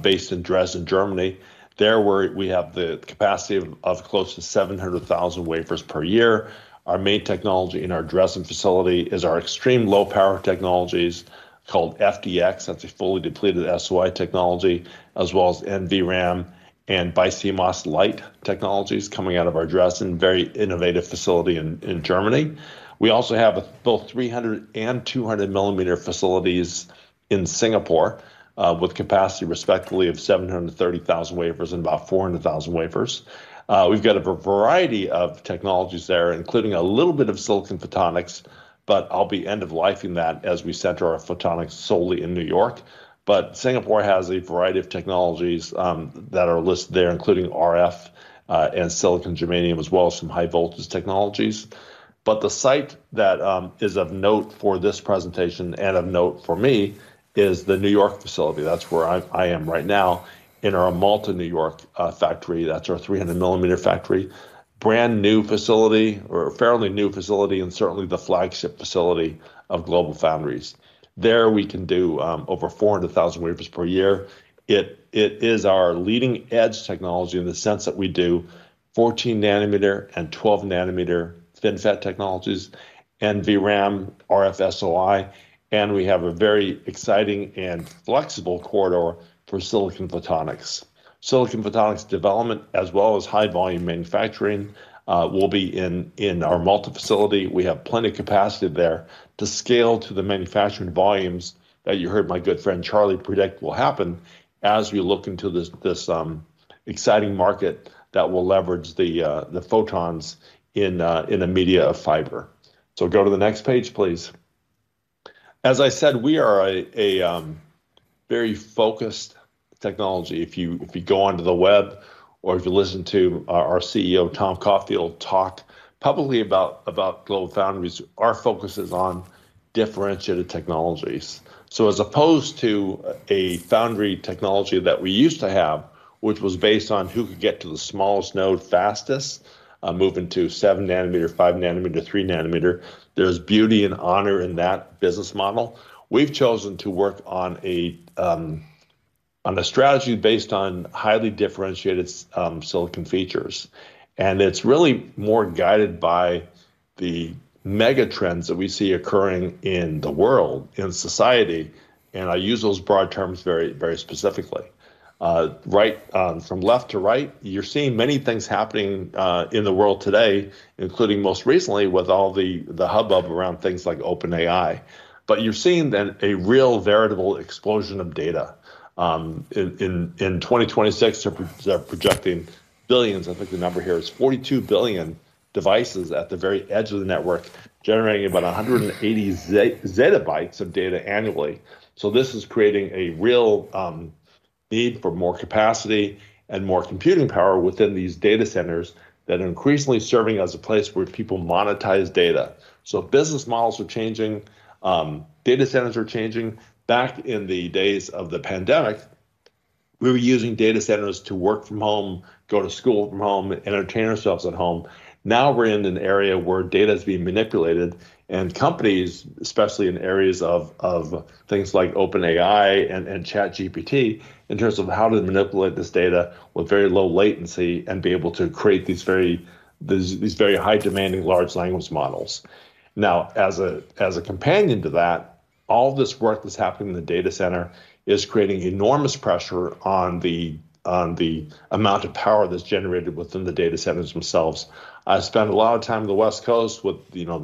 based in Dresden, Germany. There, where we have the capacity of close to 700,000 wafers per year. Our main technology in our Dresden facility is our extreme low-power technologies called FDX. That's a fully depleted SOI technology, as well as NVRAM and BiCMOS-lite technologies coming out of our Dresden very innovative facility in Germany. We also have both 300 and 200 mm facilities in Singapore with capacity respectively of 730,000 wafers and about 400,000 wafers. We've got a variety of technologies there, including a little bit of silicon photonics, but I'll be end-of-lifing that as we center our photonics solely in New York. But Singapore has a variety of technologies that are listed there, including RF and silicon germanium, as well as some high voltage technologies. But the site that is of note for this presentation and of note for me is the New York facility. That's where I am right now, in our Malta, New York factory. That's our 300 mm factory. Brand-new facility or a fairly new facility, and certainly the flagship facility of GlobalFoundries. There, we can do over 400,000 wafers per year. It is our leading-edge technology in the sense that we do 14 nm and 12 nm FinFET technologies, NVRAM, RFSOI, and we have a very exciting and flexible corridor for silicon photonics. Silicon photonics development, as well as high-volume manufacturing, will be in our Malta facility. We have plenty of capacity there to scale to the manufacturing volumes that you heard my good friend Charlie predict will happen as we look into this exciting market that will leverage the photons in the media of fiber. So go to the next page, please. As I said, we are a very focused technology. If you go onto the web or if you listen to our CEO, Tom Caulfield, talk publicly about GlobalFoundries, our focus is on differentiated technologies. So as opposed to a foundry technology that we used to have, which was based on who could get to the smallest node fastest, moving to 7 nm, 5 nm, 3 nm, there's beauty and honor in that business model. We've chosen to work on a strategy based on highly differentiated silicon features, and it's really more guided by the mega trends that we see occurring in the world, in society, and I use those broad terms very, very specifically. Right, from left to right, you're seeing many things happening in the world today, including most recently with all the hubbub around things like OpenAI. But you're seeing then a real veritable explosion of data. In 2026, they're projecting billions—I think the number here is 42 billion devices at the very edge of the network, generating about 180 ZB of data annually. So this is creating a real need for more capacity and more computing power within these data centers that are increasingly serving as a place where people monetize data. So business models are changing, data centers are changing. Back in the days of the pandemic, we were using data centers to work from home, go to school from home, entertain ourselves at home. Now, we're in an area where data is being manipulated, and companies, especially in areas of things like OpenAI and ChatGPT, in terms of how to manipulate this data with very low latency and be able to create these very high-demanding large language models. Now, as a companion to that, all this work that's happening in the data center is creating enormous pressure on the amount of power that's generated within the data centers themselves. I spent a lot of time on the West Coast with, you know,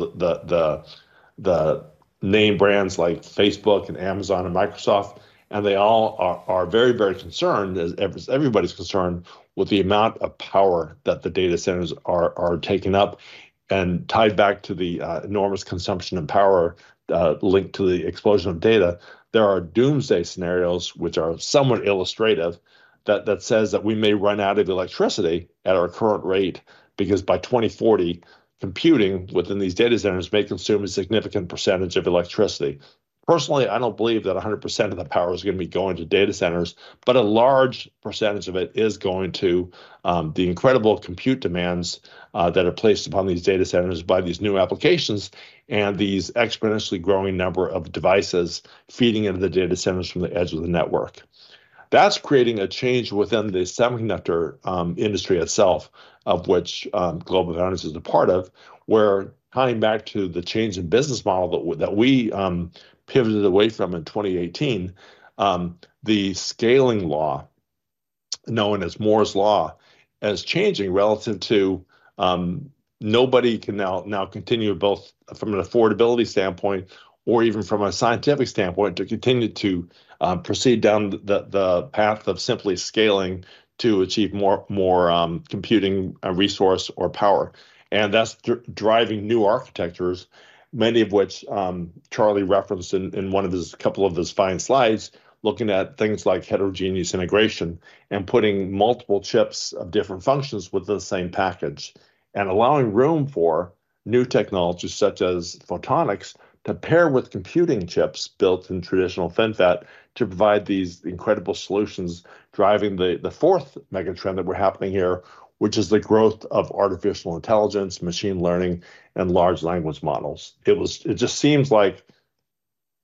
the- Name brands like Facebook and Amazon and Microsoft, and they all are very, very concerned, as everybody's concerned, with the amount of power that the data centers are taking up, and tied back to the enormous consumption of power linked to the explosion of data. There are doomsday scenarios, which are somewhat illustrative, that says that we may run out of electricity at our current rate, because by 2040, computing within these data centers may consume a significant percentage of electricity. Personally, I don't believe that 100% of the power is gonna be going to data centers, but a large percentage of it is going to the incredible compute demands that are placed upon these data centers by these new applications and these exponentially growing number of devices feeding into the data centers from the edge of the network. That's creating a change within the semiconductor industry itself, of which GlobalFoundries is a part of, where tying back to the change in business model that we pivoted away from in 2018, the scaling law, known as Moore's Law, is changing relative to nobody can now continue both from an affordability standpoint or even from a scientific standpoint, to continue to proceed down the path of simply scaling to achieve more computing resource or power. And that's driving new architectures, many of which, Charlie referenced in one of his couple of his fine slides, looking at things like heterogeneous integration and putting multiple chips of different functions with the same package, and allowing room for new technologies, such as photonics, to pair with computing chips built in traditional FinFET to provide these incredible solutions, driving the fourth mega trend that we're happening here, which is the growth of artificial intelligence, machine learning, and large language models. It just seems like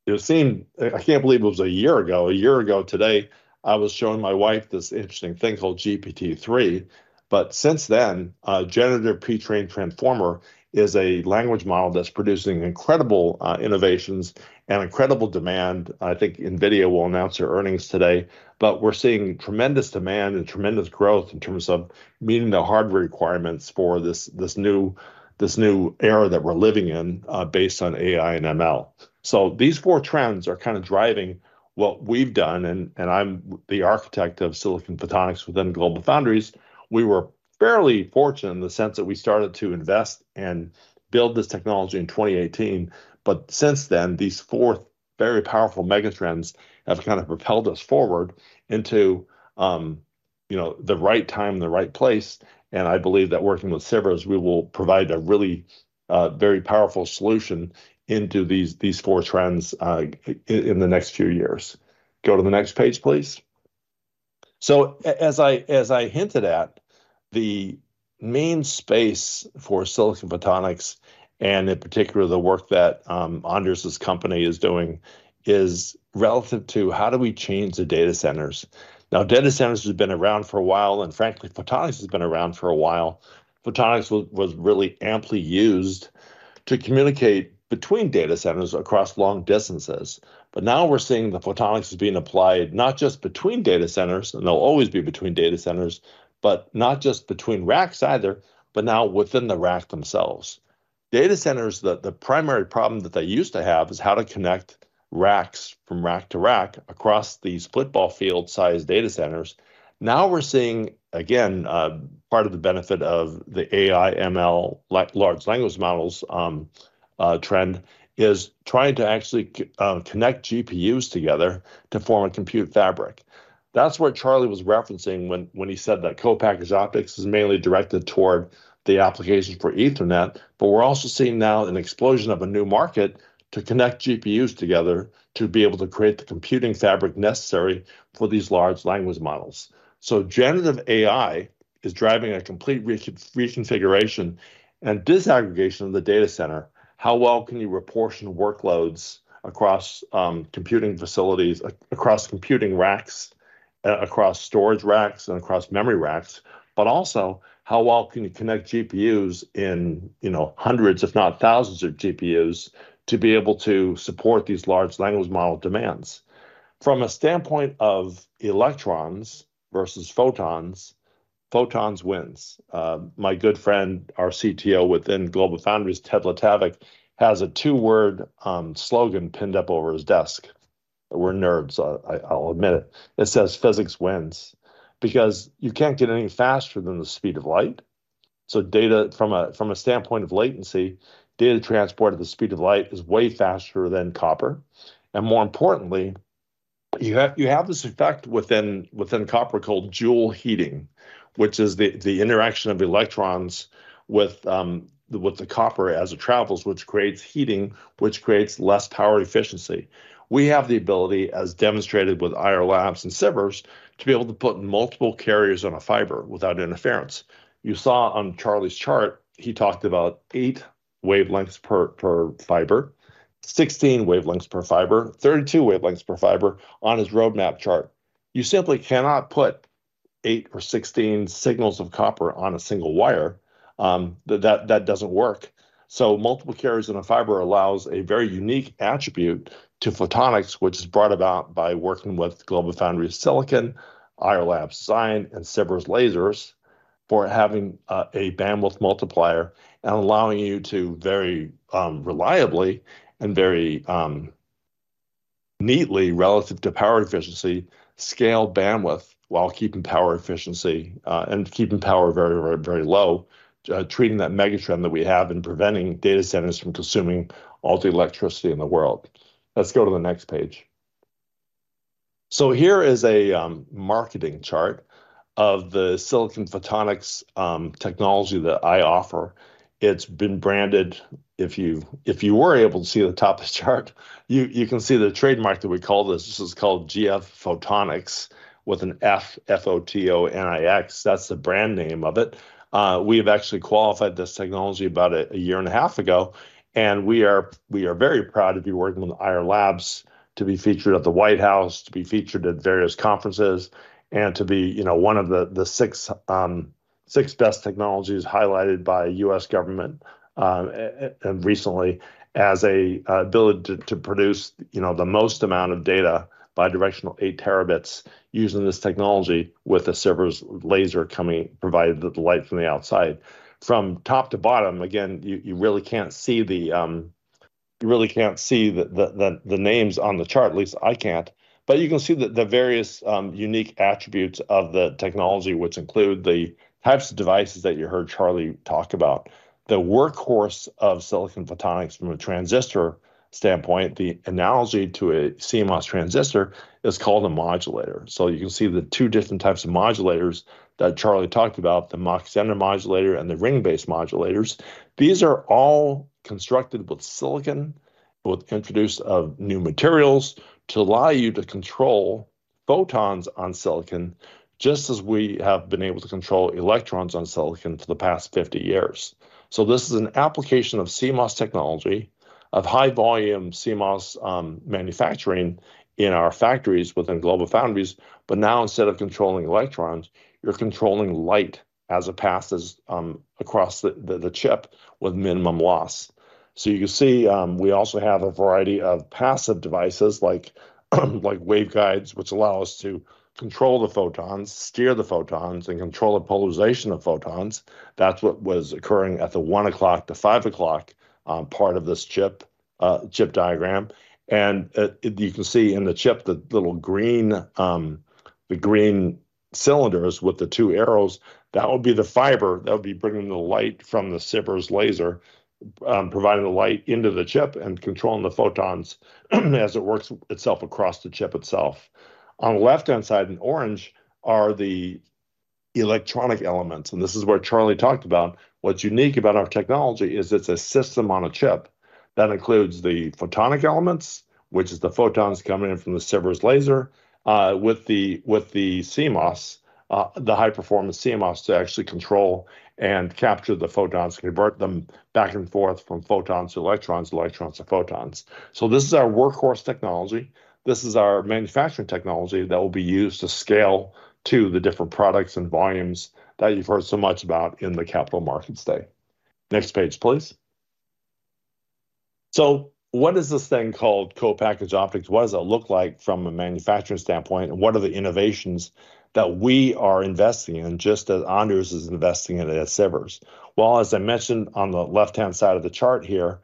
I can't believe it was a year ago. A year ago today, I was showing my wife this interesting thing called GPT-3, but since then, Generative Pre-trained Transformer is a language model that's producing incredible innovations and incredible demand. I think NVIDIA will announce their earnings today, but we're seeing tremendous demand and tremendous growth in terms of meeting the hardware requirements for this, this new, this new era that we're living in, based on AI and ML. So these four trends are kind of driving what we've done, and, and I'm the architect of silicon photonics within GlobalFoundries. We were fairly fortunate in the sense that we started to invest and build this technology in 2018, but since then, these four very powerful mega trends have kind of propelled us forward into, you know, the right time and the right place, and I believe that working with Sivers, we will provide a really, very powerful solution into these, these four trends, in the next few years. Go to the next page, please. So as I hinted at, the main space for Silicon Photonics, and in particular, the work that Anders' company is doing, is relevant to how do we change the data centers? Now, data centers have been around for a while, and frankly, photonics has been around for a while. Photonics was really amply used to communicate between data centers across long distances. But now we're seeing the photonics being applied not just between data centers, and they'll always be between data centers, but not just between racks either, but now within the rack themselves. Data centers, the primary problem that they used to have is how to connect racks from rack to rack across these football field-sized data centers. Now, we're seeing, again, part of the benefit of the AI, ML, large language models trend is trying to actually connect GPUs together to form a compute fabric. That's what Charlie was referencing when, when he said that co-packaged optics is mainly directed toward the applications for Ethernet, but we're also seeing now an explosion of a new market to connect GPUs together, to be able to create the computing fabric necessary for these large language models. So generative AI is driving a complete reconfiguration and disaggregation of the data center. How well can you reportion workloads across, computing facilities, across computing racks, across storage racks, and across memory racks, but also, how well can you connect GPUs in, you know, hundreds, if not thousands of GPUs, to be able to support these large language model demands? From a standpoint of electrons versus photons, photons wins. My good friend, our CTO within GlobalFoundries, Ted Letavic, has a two-word slogan pinned up over his desk. We're nerds. I'll admit it. It says: "Physics wins" because you can't get any faster than the speed of light. So data from a standpoint of latency, data transport at the speed of light is way faster than copper, and more importantly, you have this effect within copper called Joule heating, which is the interaction of electrons with the copper as it travels, which creates heating, which creates less power efficiency. We have the ability, as demonstrated with Ayar Labs and Sivers, to be able to put multiple carriers on a fiber without interference. You saw on Charlie's chart, he talked about 8 wavelengths per fiber, 16 wavelengths per fiber, 32 wavelengths per fiber on his roadmap chart. You simply cannot put 8 or 16 signals of copper on a single wire. That doesn't work. So multiple carriers in a fiber allows a very unique attribute to photonics, which is brought about by working with GlobalFoundries silicon, Ayar Labs design, and Sivers Lasers for having a bandwidth multiplier and allowing you to very reliably and very neatly relative to power efficiency, scale bandwidth while keeping power efficiency and keeping power very, very, very low, treating that mega trend that we have in preventing data centers from consuming all the electricity in the world. Let's go to the next page. So here is a marketing chart of the silicon photonics technology that I offer. It's been branded. If you were able to see the top of the chart, you can see the trademark that we call this. This is called GF Fotonix, with an F, P-H-O-T-O-N-I-X. That's the brand name of it. We have actually qualified this technology about a year and a half ago, and we are very proud to be working with Ayar Labs to be featured at the White House, to be featured at various conferences, and to be, you know, one of the six best technologies highlighted by U.S. government, and recently as a ability to produce, you know, the most amount of data, bi-directional 8 Tb, using this technology with a Sivers laser coming, providing the light from the outside. From top to bottom, again, you really can't see the names on the chart, at least I can't. But you can see the various unique attributes of the technology, which include the types of devices that you heard Charlie talk about. The workhorse of silicon photonics from a transistor standpoint, the analogy to a CMOS transistor, is called a modulator. So you can see the two different types of modulators that Charlie talked about, the Mach-Zehnder modulator and the ring-based modulators. These are all constructed with silicon, with introduction of new materials, to allow you to control photons on silicon, just as we have been able to control electrons on silicon for the past 50 years. So this is an application of CMOS technology, of high-volume CMOS manufacturing in our factories within GlobalFoundries, but now instead of controlling electrons, you're controlling light as it passes across the chip with minimum loss. So you can see, we also have a variety of passive devices like waveguides, which allow us to control the photons, steer the photons, and control the polarization of photons. That's what was occurring at the 1 o'clock to 5 o'clock part of this chip diagram. And, you can see in the chip, the little green cylinders with the 2 arrows, that would be the fiber that would be bringing the light from the Sivers laser, providing the light into the chip and controlling the photons as it works itself across the chip itself. On the left-hand side, in orange, are the electronic elements, and this is where Charlie talked about. What's unique about our technology is it's a system on a chip that includes the photonic elements, which is the photons coming in from the Sivers laser, with the CMOS, the high-performance CMOS, to actually control and capture the photons, convert them back and forth from photons to electrons, electrons to photons. So this is our workhorse technology. This is our manufacturing technology that will be used to scale to the different products and volumes that you've heard so much about in the Capital Markets Day. Next page, please. So what is this thing called Co-Packaged Optics? What does it look like from a manufacturing standpoint, and what are the innovations that we are investing in, just as Anders is investing in it at Sivers? Well, as I mentioned on the left-hand side of the chart here,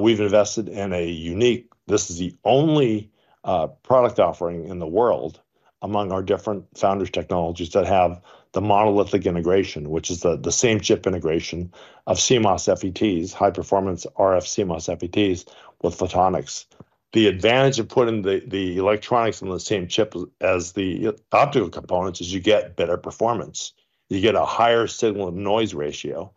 we've invested in a unique... This is the only product offering in the world among our different foundry technologies that have the monolithic integration, which is the same chip integration of CMOS FETs, high-performance RF CMOS FETs, with photonics. The advantage of putting the electronics on the same chip as the optical components is you get better performance. You get a higher signal-to-noise ratio,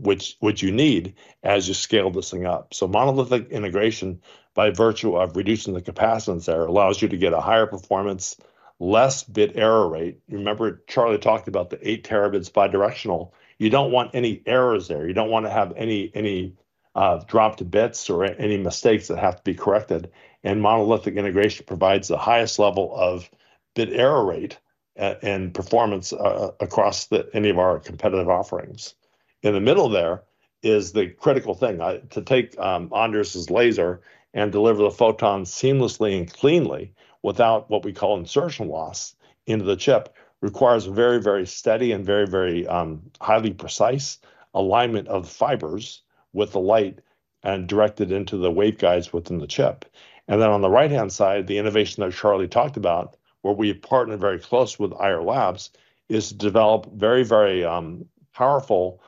which you need as you scale this thing up. So monolithic integration, by virtue of reducing the capacitance there, allows you to get a higher performance, less bit error rate. Remember, Charlie talked about the 8 terabits bi-directional. You don't want any errors there. You don't want to have any dropped bits or any mistakes that have to be corrected, and monolithic integration provides the highest level of bit error rate and performance across any of our competitive offerings. In the middle there is the critical thing. To take Anders's laser and deliver the photons seamlessly and cleanly, without what we call insertion loss, into the chip, requires very steady and very highly precise alignment of the fibers with the light and directed into the waveguides within the chip. And then on the right-hand side, the innovation that Charlie talked about, where we partnered very close with Ayar Labs, is to develop very powerful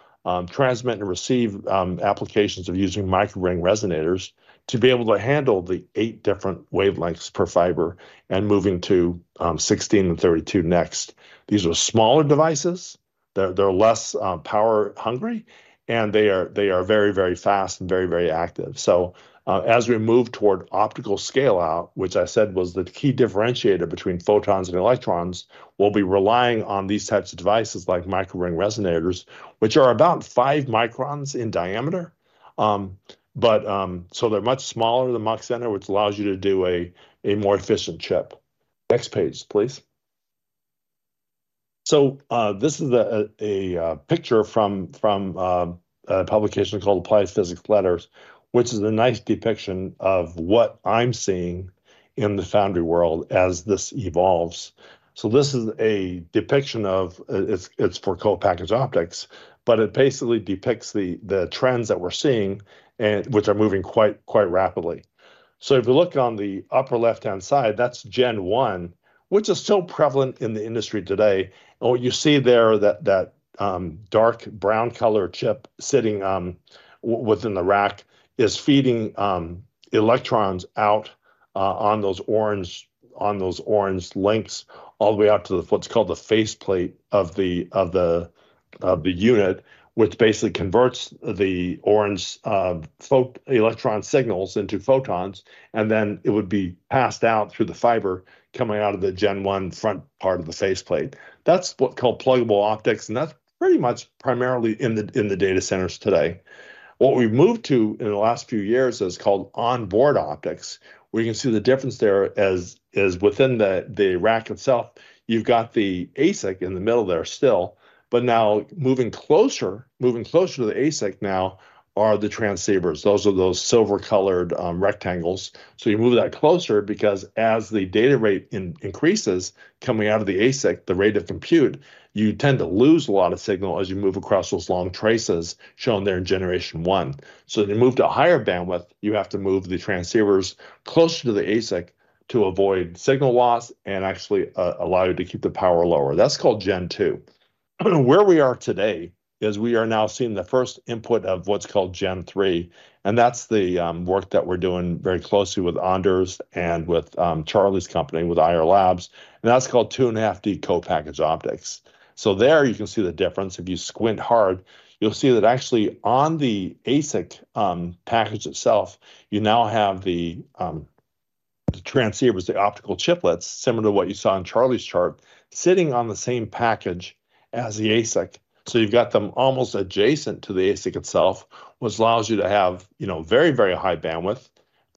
transmit and receive applications of using microring resonators to be able to handle the 8 different wavelengths per fiber and moving to 16 and 32 next. These are smaller devices. They're less power hungry, and they are very, very fast and very, very active. So, as we move toward optical scale-out, which I said was the key differentiator between photons and electrons, we'll be relying on these types of devices, like microring resonators, which are about five microns in diameter. But, so they're much smaller than Mach-Zehnder, which allows you to do a more efficient chip. Next page, please... So, this is a picture from a publication called Applied Physics Letters, which is a nice depiction of what I'm seeing in the foundry world as this evolves. So this is a depiction of, it's for co-packaged optics, but it basically depicts the trends that we're seeing and which are moving quite, quite rapidly. So if you look on the upper left-hand side, that's Gen 1, which is still prevalent in the industry today. What you see there, that dark brown color chip sitting within the rack, is feeding electrons out on those orange links all the way out to what's called the faceplate of the unit, which basically converts the orange photo-electron signals into photons, and then it would be passed out through the fiber coming out of the Gen 1 front part of the faceplate. That's what's called pluggable optics, and that's pretty much primarily in the data centers today. What we've moved to in the last few years is called onboard optics, where you can see the difference there as within the rack itself. You've got the ASIC in the middle there still, but now moving closer, moving closer to the ASIC now are the transceivers. Those are those silver-colored rectangles. So you move that closer because as the data rate increases, coming out of the ASIC, the rate of compute, you tend to lose a lot of signal as you move across those long traces shown there in generation one. So to move to a higher bandwidth, you have to move the transceivers closer to the ASIC to avoid signal loss and actually allow you to keep the power lower. That's called Gen 2. Where we are today is we are now seeing the first input of what's called Gen 3, and that's the work that we're doing very closely with Anders and with Charlie's company, with Ayar Labs, and that's called 2.5D co-packaged optics. So there you can see the difference. If you squint hard, you'll see that actually on the ASIC package itself, you now have the transceivers, the optical chiplets, similar to what you saw on Charlie's chart, sitting on the same package as the ASIC. So you've got them almost adjacent to the ASIC itself, which allows you to have, you know, very, very high bandwidth,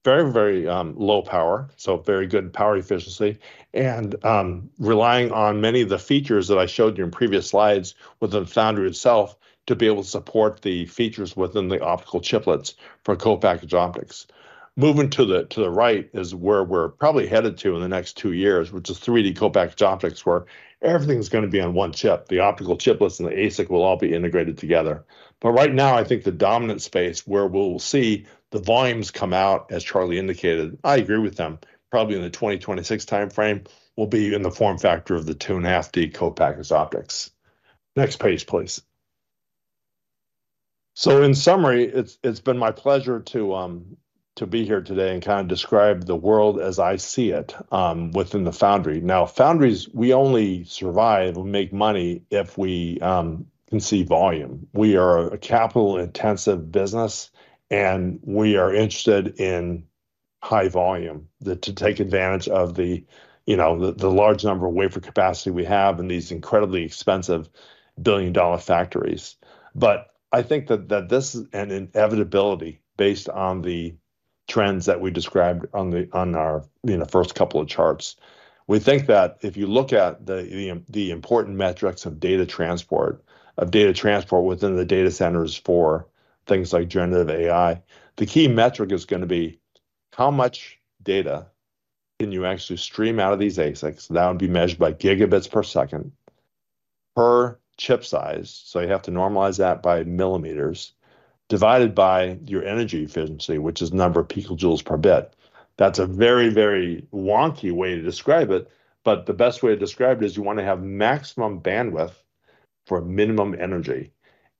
very, very low power, so very good power efficiency. Relying on many of the features that I showed you in previous slides within the foundry itself, to be able to support the features within the optical chiplets for co-packaged optics. Moving to the right is where we're probably headed to in the next two years, which is 3D co-packaged optics, where everything's gonna be on one chip. The optical chiplets and the ASIC will all be integrated together. But right now, I think the dominant space where we'll see the volumes come out, as Charlie indicated, I agree with them, probably in the 2026 timeframe, will be in the form factor of the 2.5D co-packaged optics. Next page, please. So in summary, it's been my pleasure to be here today and kind of describe the world as I see it within the foundry. Now, foundries, we only survive and make money if we can see volume. We are a capital-intensive business, and we are interested in high volume to take advantage of the, you know, the large number of wafer capacity we have in these incredibly expensive billion-dollar factories. But I think that this is an inevitability based on the trends that we described on the on our, you know, first couple of charts. We think that if you look at the important metrics of data transport, of data transport within the data centers for things like generative AI, the key metric is gonna be: how much data can you actually stream out of these ASICs? That would be measured by gigabits per second, per chip size, so you have to normalize that by millimeters, divided by your energy efficiency, which is number of picojoules per bit. That's a very, very wonky way to describe it, but the best way to describe it is you want to have maximum bandwidth for minimum energy,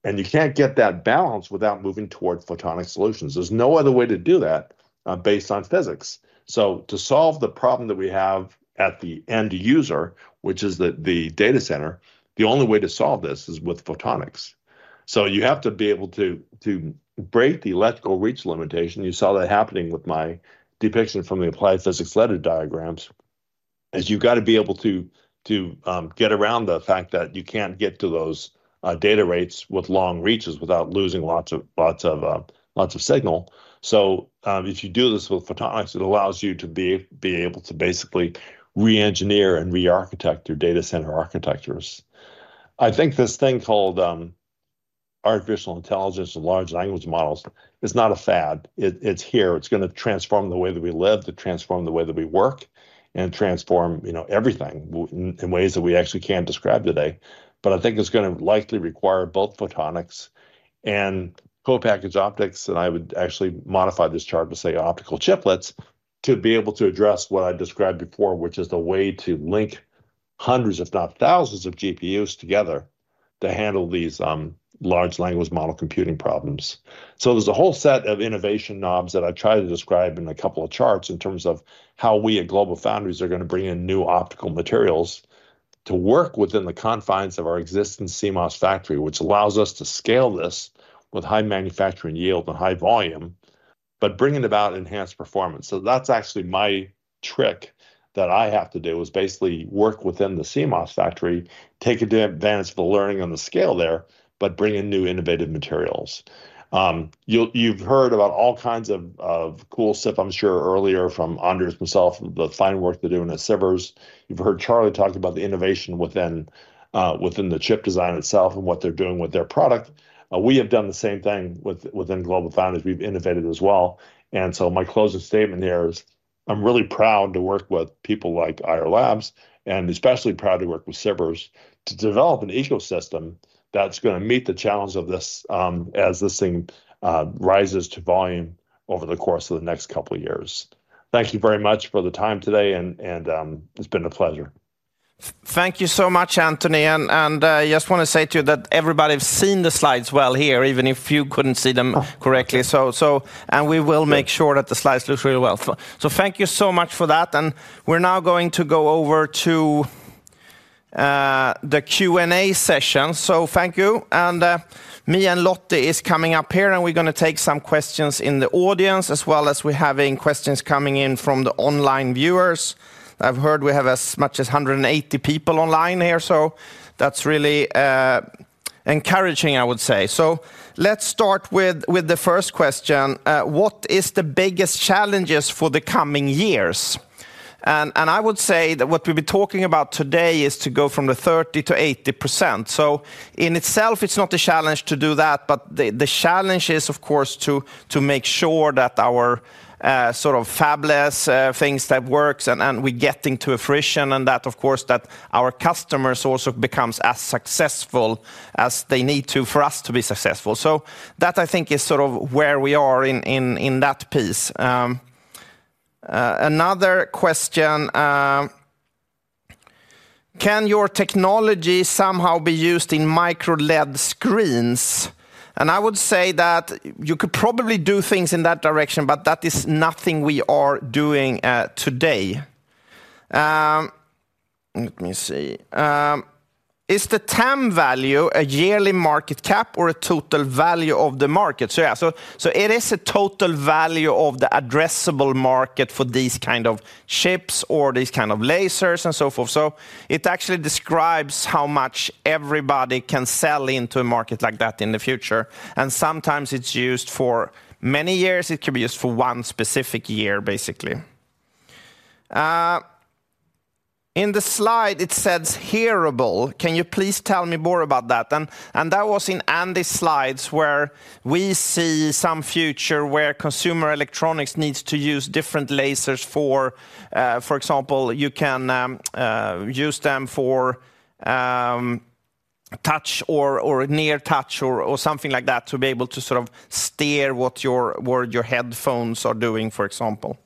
and you can't get that balance without moving towards photonic solutions. There's no other way to do that, based on physics. So to solve the problem that we have at the end user, which is the data center, the only way to solve this is with photonics. So you have to be able to break the electrical reach limitation. You saw that happening with my depiction from the Applied Physics Letters diagrams; you've got to be able to get around the fact that you can't get to those data rates with long reaches without losing lots of signal. So, if you do this with photonics, it allows you to be able to basically re-engineer and re-architect your data center architectures. I think this thing called artificial intelligence and large language models is not a fad. It, it's here. It's gonna transform the way that we live, to transform the way that we work, and transform, you know, everything in ways that we actually can't describe today. But I think it's gonna likely require both photonics and co-packaged optics, and I would actually modify this chart to say optical chiplets, to be able to address what I described before, which is the way to link hundreds, if not thousands, of GPUs together to handle these large language model computing problems. So there's a whole set of innovation knobs that I tried to describe in a couple of charts in terms of how we at GlobalFoundries are going to bring in new optical materials to work within the confines of our existing CMOS factory, which allows us to scale this with high manufacturing yield and high volume... but bringing about enhanced performance. So that's actually my trick that I have to do, is basically work within the CMOS factory, take advantage of the learning on the scale there, but bring in new innovative materials. You've heard about all kinds of cool SiP, I'm sure, earlier from Anders himself, the fine work they're doing at Sivers. You've heard Charlie talk about the innovation within the chip design itself and what they're doing with their product. We have done the same thing within GlobalFoundries. We've innovated as well, and so my closing statement here is I'm really proud to work with people like Ayar Labs, and especially proud to work with Sivers, to develop an ecosystem that's gonna meet the challenge of this, as this thing rises to volume over the course of the next couple of years. Thank you very much for the time today, and it's been a pleasure. Thank you so much, Anthony, and I just want to say to you that everybody's seen the slides well here, even if you couldn't see them correctly. Oh, okay. So, and we will make sure- Good That the slides looks really well. So thank you so much for that, and we're now going to go over to the Q&A session. So thank you, and me and Lotte is coming up here, and we're gonna take some questions in the audience, as well as we're having questions coming in from the online viewers. I've heard we have as much as 180 people online here, so that's really encouraging, I would say. So let's start with the first question. What is the biggest challenges for the coming years? And I would say that what we've been talking about today is to go from the 30%-80%. So in itself, it's not a challenge to do that, but the challenge is, of course, to make sure that our sort of fabless things that works and we getting to fruition, and that, of course, our customers also becomes as successful as they need to for us to be successful. So that, I think, is sort of where we are in that piece. Another question, can your technology somehow be used in microlens screens? And I would say that you could probably do things in that direction, but that is nothing we are doing today. Let me see. Is the TAM value a yearly market cap or a total value of the market? It is a total value of the addressable market for these kind of chips or these kind of lasers and so forth. So it actually describes how much everybody can sell into a market like that in the future, and sometimes it's used for many years. It can be used for one specific year, basically. In the slide, it says wearable. Can you please tell me more about that? And that was in Andy's slides, where we see some future where consumer electronics needs to use different lasers for, for example, you can use them for touch or near touch or something like that, to be able to sort of steer what your - where your headphones are doing, for example.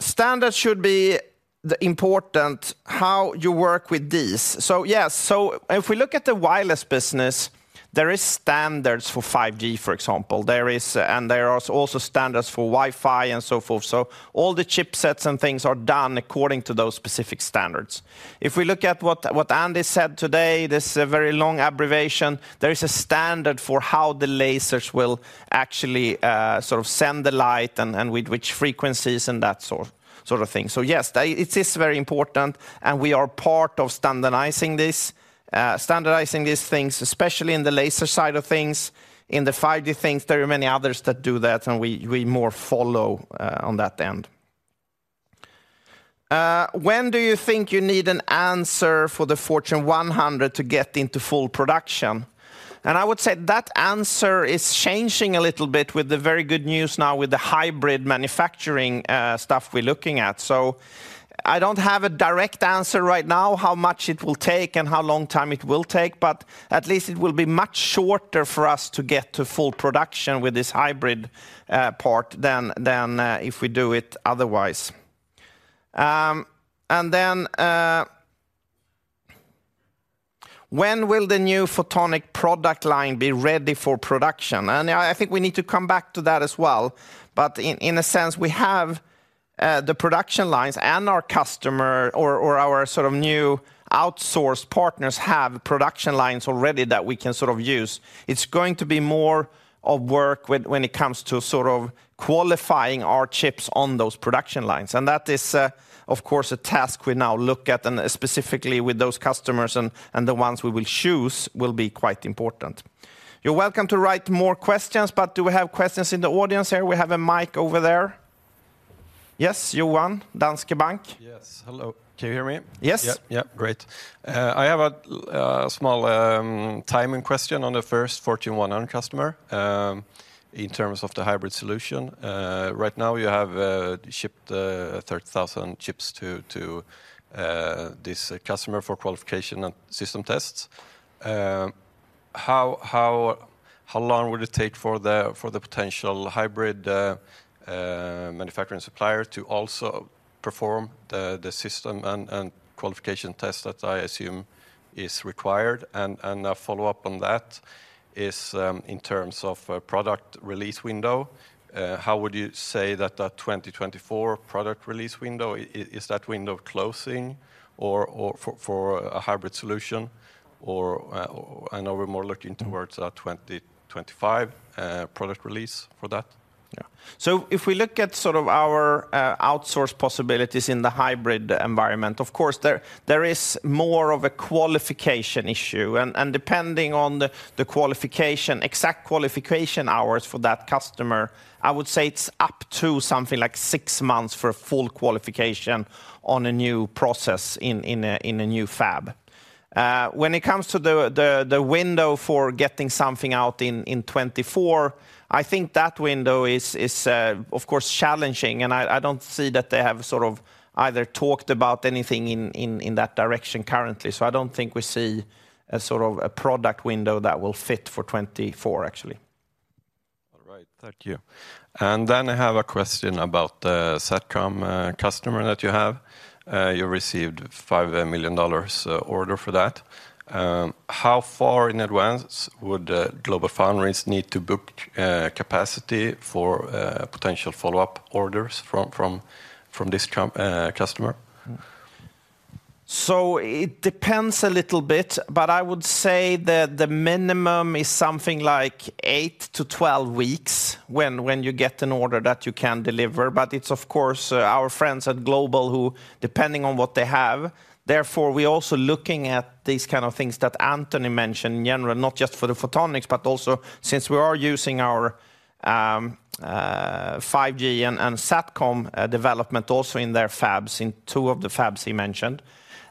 Standards should be the important, how you work with these. So yes, so if we look at the wireless business, there are standards for 5G, for example. There is... And there are also standards for Wi-Fi and so forth. So all the chipsets and things are done according to those specific standards. If we look at what, what Andy said today, this very long abbreviation, there is a standard for how the lasers will actually sort of send the light and, and with which frequencies and that sort of, sort of thing. So yes, that it is very important, and we are part of standardizing this, standardizing these things, especially in the laser side of things. In the 5G things, there are many others that do that, and we, we more follow on that end. When do you think you need an answer for the Fortune 100 to get into full production? I would say that answer is changing a little bit with the very good news now with the hybrid manufacturing stuff we're looking at. So I don't have a direct answer right now, how much it will take and how long time it will take, but at least it will be much shorter for us to get to full production with this hybrid part than if we do it otherwise. Then, when will the new photonic product line be ready for production? I think we need to come back to that as well. But in a sense, we have the production lines and our customer or our sort of new outsourced partners have production lines already that we can sort of use. It's going to be more of work when, when it comes to sort of qualifying our chips on those production lines, and that is, of course, a task we now look at and specifically with those customers and, and the ones we will choose will be quite important. You're welcome to write more questions, but do we have questions in the audience here? We have a mic over there. Yes, Johan, Danske Bank. Yes. Hello, can you hear me? Yes. Yeah, yeah, great. I have a small timing question on the first Fortune 100 customer, in terms of the hybrid solution. Right now, you have shipped 30,000 chips to this customer for qualification and system tests. How long would it take for the potential hybrid manufacturing supplier to also perform the system and qualification test that I assume is required? And a follow-up on that is, in terms of product release window, how would you say that the 2024 product release window is that window closing or for a hybrid solution? Or I know we're more looking towards 2025 product release for that. Yeah. So if we look at sort of our outsource possibilities in the hybrid environment, of course, there is more of a qualification issue. And depending on the qualification, exact qualification hours for that customer, I would say it's up to something like six months for a full qualification on a new process in a new fab. When it comes to the window for getting something out in 2024, I think that window is of course challenging, and I don't see that they have sort of either talked about anything in that direction currently. So I don't think we see a sort of a product window that will fit for 2024, actually. All right. Thank you. And then I have a question about the Satcom customer that you have. You received $5 million order for that. How far in advance would GlobalFoundries need to book capacity for potential follow-up orders from this customer? So it depends a little bit, but I would say that the minimum is something like 8-12 weeks when you get an order that you can deliver. But it's, of course, our friends at Global, who, depending on what they have, therefore, we're also looking at these kind of things that Anthony mentioned in general, not just for the photonics, but also since we are using our 5G and Satcom development also in their fabs, in two of the fabs he mentioned.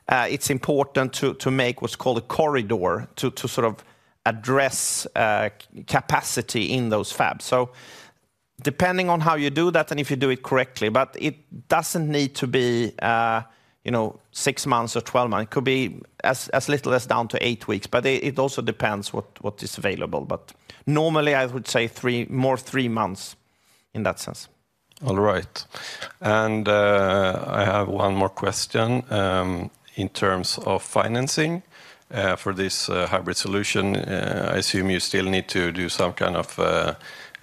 It's important to make what's called a corridor, to sort of address capacity in those fabs. So depending on how you do that and if you do it correctly, but it doesn't need to be, you know, six months or 12 months. It could be as little as down to eight weeks, but it also depends what is available. But normally, I would say three more months in that sense. All right. And I have one more question, in terms of financing, for this hybrid solution. I assume you still need to do some kind of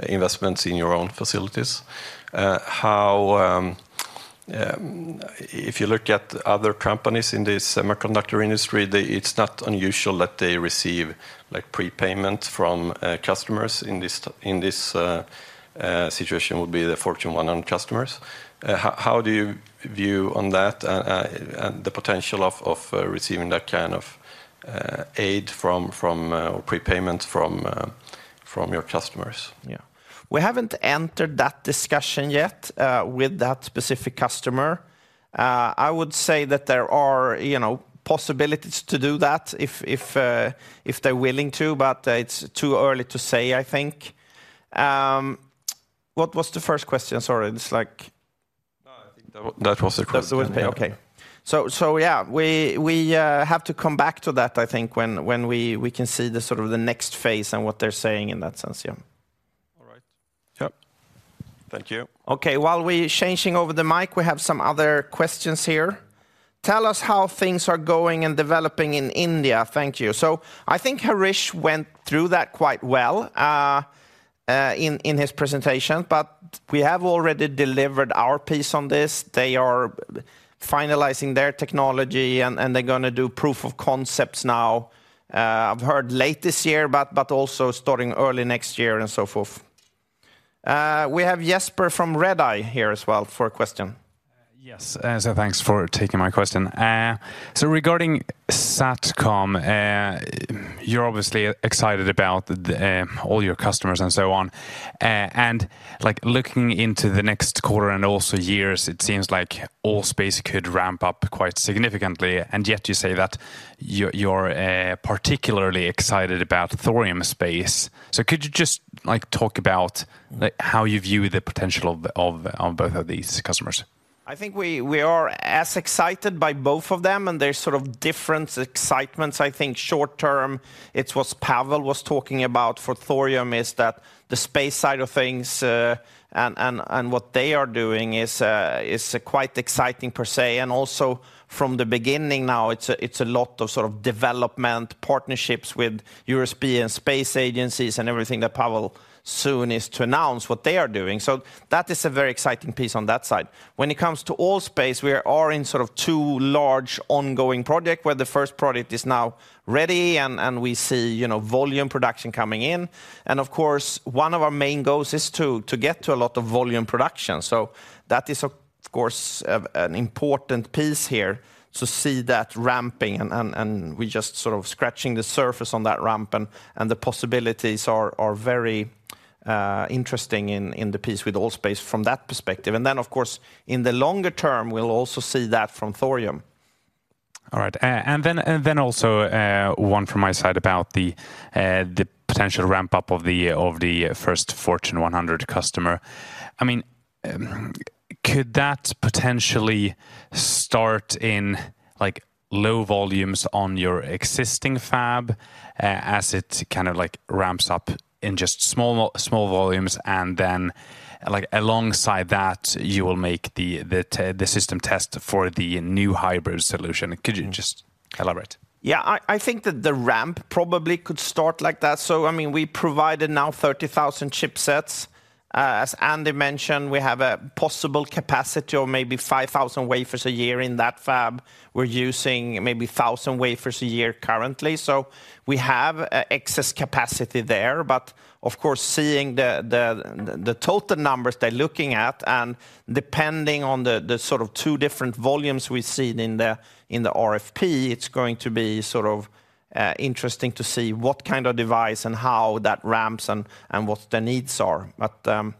investments in your own facilities. How, if you look at other companies in the semiconductor industry, it's not unusual that they receive, like, prepayment from customers. In this situation would be the Fortune 100 customers. How do you view on that, and the potential of receiving that kind of aid from or prepayment from your customers? Yeah. We haven't entered that discussion yet, with that specific customer. I would say that there are, you know, possibilities to do that, if they're willing to, but it's too early to say, I think. What was the first question? Sorry, it's like- No, I think that, that was the question. That's the... Okay. So yeah, we have to come back to that, I think, when we can see the sort of the next phase and what they're saying in that sense. Yeah. All right. Yep. Thank you. Okay, while we're changing over the mic, we have some other questions here. "Tell us how things are going and developing in India. Thank you." So I think Harish went through that quite well, in his presentation, but we have already delivered our piece on this. They are finalizing their technology, and they're gonna do proof of concepts now, I've heard late this year, but also starting early next year and so forth. We have Jesper from Redeye here as well for a question. Yes, so thanks for taking my question. So regarding Satcom, you're obviously excited about the, all your customers and so on. And, like, looking into the next quarter and also years, it seems like All.Space could ramp up quite significantly, and yet you say that you're, you're, particularly excited about Thorium Space. So could you just, like, talk about, like, how you view the potential of, of, of both of these customers? I think we are as excited by both of them, and there's sort of different excitements. I think short term, it's what Pavel was talking about for Thorium, is that the space side of things, and what they are doing is quite exciting per se. And also from the beginning now, it's a lot of sort of development, partnerships with European space agencies and everything that Pavel soon is to announce what they are doing. So that is a very exciting piece on that side. When it comes to All.Space, we are in sort of two large ongoing project, where the first project is now ready, and we see, you know, volume production coming in. And of course, one of our main goals is to get to a lot of volume production. So that is, of course, an important piece here to see that ramping, and we're just sort of scratching the surface on that ramp, and the possibilities are very interesting in the piece with All.Space from that perspective. And then, of course, in the longer term, we'll also see that from Thorium. All right, and then, and then also, one from my side about the potential ramp-up of the first Fortune 100 customer. I mean, could that potentially start in, like, low volumes on your existing fab, as it kind of like ramps up in just small volumes, and then, like, alongside that, you will make the system test for the new hybrid solution? Could you just elaborate? Yeah, I think that the ramp probably could start like that. So I mean, we provided now 30,000 chipsets. As Andy mentioned, we have a possible capacity of maybe 5,000 wafers a year in that fab. We're using maybe 1,000 wafers a year currently, so we have excess capacity there. But of course, seeing the total numbers they're looking at, and depending on the sort of two different volumes we've seen in the RFP, it's going to be sort of interesting to see what kind of device and how that ramps and what the needs are. But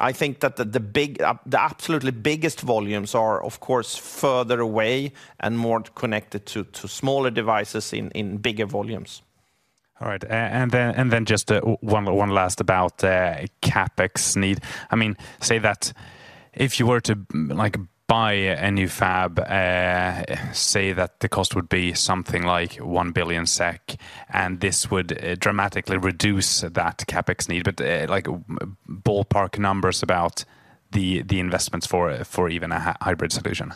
I think that the big, the absolutely biggest volumes are, of course, further away and more connected to smaller devices in bigger volumes. All right. And then just one last about CapEx need. I mean, say that if you were to, like, buy a new fab, say that the cost would be something like 1 billion SEK, and this would dramatically reduce that CapEx need, but, like, ballpark numbers about the investments for even a hybrid solution.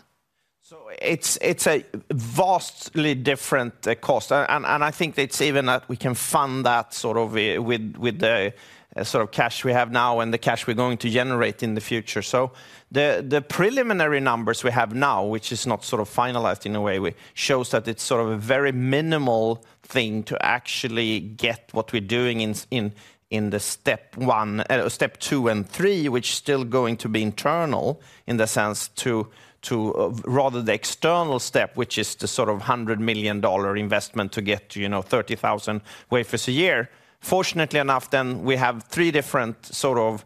So it's a vastly different cost, and I think it's even that we can fund that sort of with the sort of cash we have now and the cash we're going to generate in the future. So the preliminary numbers we have now, which is not sort of finalized in a way, shows that it's sort of a very minimal thing to actually get what we're doing in the step one, step two and three, which is still going to be internal, in the sense to... Rather the external step, which is the sort of $100 million investment to get to, you know, 30,000 wafers a year. Fortunately enough, then, we have three different sort of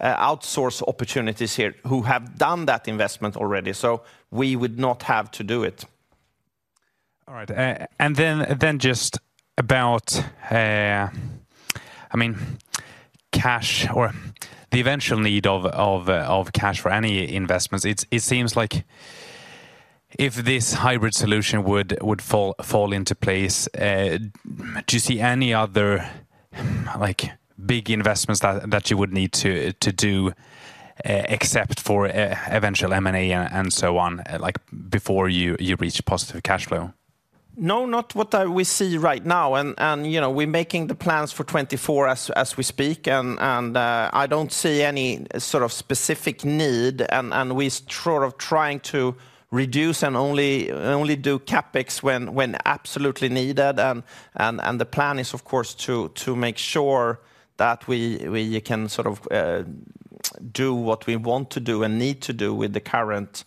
outsource opportunities here who have done that investment already, so we would not have to do it. All right. And then, then just about, I mean, cash or the eventual need of cash for any investments. It seems like if this hybrid solution would fall into place, do you see any other, like, big investments that you would need to do, except for eventual M&A and so on, like, before you reach a positive cash flow? No, not what we see right now. You know, we're making the plans for 2024 as we speak, and I don't see any sort of specific need. We sort of trying to reduce and only do CapEx when absolutely needed. The plan is, of course, to make sure that we can sort of do what we want to do and need to do with the current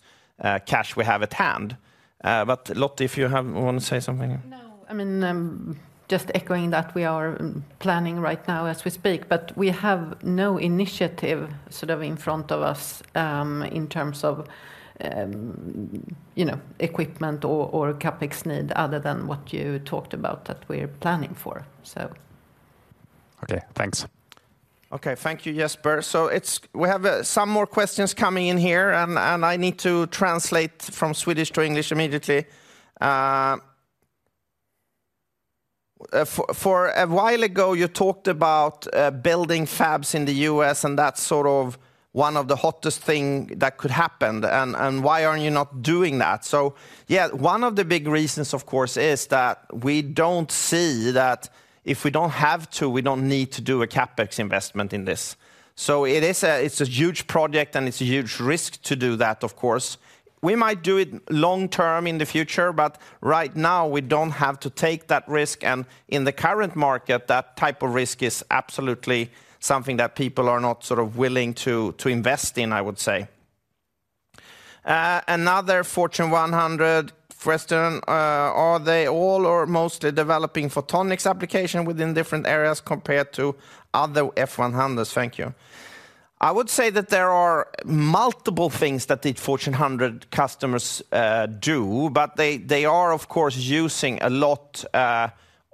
cash we have at hand. But Lotte, if you have want to say something? No. I mean, just echoing that we are planning right now as we speak, but we have no initiative sort of in front of us, in terms of, you know, equipment or, or CapEx need other than what you talked about that we're planning for, so. Okay, thanks. Okay, thank you, Jesper. So we have some more questions coming in here, and I need to translate from Swedish to English immediately. For a while ago, you talked about building fabs in the U.S., and that's sort of one of the hottest thing that could happen, and why are you not doing that? So, yeah, one of the big reasons, of course, is that we don't see that if we don't have to, we don't need to do a CapEx investment in this. So it's a huge project, and it's a huge risk to do that, of course. We might do it long term in the future, but right now, we don't have to take that risk, and in the current market, that type of risk is absolutely something that people are not sort of willing to to invest in, I would say. Another Fortune 100 question: Are they all or mostly developing photonics application within different areas compared to other Fortune 100s? Thank you. I would say that there are multiple things that the Fortune 100 customers do, but they, they are, of course, using a lot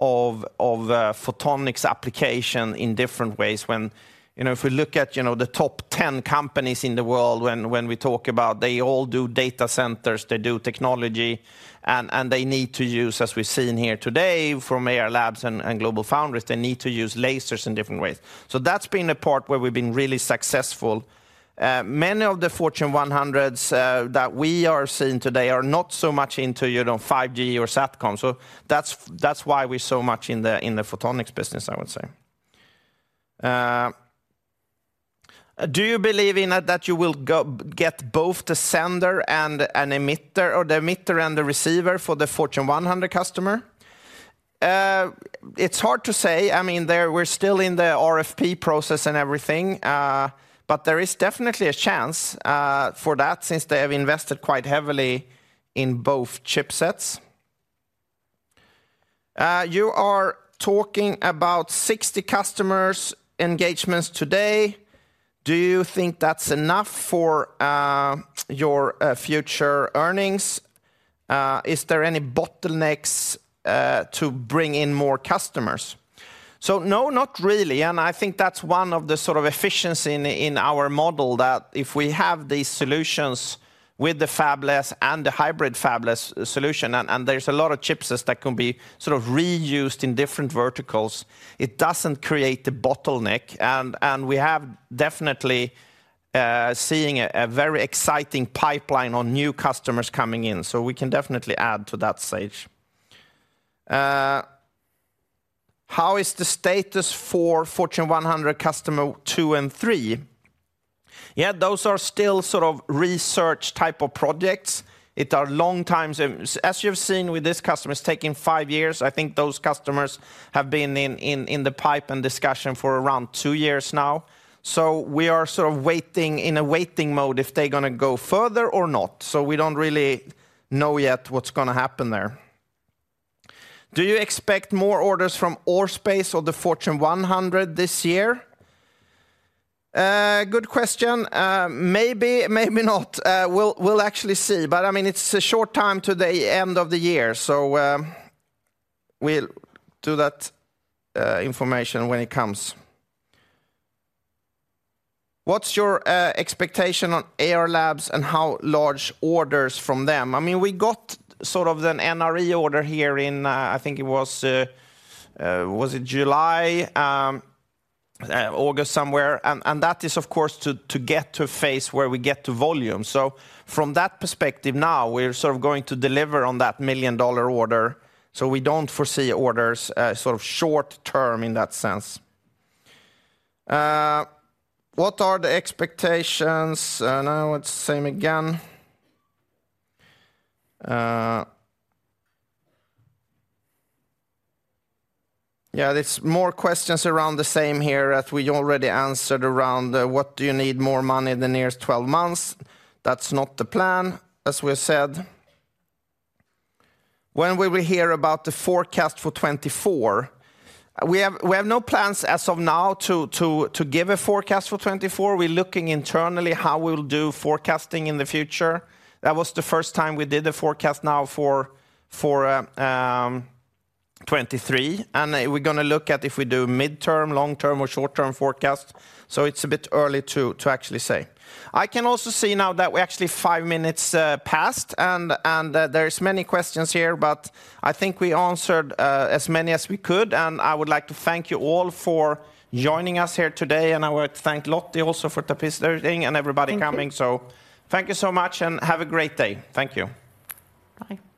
of photonics application in different ways. When, you know, if we look at, you know, the top 10 companies in the world when we talk about, they all do data centers, they do technology, and they need to use, as we've seen here today from Ayar Labs and GlobalFoundries, they need to use lasers in different ways. So that's been a part where we've been really successful. Many of the Fortune 100s that we are seeing today are not so much into, you know, 5G or Satcom. So that's why we're so much in the photonics business, I would say. Do you believe in that you will go-- get both the sender and an emitter, or the emitter and the receiver for the Fortune 100 customer? It's hard to say. I mean, they're we're still in the RFP process and everything, but there is definitely a chance for that since they have invested quite heavily in both chipsets. You are talking about 60 customers engagements today. Do you think that's enough for your future earnings? Is there any bottlenecks to bring in more customers? So no, not really, and I think that's one of the sort of efficiency in our model, that if we have these solutions with the fabless and the hybrid fabless solution, and there's a lot of chipsets that can be sort of reused in different verticals, it doesn't create a bottleneck. And we have definitely seeing a very exciting pipeline on new customers coming in, so we can definitely add to that stage. How is the status for Fortune 100 customer two and three? Yeah, those are still sort of research type of projects. It are long times, as you've seen with this customer, it's taking five years. I think those customers have been in the pipe and discussion for around two years now. So we are sort of waiting, in a waiting mode if they're gonna go further or not. So we don't really know yet what's gonna happen there. Do you expect more orders from All.Space or the Fortune 100 this year? Good question. Maybe, maybe not. We'll, we'll actually see. But, I mean, it's a short time to the end of the year, so, we'll do that information when it comes. What's your expectation on Ayar Labs and how large orders from them? I mean, we got sort of an NRE order here in, I think it was July, August somewhere. And that is, of course, to get to a phase where we get to volume. So from that perspective now, we're sort of going to deliver on that $1 million order, so we don't foresee orders, sort of short term in that sense. What are the expectations? Now it's same again. Yeah, there's more questions around the same here that we already answered around what do you need more money in the nearest 12 months? That's not the plan, as we said. When will we hear about the forecast for 2024? We have no plans as of now to give a forecast for 2024. We're looking internally how we'll do forecasting in the future. That was the first time we did a forecast now for 2023, and we're gonna look at if we do midterm, long-term, or short-term forecast. It's a bit early to actually say. I can also see now that we're actually five minutes past, and there's many questions here, but I think we answered as many as we could. I would like to thank you all for joining us here today, and I would like to thank Lotte also for participating and everybody coming. Thank you. Thank you so much, and have a great day. Thank you. Bye.